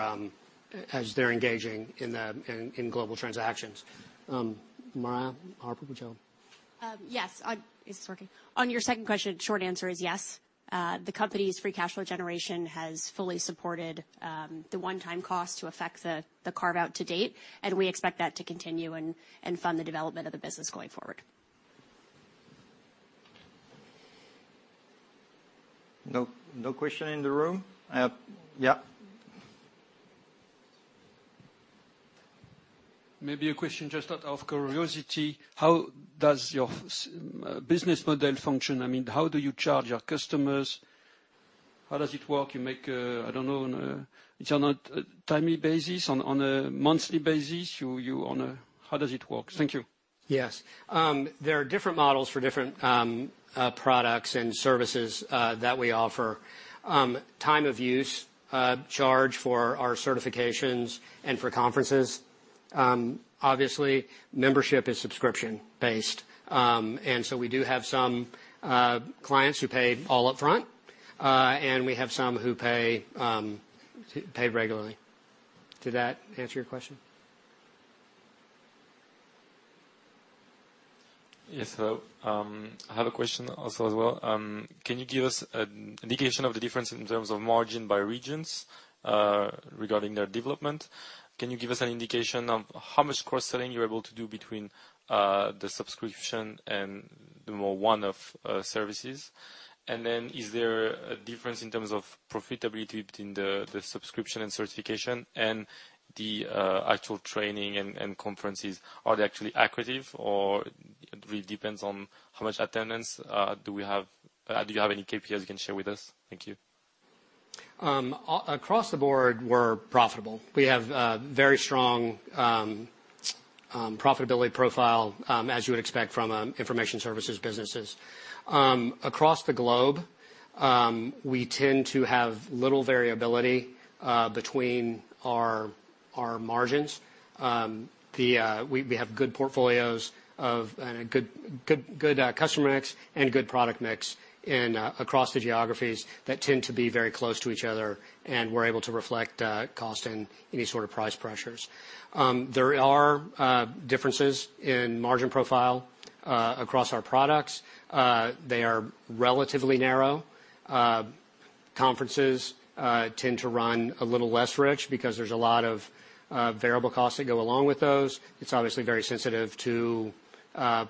as they're engaging in the global transactions. Mariah, Harper, would y'all? Yes. Is this working? On your second question, short answer is yes. The company's free cash flow generation has fully supported the one-time cost to effect the carve-out to date, and we expect that to continue and fund the development of the business going forward. No, no question in the room? Yeah. Maybe a question just out of curiosity. How does your business model function? I mean, how do you charge your customers? How does it work? You make a, I don't know, on a... It's on a timely basis, on a monthly basis? You on a... How does it work? Thank you. Yes. There are different models for different products and services that we offer. Time of use charge for our certifications and for conferences. Obviously, membership is subscription-based. We do have some clients who pay all up front, and we have some who pay regularly. Did that answer your question? Yes. I have a question also as well. Can you give us an indication of the difference in terms of margin by regions regarding their development? Can you give us an indication of how much cross-selling you're able to do between the subscription and the more one-off services? Is there a difference in terms of profitability between the subscription and certification and the actual training and conferences? Are they actually accretive or it really depends on how much attendance? Do you have any KPIs you can share with us? Thank you. Across the board, we're profitable. We have a very strong profitability profile, as you would expect from information services businesses. Across the globe, we tend to have little variability between our margins. We have good portfolios of and a good customer mix and good product mix in across the geographies that tend to be very close to each other, and we're able to reflect cost and any sort of price pressures. There are differences in margin profile across our products. They are relatively narrow. Conferences tend to run a little less rich because there's a lot of variable costs that go along with those. It's obviously very sensitive to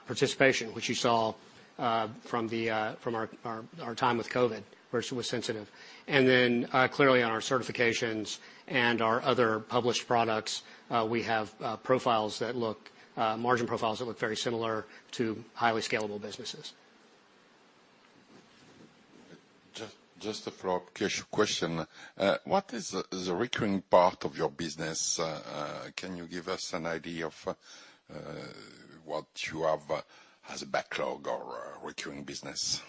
participation, which you saw from our time with COVID, where it was sensitive. Clearly on our certifications and our other published products, we have profiles that look margin profiles that look very similar to highly scalable businesses. Just a follow-up question. What is the reoccurring part of your business? Can you give us an idea of what you have as a backlog or recurring business?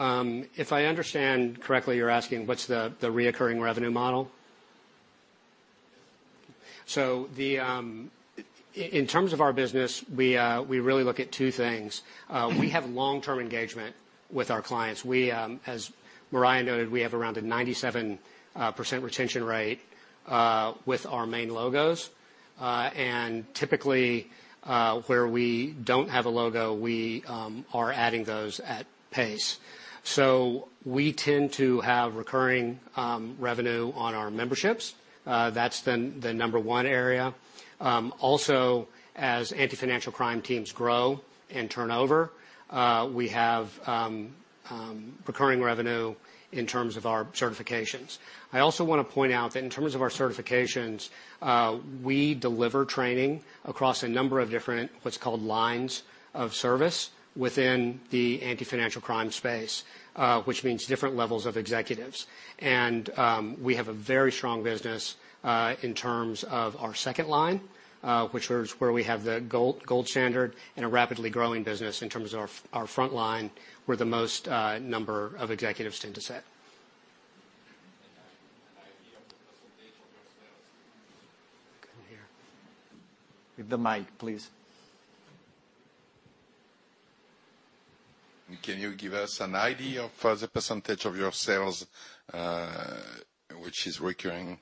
If I understand correctly, you're asking what's the recurring revenue model? Yes. In terms of our business, we really look at two things. We have long-term engagement with our clients. We, as Mariah noted, we have around a 97% retention rate with our main logos. Typically, where we don't have a logo, we are adding those at pace. We tend to have recurring revenue on our memberships. That's the number one area. Also, as anti-financial crime teams grow and turn over, we have recurring revenue in terms of our certifications. I also want to point out that in terms of our certifications, we deliver training across a number of different, what's called lines of service within the anti-financial crime space, which means different levels of executives. We have a very strong business, in terms of our second line, which is where we have the gold standard and a rapidly growing business in terms of our front line, where the most, number of executives tend to sit. An idea of the percentage of your sales. I couldn't hear. With the mic, please. Can you give us an idea of the % of your sales, which is recurring?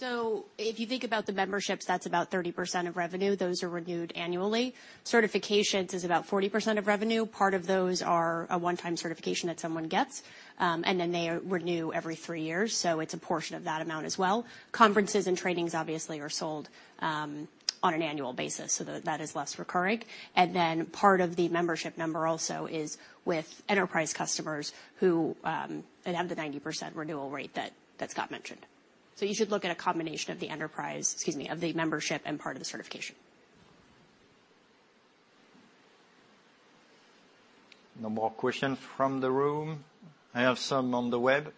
Yeah. If you think about the memberships, that's about 30% of revenue. Those are renewed annually. Certifications is about 40% of revenue. Part of those are a one-time certification that someone gets, and then they renew every three years. It's a portion of that amount as well. Conferences and trainings obviously are sold on an annual basis, that is less recurring. Part of the membership number also is with enterprise customers who have the 90% renewal rate that Scott mentioned. You should look at a combination of the enterprise, excuse me, of the membership and part of the certification. No more questions from the room. I have some on the web.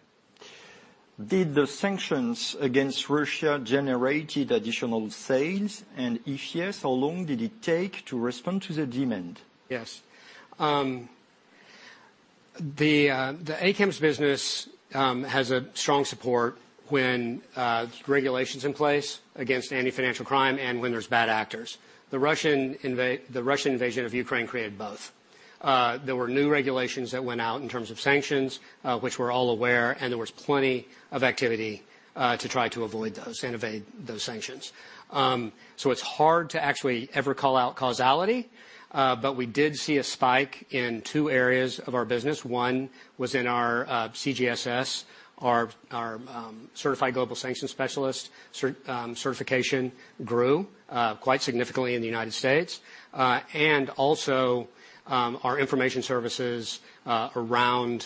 Did the sanctions against Russia generated additional sales? If yes, how long did it take to respond to the demand? Yes. The ACAMS business has a strong support when regulation's in place against any financial crime and when there's bad actors. The Russian invasion of Ukraine created both. There were new regulations that went out in terms of sanctions, which we're all aware, and there was plenty of activity to try to avoid those and evade those sanctions. It's hard to actually ever call out causality, but we did see a spike in two areas of our business. One was in our CGSS, our Certified Global Sanctions Specialist certification grew quite significantly in the United States. Also, our information services around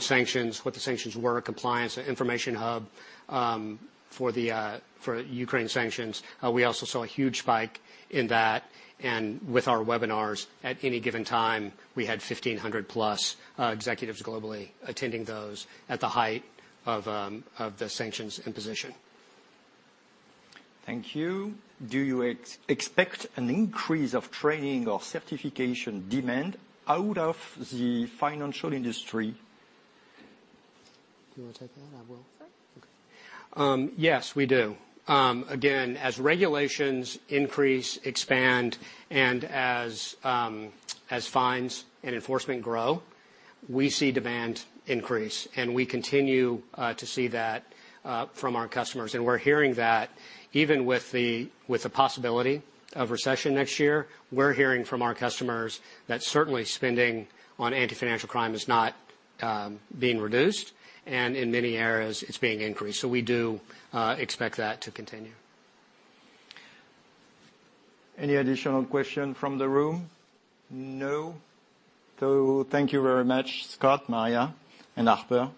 sanctions, what the sanctions were, compliance, information hub, for Ukraine sanctions. We also saw a huge spike in that. With our webinars, at any given time, we had 1,500 plus executives globally attending those at the height of the sanctions in position. Thank you. Do you expect an increase of training or certification demand out of the financial industry? Do you want to take that? I will. Sure. Okay. Yes, we do. Again, as regulations increase, expand, and as fines and enforcement grow, we see demand increase, we continue to see that from our customers. We're hearing that even with the possibility of recession next year, we're hearing from our customers that certainly spending on anti-financial crime is not being reduced, and in many areas it's being increased. We do expect that to continue. Any additional question from the room? No. Thank you very much, Scott, Mariah, and Harper.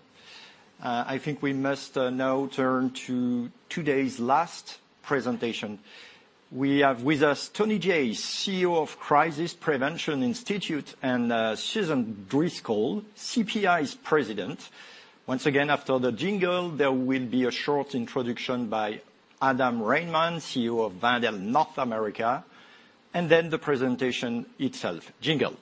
I think we must now turn to today's last presentation. We have with us Tony Jace, CEO of Crisis Prevention Institute, and Susan Driscoll, CPI's President. Once again, after the jingle, there will be a short introduction by Adam Reinmann, CEO of Wendel North America, and then the presentation itself. Jingle.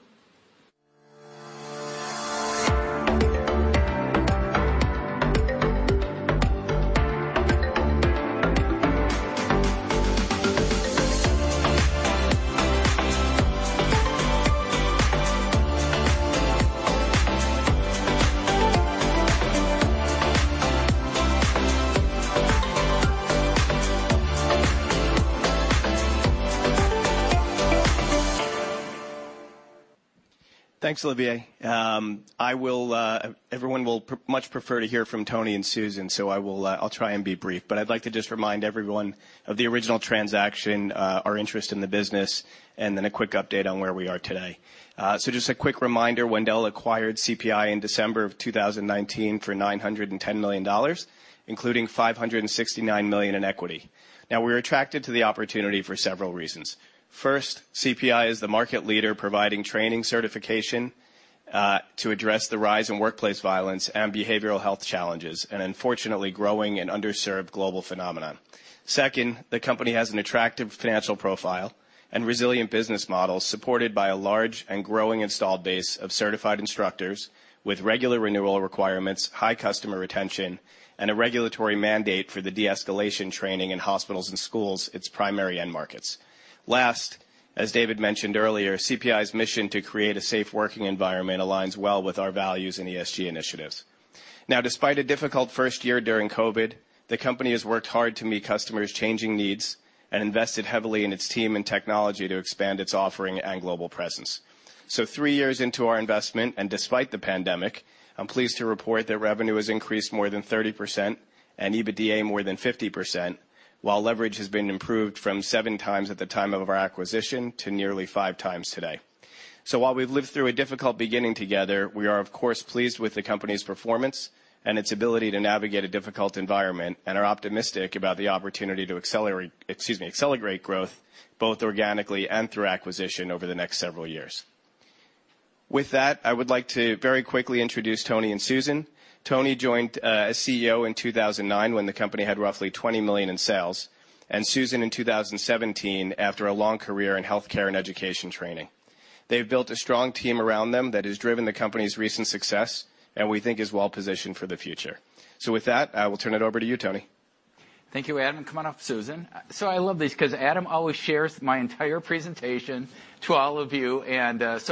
Thanks, Olivier. Everyone will much prefer to hear from Tony and Susan, so I will try and be brief. I'd like to just remind everyone of the original transaction, our interest in the business, and then a quick update on where we are today. Just a quick reminder, Wendel acquired CPI in December 2019 for $910 million, including $569 million in equity. We're attracted to the opportunity for several reasons. First, CPI is the market leader providing training certification To address the rise in workplace violence and behavioral health challenges, an unfortunately growing and underserved global phenomenon. Second, the company has an attractive financial profile and resilient business model supported by a large and growing installed base of certified instructors with regular renewal requirements, high customer retention, and a regulatory mandate for the de-escalation training in hospitals and schools, its primary end markets. Last, as David mentioned earlier, CPI's mission to create a safe working environment aligns well with our values and ESG initiatives. Despite a difficult first year during COVID-19, the company has worked hard to meet customers' changing needs and invested heavily in its team and technology to expand its offering and global presence. Three years into our investment, and despite the pandemic, I'm pleased to report that revenue has increased more than 30% and EBITDA more than 50%, while leverage has been improved from 7 times at the time of our acquisition to nearly five times today. While we've lived through a difficult beginning together, we are of course pleased with the company's performance and its ability to navigate a difficult environment and are optimistic about the opportunity to accelerate, excuse me, accelerate growth, both organically and through acquisition over the next several years. With that, I would like to very quickly introduce Tony and Susan. Tony joined as CEO in 2009 when the company had roughly $20 million in sales, and Susan in 2017 after a long career in healthcare and education training. They've built a strong team around them that has driven the company's recent success, and we think is well-positioned for the future. With that, I will turn it over to you, Tony. Thank you, Adam. Come on up, Susan. I love this ’cause Adam always shares my entire presentation to all of you,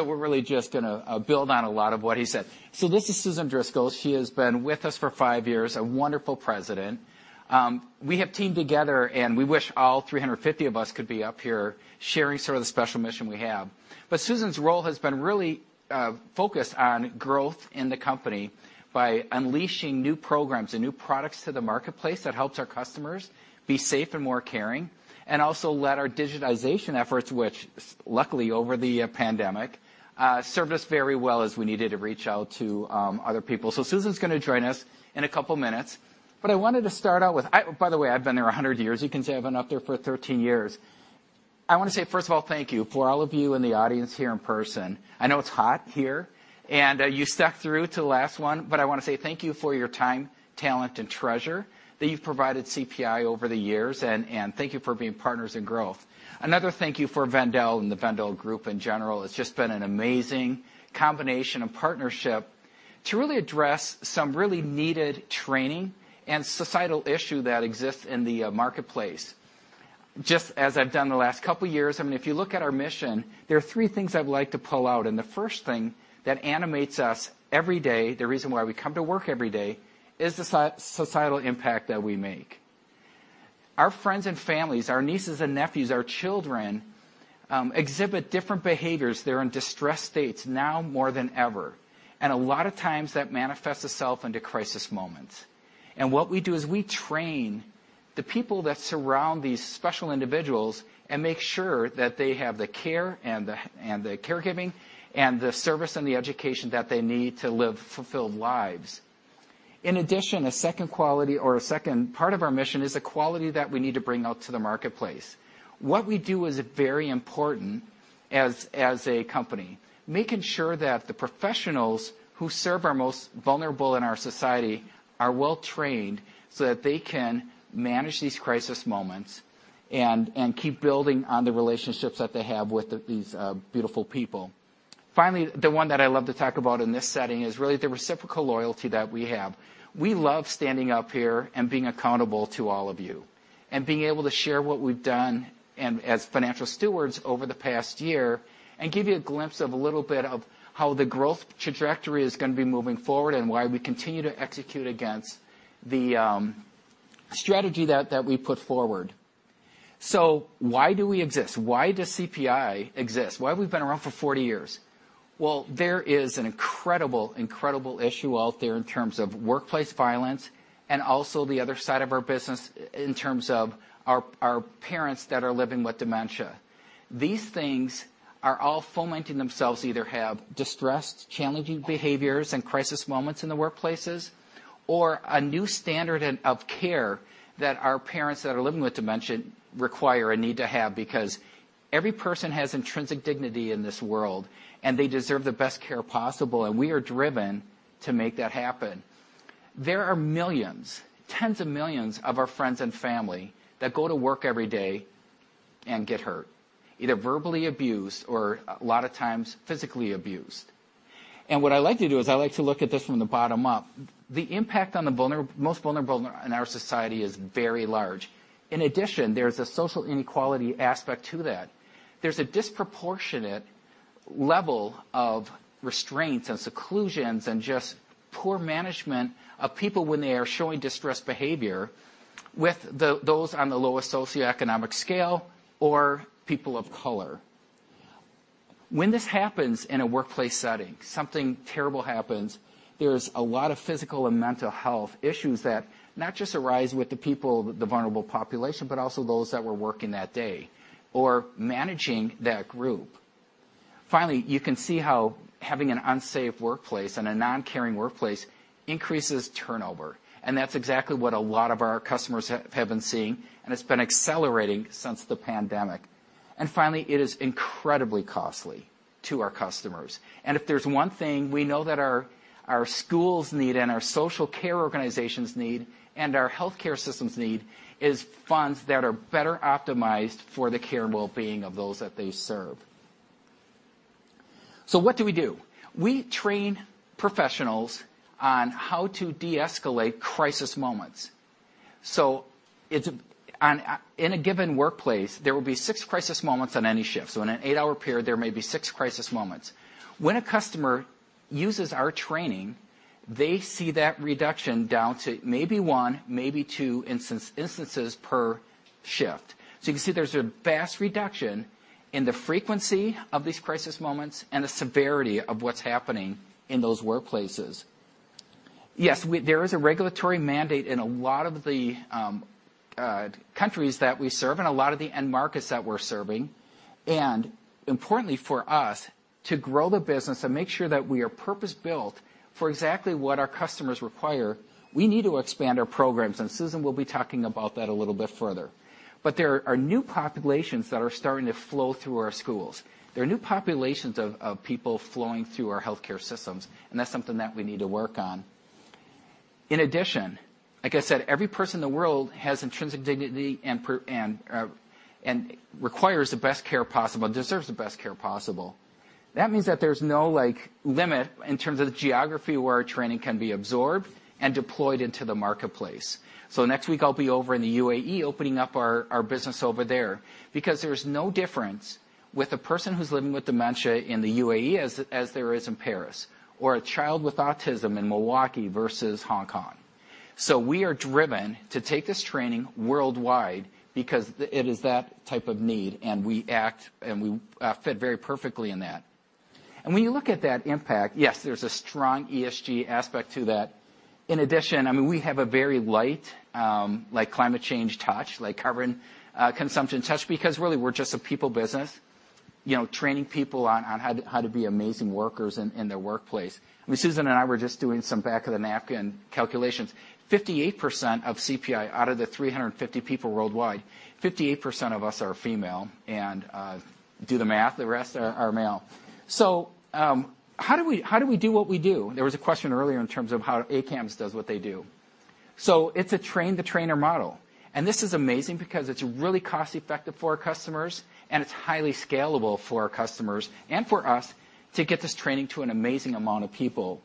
we're really just going to build on a lot of what he said. This is Susan Driscoll. She has been with us for five years, a wonderful president. We have teamed together, we wish all 350 of us could be up here sharing sort of the special mission we have. Susan's role has been really focused on growth in the company by unleashing new programs and new products to the marketplace that helps our customers be safe and more caring, also led our digitization efforts, which luckily over the pandemic served us very well as we needed to reach out to other people. Susan's gonna join us in a couple minutes, but I wanted to start out with. By the way, I've been there 100 years. You can say I've been up there for 13 years. I wanna say, first of all, thank you for all of you in the audience here in person. I know it's hot here, and you stuck through to the last one, but I wanna say thank you for your time, talent, and treasure that you've provided CPI over the years, and thank you for being partners in growth. Another thank you for Wendel and the Wendel Group in general. It's just been an amazing combination of partnership to really address some really needed training and societal issue that exists in the marketplace. Just as I've done the last couple years, I mean, if you look at our mission, there are three things I would like to pull out. The first thing that animates us every day, the reason why we come to work every day, is the societal impact that we make. Our friends and families, our nieces and nephews, our children, exhibit different behaviors. They're in distressed states now more than ever, and a lot of times that manifests itself into crisis moments. What we do is we train the people that surround these special individuals and make sure that they have the care and the caregiving and the service and the education that they need to live fulfilled lives. In addition, a second quality or a second part of our mission is the quality that we need to bring out to the marketplace. What we do is very important as a company, making sure that the professionals who serve our most vulnerable in our society are well trained so that they can manage these crisis moments and keep building on the relationships that they have with these beautiful people. Finally, the one that I love to talk about in this setting is really the reciprocal loyalty that we have. We love standing up here and being accountable to all of you and being able to share what we've done and as financial stewards over the past year and give you a glimpse of a little bit of how the growth trajectory is gonna be moving forward and why we continue to execute against the strategy that we put forward. Why do we exist? Why does CPI exist? Why have we been around for 40 years? Well, there is an incredible issue out there in terms of workplace violence and also the other side of our business in terms of our parents that are living with dementia. These things are all fomenting themselves, either have distressed challenging behaviors and crisis moments in the workplaces or a new standard of care that our parents that are living with dementia require and need to have because every person has intrinsic dignity in this world, and they deserve the best care possible, and we are driven to make that happen. There are millions, tens of millions of our friends and family that go to work every day and get hurt, either verbally abused or a lot of times physically abused. What I like to do is I like to look at this from the bottom up. The impact on the most vulnerable in our society is very large. In addition, there's a social inequality aspect to that. There's a disproportionate level of restraints and seclusions and just poor management of people when they are showing distressed behavior with those on the lowest socioeconomic scale or people of color. When this happens in a workplace setting, something terrible happens, there's a lot of physical and mental health issues that not just arise with the people, the vulnerable population, but also those that were working that day or managing that group. Finally, you can see how having an unsafe workplace and a non-caring workplace increases turnover, and that's exactly what a lot of our customers have been seeing, and it's been accelerating since the pandemic. Finally, it is incredibly costly to our customers. If there's one thing we know that our schools need, and our social care organizations need, and our healthcare systems need is funds that are better optimized for the care and wellbeing of those that they serve. What do we do? We train professionals on how to de-escalate crisis moments. In a given workplace, there will be six crisis moments on any shift. In an eight-hour period, there may be six crisis moments. When a customer uses our training, they see that reduction down to maybe one, maybe two instances per shift. You can see there's a vast reduction in the frequency of these crisis moments and the severity of what's happening in those workplaces. Yes, there is a regulatory mandate in a lot of the countries that we serve and a lot of the end markets that we're serving. Importantly for us to grow the business and make sure that we are purpose-built for exactly what our customers require, we need to expand our programs, and Susan will be talking about that a little bit further. There are new populations that are starting to flow through our schools. There are new populations of people flowing through our healthcare systems, and that's something that we need to work on. In addition, like I said, every person in the world has intrinsic dignity and and requires the best care possible, deserves the best care possible. That means that there's no, like, limit in terms of the geography where our training can be absorbed and deployed into the marketplace. Next week I'll be over in the UAE opening up our business over there because there's no difference with a person who's living with dementia in the UAE as there is in Paris or a child with autism in Milwaukee versus Hong Kong. We are driven to take this training worldwide because it is that type of need, and we act, and we fit very perfectly in that. When you look at that impact, yes, there's a strong ESG aspect to that. In addition, I mean, we have a very light, like climate change touch, like carbon consumption touch, because really we're just a people business, you know, training people on how to be amazing workers in their workplace. I mean, Susan and I were just doing some back of the napkin calculations. 58% of CPI, out of the 350 people worldwide, 58% of us are female and do the math, the rest are male. How do we do what we do? There was a question earlier in terms of how ACAMS does what they do. It's a train-the-trainer model, and this is amazing because it's really cost-effective for our customers, and it's highly scalable for our customers and for us to get this training to an amazing amount of people.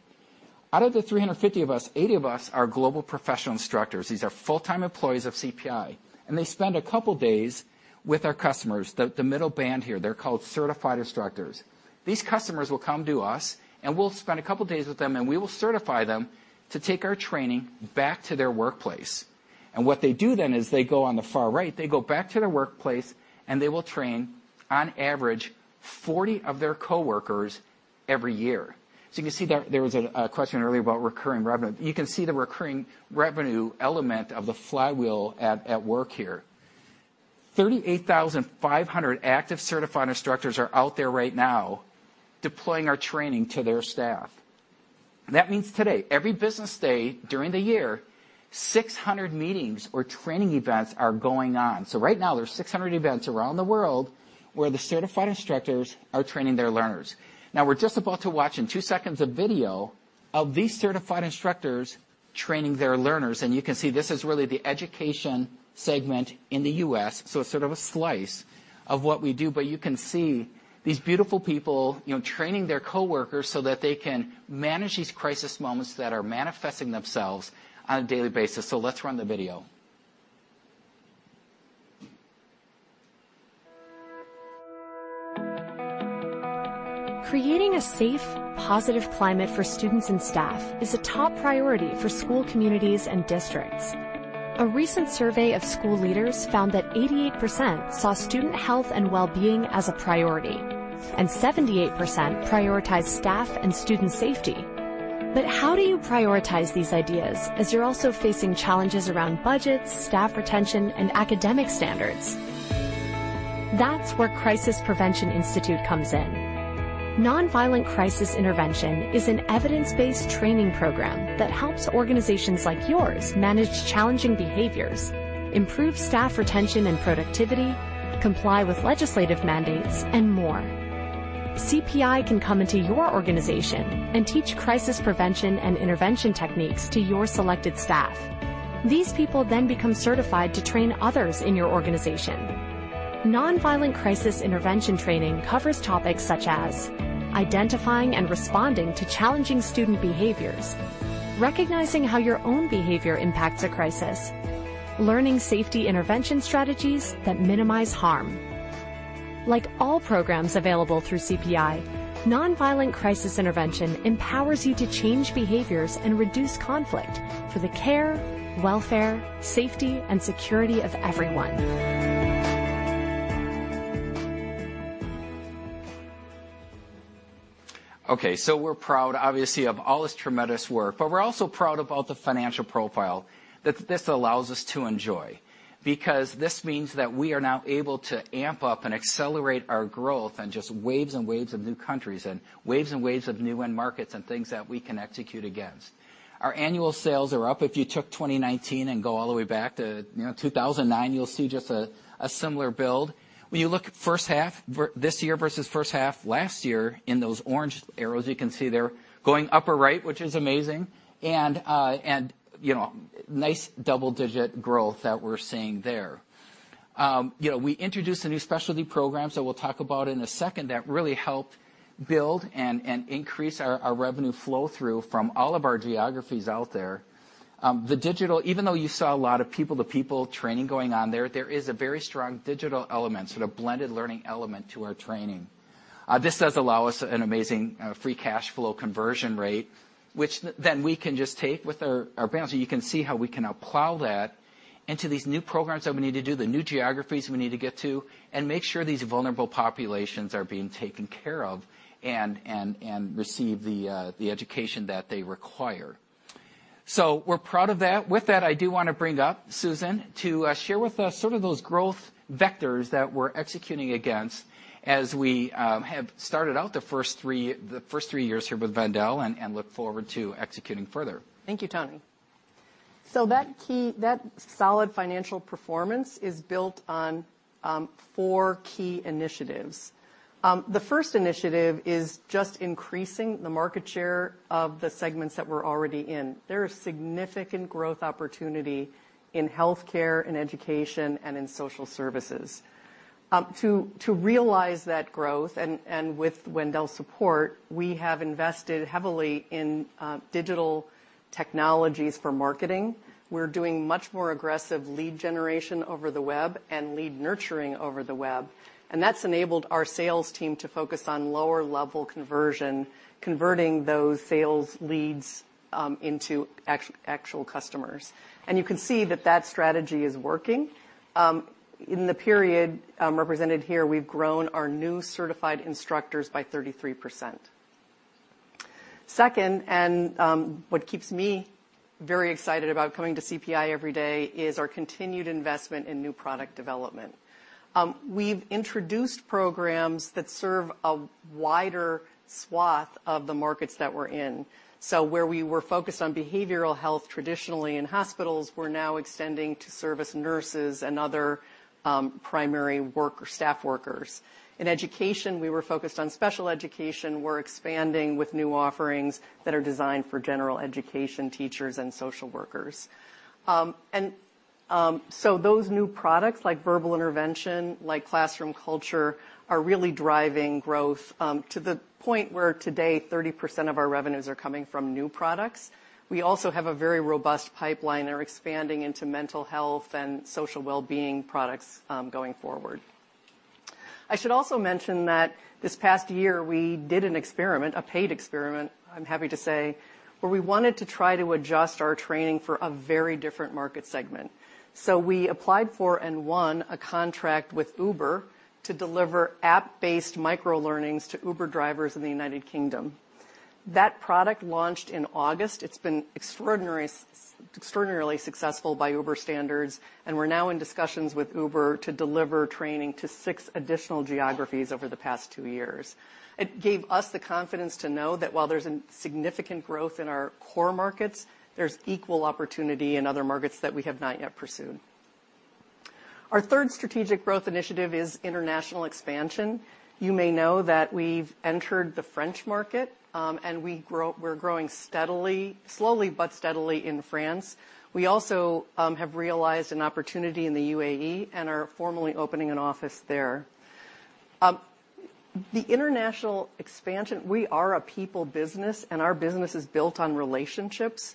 Out of the 350 of us, 80 of us are global professional instructors. These are full-time employees of CPI, they spend a couple days with our customers. The middle band here, they're called certified instructors. These customers will come to us, and we'll spend a couple days with them, and we will certify them to take our training back to their workplace. What they do then is they go on the far right, they go back to their workplace, and they will train on average 40 of their coworkers every year. You can see there was a question earlier about recurring revenue. You can see the recurring revenue element of the flywheel at work here. 38,500 active certified instructors are out there right now deploying our training to their staff. Today, every business day during the year, 600 meetings or training events are going on. Right now there's 600 events around the world where the certified instructors are training their learners. We're just about to watch in two seconds a video of these certified instructors training their learners, and you can see this is really the education segment in the U.S., it's sort of a slice of what we do. You can see these beautiful people, you know, training their coworkers so that they can manage these crisis moments that are manifesting themselves on a daily basis. Let's run the video. Creating a safe, positive climate for students and staff is a top priority for school communities and districts. A recent survey of school leaders found that 88% saw student health and wellbeing as a priority, and 78% prioritized staff and student safety. How do you prioritize these ideas as you're also facing challenges around budgets, staff retention, and academic standards? That's where Crisis Prevention Institute comes in. Nonviolent Crisis Intervention is an evidence-based training program that helps organizations like yours manage challenging behaviors, improve staff retention and productivity, comply with legislative mandates, and more. CPI can come into your organization and teach crisis prevention and intervention techniques to your selected staff. These people then become certified to train others in your organization. Nonviolent Crisis Intervention training covers topics such as identifying and responding to challenging student behaviors, recognizing how your own behavior impacts a crisis, learning safety intervention strategies that minimize harm. Like all programs available through CPI, Nonviolent Crisis Intervention empowers you to change behaviors and reduce conflict for the care, welfare, safety, and security of everyone. Okay, we're proud, obviously, of all this tremendous work, but we're also proud about the financial profile that this allows us to enjoy. This means that we are now able to amp up and accelerate our growth in just waves and waves of new countries and waves and waves of new end markets and things that we can execute against. Our annual sales are up. If you took 2019 and go all the way back to, you know, 2009, you'll see just a similar build. When you look at first half this year versus first half last year, in those orange arrows, you can see they're going upper right, which is amazing, and, you know, nice double-digit growth that we're seeing there. You know, we introduced a new specialty program, we'll talk about in a second that really helped build and increase our revenue flow through from all of our geographies out there. The digital even though you saw a lot of people-to-people training going on there is a very strong digital element, sort of blended learning element to our training. This does allow us an amazing free cash flow conversion rate, which then we can just take with our balance sheet. You can see how we can now plow that into these new programs that we need to do, the new geographies we need to get to, and make sure these vulnerable populations are being taken care of and receive the education that they require. We're proud of that. With that, I do want to bring up Susan to share with us sort of those growth vectors that we're executing against as we have started out the first three years here with Wendel and look forward to executing further. Thank you, Tony. That solid financial performance is built on four key initiatives. The first initiative is just increasing the market share of the segments that we're already in. There is significant growth opportunity in healthcare and education and in social services. To realize that growth with Wendel's support, we have invested heavily in digital technologies for marketing. We're doing much more aggressive lead generation over the web and lead nurturing over the web, that's enabled our sales team to focus on lower-level conversion, converting those sales leads into actual customers. You can see that that strategy is working. In the period represented here, we've grown our new certified instructors by 33%. Second, what keeps me very excited about coming to CPI every day is our continued investment in new product development. We've introduced programs that serve a wider swath of the markets that we're in. Where we were focused on behavioral health traditionally in hospitals, we're now extending to service nurses and other primary work or staff workers. In education, we were focused on special education. We're expanding with new offerings that are designed for general education teachers and social workers. Those new products like Verbal Intervention, like Classroom Culture, are really driving growth to the point where today 30% of our revenues are coming from new products. We also have a very robust pipeline and are expanding into mental health and social well-being products going forward. I should also mention that this past year we did an experiment, a paid experiment, I'm happy to say, where we wanted to try to adjust our training for a very different market segment. We applied for and won a contract with Uber to deliver app-based microlearnings to Uber drivers in the United Kingdom. That product launched in August. It's been extraordinarily successful by Uber standards, and we're now in discussions with Uber to deliver training to six additional geographies over the past two years. It gave us the confidence to know that while there's a significant growth in our core markets, there's equal opportunity in other markets that we have not yet pursued. Our third strategic growth initiative is international expansion. You may know that we've entered the French market, and we're growing steadily, slowly but steadily in France. We also have realized an opportunity in the UAE and are formally opening an office there. The international expansion, we are a people business, and our business is built on relationships,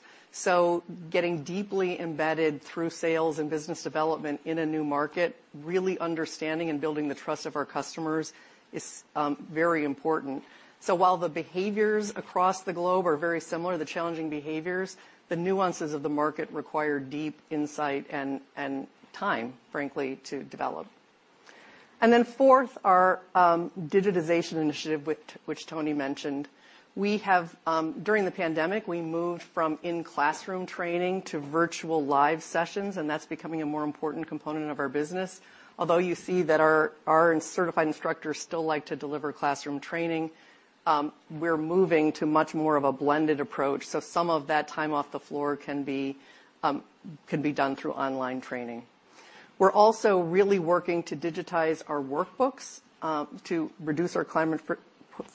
getting deeply embedded through sales and business development in a new market, really understanding and building the trust of our customers is very important. While the behaviors across the globe are very similar, the challenging behaviors, the nuances of the market require deep insight and time, frankly, to develop. Fourth, our digitization initiative which Tony Jace mentioned. We have, during the pandemic, we moved from in-classroom training to virtual live sessions, that's becoming a more important component of our business. You see that our certified instructors still like to deliver classroom training, we're moving to much more of a blended approach, some of that time off the floor can be done through online training. We're also really working to digitize our workbooks to reduce our climate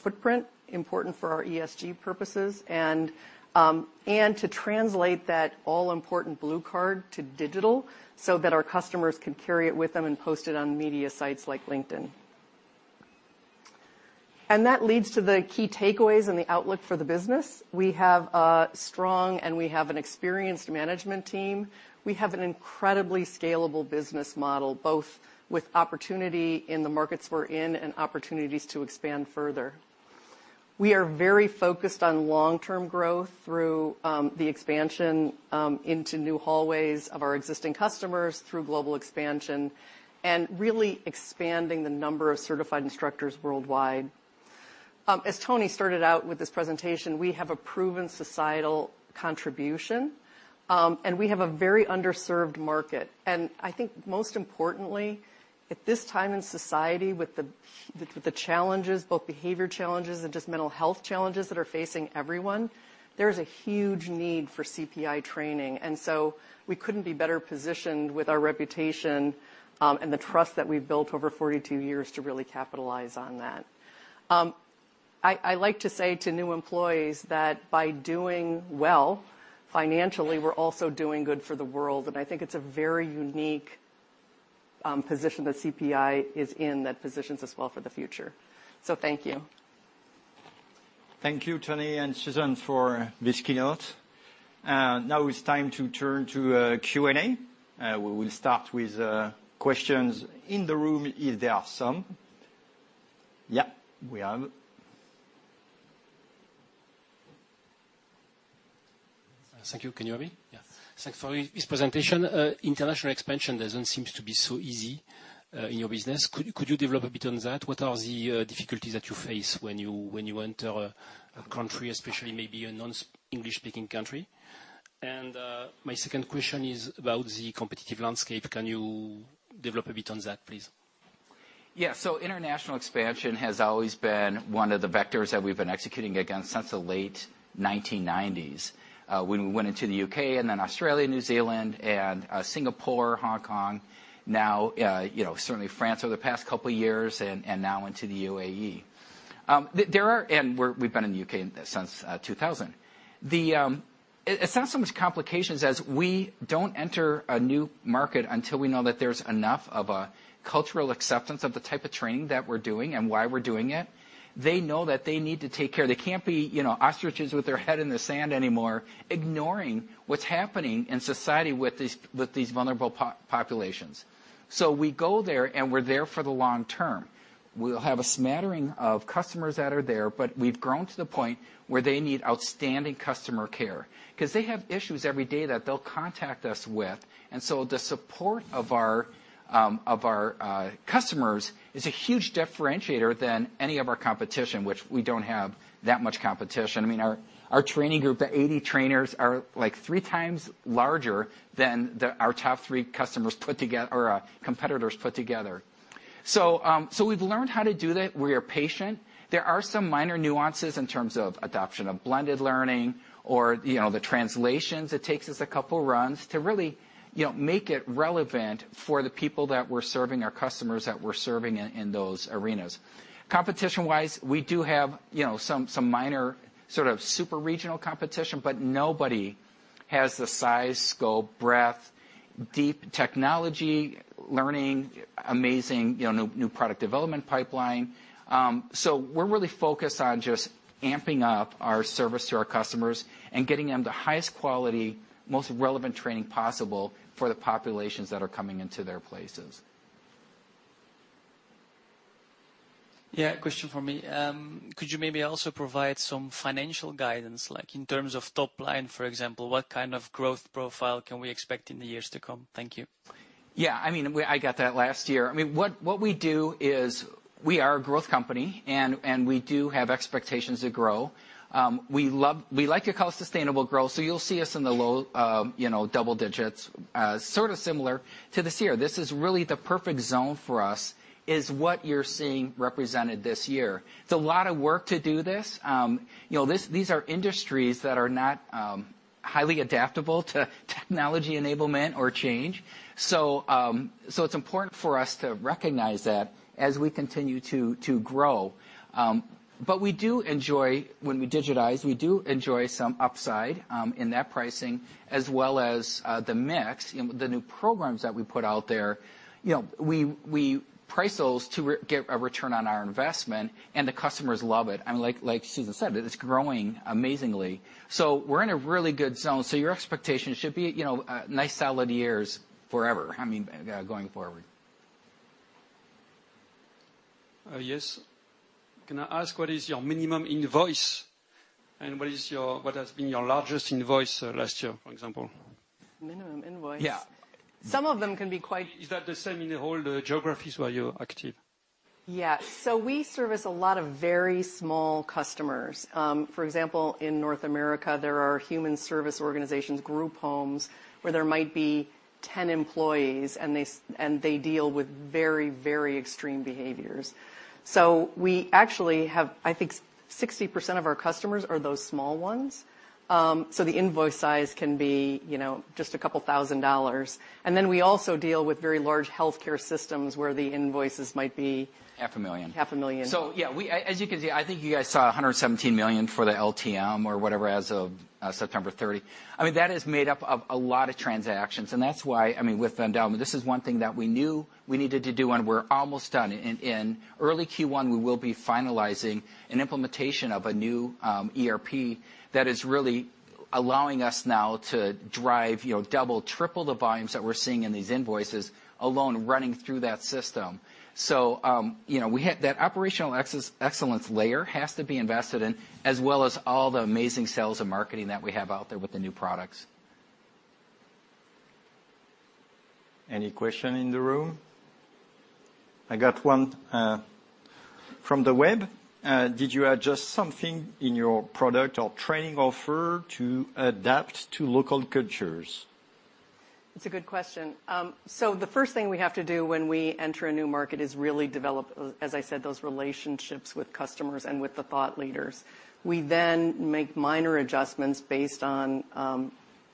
footprint, important for our ESG purposes, and to translate that all-important blue card to digital so that our customers can carry it with them and post it on media sites like LinkedIn. That leads to the key takeaways and the outlook for the business. We have a strong and we have an experienced management team. We have an incredibly scalable business model, both with opportunity in the markets we're in and opportunities to expand further. We are very focused on long-term growth through the expansion into new hallways of our existing customers through global expansion and really expanding the number of certified instructors worldwide. As Tony started out with this presentation, we have a proven societal contribution, and we have a very underserved market. I think most importantly, at this time in society with the, with the challenges, both behavior challenges and just mental health challenges that are facing everyone, there is a huge need for CPI training. We couldn't be better positioned with our reputation, and the trust that we've built over 42 years to really capitalize on that. I like to say to new employees that by doing well financially, we're also doing good for the world. I think it's a very unique position that CPI is in that positions us well for the future. Thank you. Thank you, Tony and Susan, for this keynote. Now it's time to turn to Q&A. We will start with questions in the room if there are some. Yeah, we have. Thank you. Can you hear me? Yeah. Thanks for this presentation. International expansion doesn't seems to be so easy in your business. Could you develop a bit on that? What are the difficulties that you face when you enter a country, especially maybe a non-English speaking country? My second question is about the competitive landscape. Can you develop a bit on that, please? Yeah. International expansion has always been one of the vectors that we've been executing against since the late 1990s, when we went into the UK and then Australia, New Zealand and Singapore, Hong Kong now, you know, certainly France over the past couple of years and now into the UAE. There are. We're, we've been in the UK since 2000. It's not so much complications as we don't enter a new market until we know that there's enough of a cultural acceptance of the type of training that we're doing and why we're doing it. They know that they need to take care. They can't be, you know, ostriches with their head in the sand anymore, ignoring what's happening in society with these, with these vulnerable pop-populations. We go there, and we're there for the long term. We'll have a smattering of customers that are there, but we've grown to the point where they need outstanding customer care 'cause they have issues every day that they'll contact us with. The support of our customers is a huge differentiator than any of our competition, which we don't have that much competition. I mean, our training group, the 80 trainers are like three times larger than our top three customers put together or competitors put together. We've learned how to do that. We are patient. There are some minor nuances in terms of adoption of blended learning or, you know, the translations. It takes us a couple runs to really, you know, make it relevant for the people that we're serving, our customers that we're serving in those arenas. Competition wise, we do have, you know, some minor sort of super regional competition, but nobody has the size, scope, breadth, deep technology, learning, amazing, you know, new product development pipeline. We're really focused on just amping up our service to our customers and getting them the highest quality, most relevant training possible for the populations that are coming into their places. Question from me. Could you maybe also provide some financial guidance, like in terms of top line, for example, what kind of growth profile can we expect in the years to come? Thank you. I mean, I got that last year. I mean, what we do is we are a growth company and we do have expectations to grow. We like to call sustainable growth. You'll see us in the low, you know, double digits, sort of similar to this year. This is really the perfect zone for us, is what you're seeing represented this year. It's a lot of work to do this. You know, these are industries that are not highly adaptable to technology enablement or change. It's important for us to recognize that as we continue to grow. We do enjoy, when we digitize, we do enjoy some upside, in that pricing as well as the mix, the new programs that we put out there. You know, we price those to get a return on our investment, and the customers love it. Like Susan said, it is growing amazingly. We're in a really good zone. Your expectations should be, you know, nice solid years forever. I mean, going forward. Yes. Can I ask, what is your minimum invoice and what has been your largest invoice last year, for example? Minimum invoice? Yeah. Some of them can be quite- Is that the same in all the geographies where you're active? Yeah. We service a lot of very small customers. For example, in North America, there are human service organizations, group homes, where there might be 10 employees, and they deal with very extreme behaviors. We actually have I think 60% of our customers are those small ones. The invoice size can be, you know, just a couple thousand dollars. We also deal with very large healthcare systems where the invoices might be. Half a million USD. Half a million USD. Yeah, as you can see, I think you guys saw 117 million for the LTM or whatever as of September 30. I mean, that is made up of a lot of transactions, and that's why, I mean, with them down, this is one thing that we knew we needed to do, and we're almost done. In early Q1, we will be finalizing an implementation of a new ERP that is really allowing us now to drive, you know, double, triple the volumes that we're seeing in these invoices alone running through that system. You know, that operational excellence layer has to be invested in, as well as all the amazing sales and marketing that we have out there with the new products. Any question in the room? I got one from the web. Did you adjust something in your product or training offer to adapt to local cultures? It's a good question. The first thing we have to do when we enter a new market is really develop, as I said, those relationships with customers and with the thought leaders. We then make minor adjustments based on,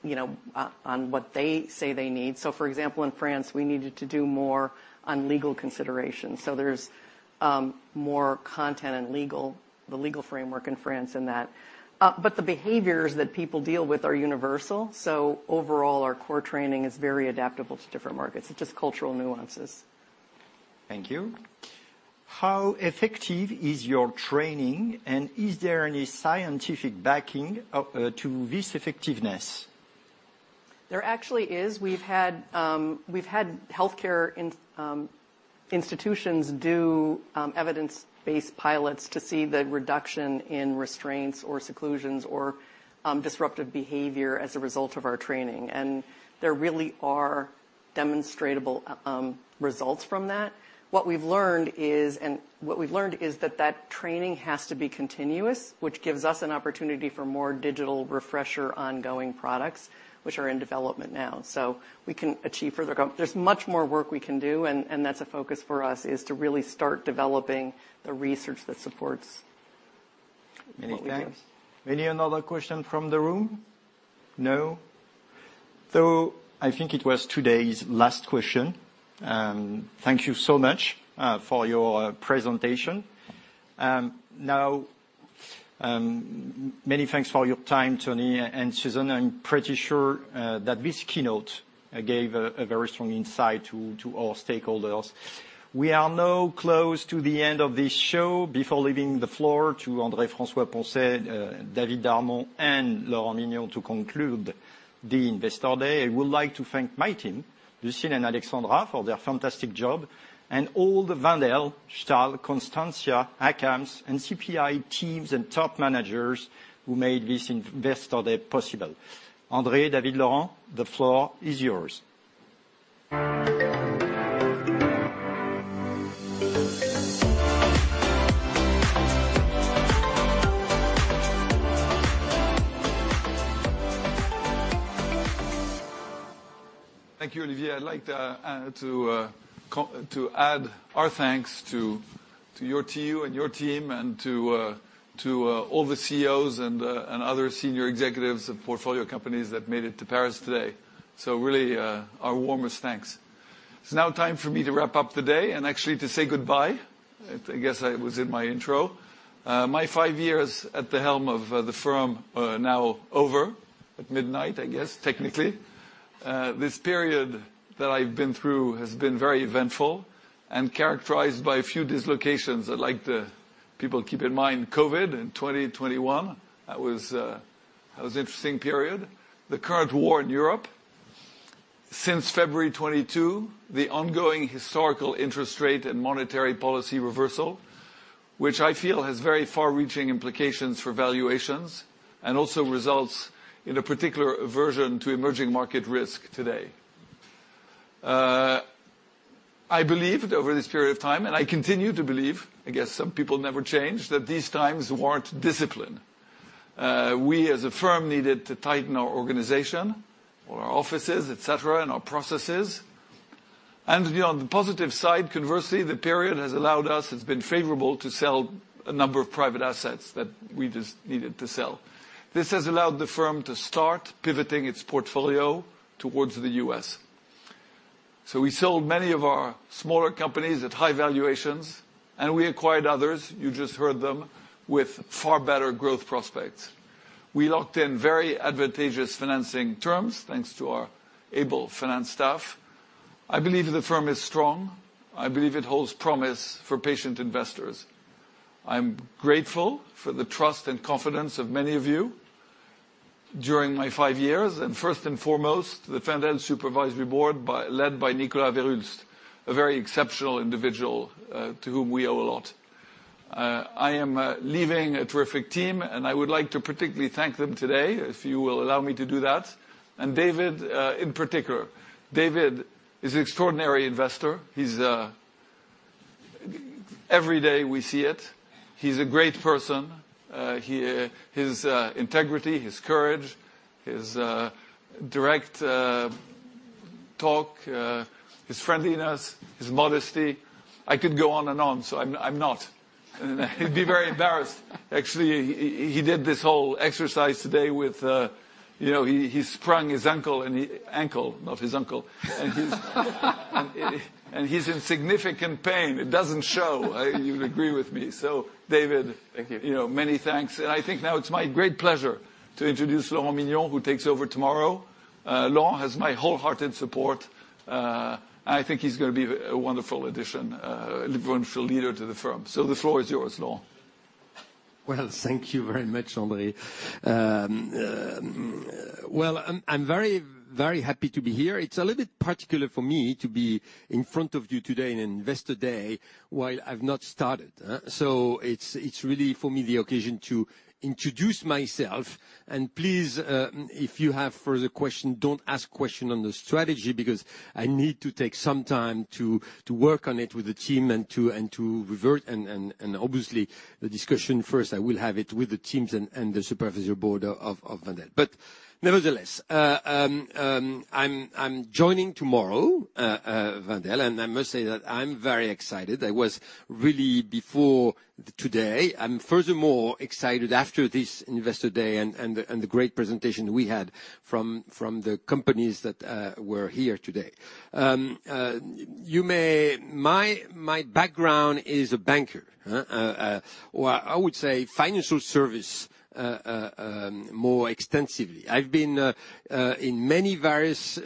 you know, on what they say they need. For example, in France, we needed to do more on legal considerations. There's more content and legal, the legal framework in France in that. The behaviors that people deal with are universal, so overall our core training is very adaptable to different markets. It's just cultural nuances. Thank you. How effective is your training, is there any scientific backing to this effectiveness? There actually is. We've had, we've had healthcare in institutions do evidence-based pilots to see the reduction in restraints or seclusions or disruptive behavior as a result of our training. There really are demonstrable results from that. What we've learned is that training has to be continuous, which gives us an opportunity for more digital refresher ongoing products which are in development now. There's much more work we can do, and that's a focus for us, is to really start developing the research that supports what we do. Many thanks. Any another question from the room? No. I think it was today's last question. Thank you so much for your presentation. Now, many thanks for your time, Tony and Susan. I'm pretty sure that this keynote gave a very strong insight to all stakeholders. We are now close to the end of this show. Before leaving the floor to André François-Poncet, David Darmon and Laurent Mignon to conclude the Investor Day, I would like to thank my team, Lucile and Alexandra, for their fantastic job, and all the Wendel, Stahl, Constantia, ACAMS, and CPI teams and top managers who made this Investor Day possible. André, David, Laurent, the floor is yours. Thank you, Olivier. I'd like to add our thanks to your team, and your team, and to all the CEOs and other senior executives of portfolio companies that made it to Paris today. Really, our warmest thanks. It's now time for me to wrap up the day and actually to say goodbye. I guess that was in my intro. My five years at the helm of the firm are now over at midnight, I guess, technically. This period that I've been through has been very eventful and characterized by a few dislocations. I'd like people keep in mind COVID in 2021. That was an interesting period. The current war in Europe. Since February 22, the ongoing historical interest rate and monetary policy reversal, which I feel has very far-reaching implications for valuations and also results in a particular aversion to emerging market risk today. I believed over this period of time, and I continue to believe, I guess some people never change, that these times warrant discipline. We as a firm needed to tighten our organization or our offices, et cetera, and our processes. You know, on the positive side, conversely, the period has allowed us, it's been favorable to sell a number of private assets that we just needed to sell. This has allowed the firm to start pivoting its portfolio towards the U.S. We sold many of our smaller companies at high valuations, and we acquired others, you just heard them, with far better growth prospects. We locked in very advantageous financing terms, thanks to our able finance staff. I believe the firm is strong. I believe it holds promise for patient investors. I'm grateful for the trust and confidence of many of you during my five years, and first and foremost, the Wendel Supervisory Board led by Nicolas ver Hulst, a very exceptional individual, to whom we owe a lot. I am leaving a terrific team, and I would like to particularly thank them today, if you will allow me to do that, and David, in particular. David is an extraordinary investor. He's Every day we see it. He's a great person. He, his integrity, his courage, his direct talk, his friendliness, his modesty. I could go on and on, so I'm not. He'd be very embarrassed. Actually, he did this whole exercise today with, you know. He sprung his ankle, not his uncle. He's in significant pain. It doesn't show. You'd agree with me. David. Thank you. You know, many thanks. I think now it's my great pleasure to introduce Laurent Mignon, who takes over tomorrow. Laurent has my wholehearted support. I think he's gonna be a wonderful addition, a wonderful leader to the firm. The floor is yours, Laurent. Well, thank you very much, André. Well, I'm very, very happy to be here. It's a little bit particular for me to be in front of you today in Investor Day while I've not started, huh? It's really for me, the occasion to introduce myself. Please, if you have further question, don't ask question on the strategy because I need to take some time to work on it with the team and to revert. Obviously the discussion first, I will have it with the teams and the Supervisory Board of Wendel. Nevertheless, I'm joining tomorrow Wendel, and I must say that I'm very excited. I was really before today. I'm furthermore excited after this Investor Day and the great presentation we had from the companies that were here today. My background is a banker, or I would say financial service more extensively. I've been in many various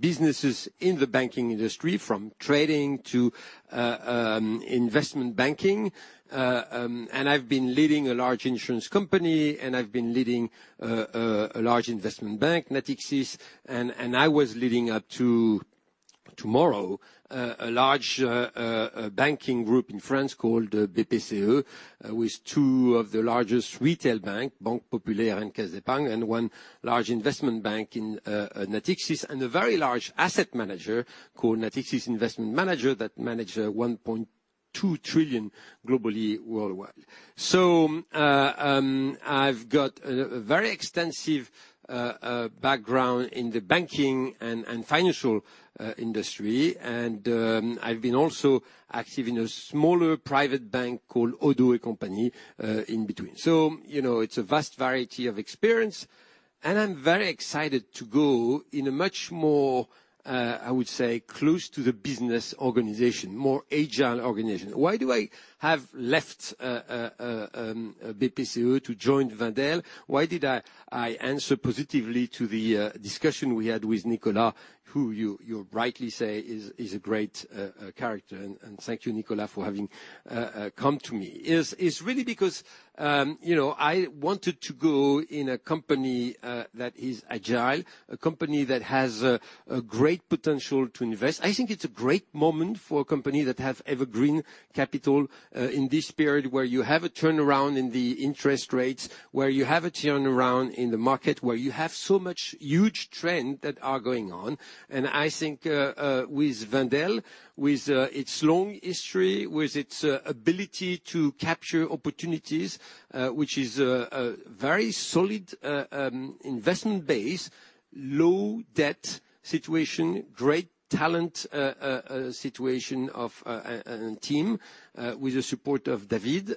businesses in the banking industry, from trading to investment banking. I've been leading a large insurance company, and I've been leading a large investment bank, Natixis, and I was leading up to tomorrow a large banking group in France called BPCE with two of the largest retail bank, Banque Populaire and Caisse d'Epargne, and one large investment bank in Natixis, and a very large asset manager called Natixis Investment Managers that manage 1.2 trillion globally worldwide. I've got a very extensive background in the banking and financial industry. I've been also active in a smaller private bank called Oddo & Cie in between. You know, it's a vast variety of experience, and I'm very excited to go in a much more, I would say, close to the business organization, more agile organization. Why do I have left BPCE to join Wendel? Why did I answer positively to the discussion we had with Nicolas, who you rightly say is a great character, and thank you, Nicolas, for having come to me, is really because, you know, I wanted to go in a company that is agile, a company that has a great potential to invest. I think it's a great moment for a company that have evergreen capital in this period where you have a turnaround in the interest rates, where you have a turnaround in the market, where you have so much huge trend that are going on. I think with Wendel, with its long history, with its ability to capture opportunities, which is a very solid investment base, low debt situation, great talent, situation of team, with the support of David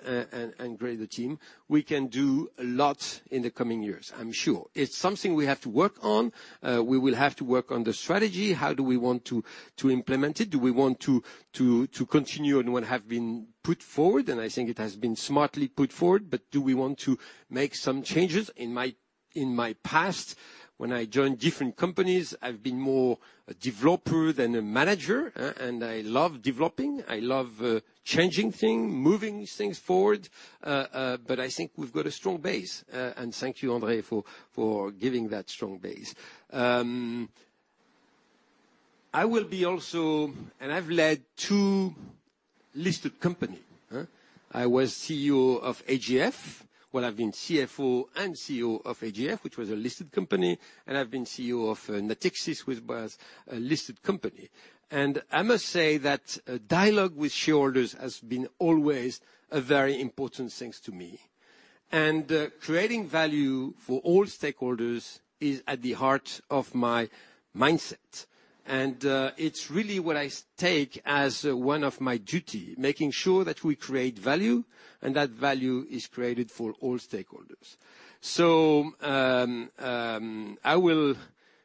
and great team. We can do a lot in the coming years, I'm sure. It's something we have to work on. We will have to work on the strategy. How do we want to implement it? Do we want to continue on what have been put forward? I think it has been smartly put forward. Do we want to make some changes? In my past, when I joined different companies, I've been more a developer than a manager, I love developing, I love changing thing, moving things forward. I think we've got a strong base. Thank you, André, for giving that strong base. I've led two listed company. I was CEO of AGF. Well, I've been CFO and CEO of AGF, which was a listed company, and I've been CEO of Natixis, which was a listed company. I must say that dialogue with shareholders has been always a very important things to me. Creating value for all stakeholders is at the heart of my mindset. It's really what I take as one of my duty, making sure that we create value and that value is created for all stakeholders. I will,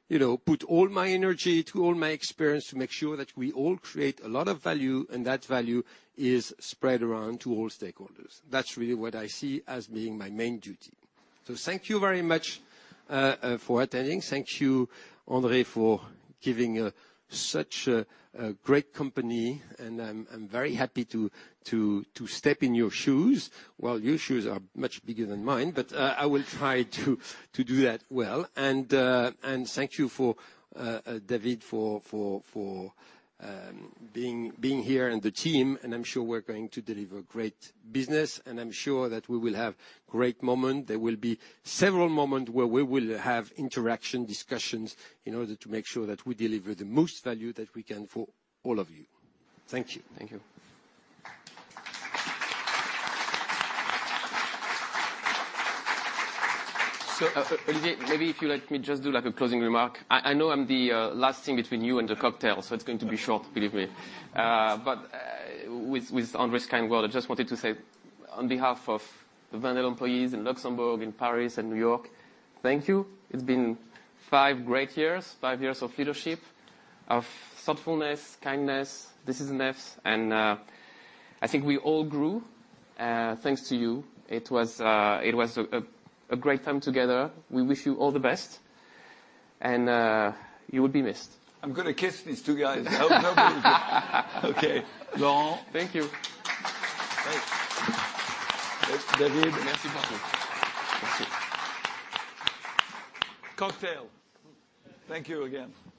you know, put all my energy to all my experience to make sure that we all create a lot of value and that value is spread around to all stakeholders. That's really what I see as being my main duty. Thank you very much for attending. Thank you, André, for giving such a great company. I'm very happy to step in your shoes. Your shoes are much bigger than mine, I will try to do that well. Thank you for David for being here and the team. I'm sure we're going to deliver great business. I'm sure that we will have great moment. There will be several moment where we will have interaction, discussions in order to make sure that we deliver the most value that we can for all of you. Thank you. Thank you. Olivier, maybe if you let me just do like a closing remark. I know I'm the last thing between you and the cocktail, it's going to be short, believe me. With André's kind word, I just wanted to say on behalf of the Wendel employees in Luxembourg, in Paris and New York, thank you. It's been five great years, five years of leadership, of thoughtfulness, kindness, businessness. I think we all grew thanks to you. It was a great time together. We wish you all the best, you will be missed. I'm gonna kiss these two guys. Okay. Laurent. Thank you. Thanks. David. Merci beaucoup. Merci. Cocktail. Thank you again.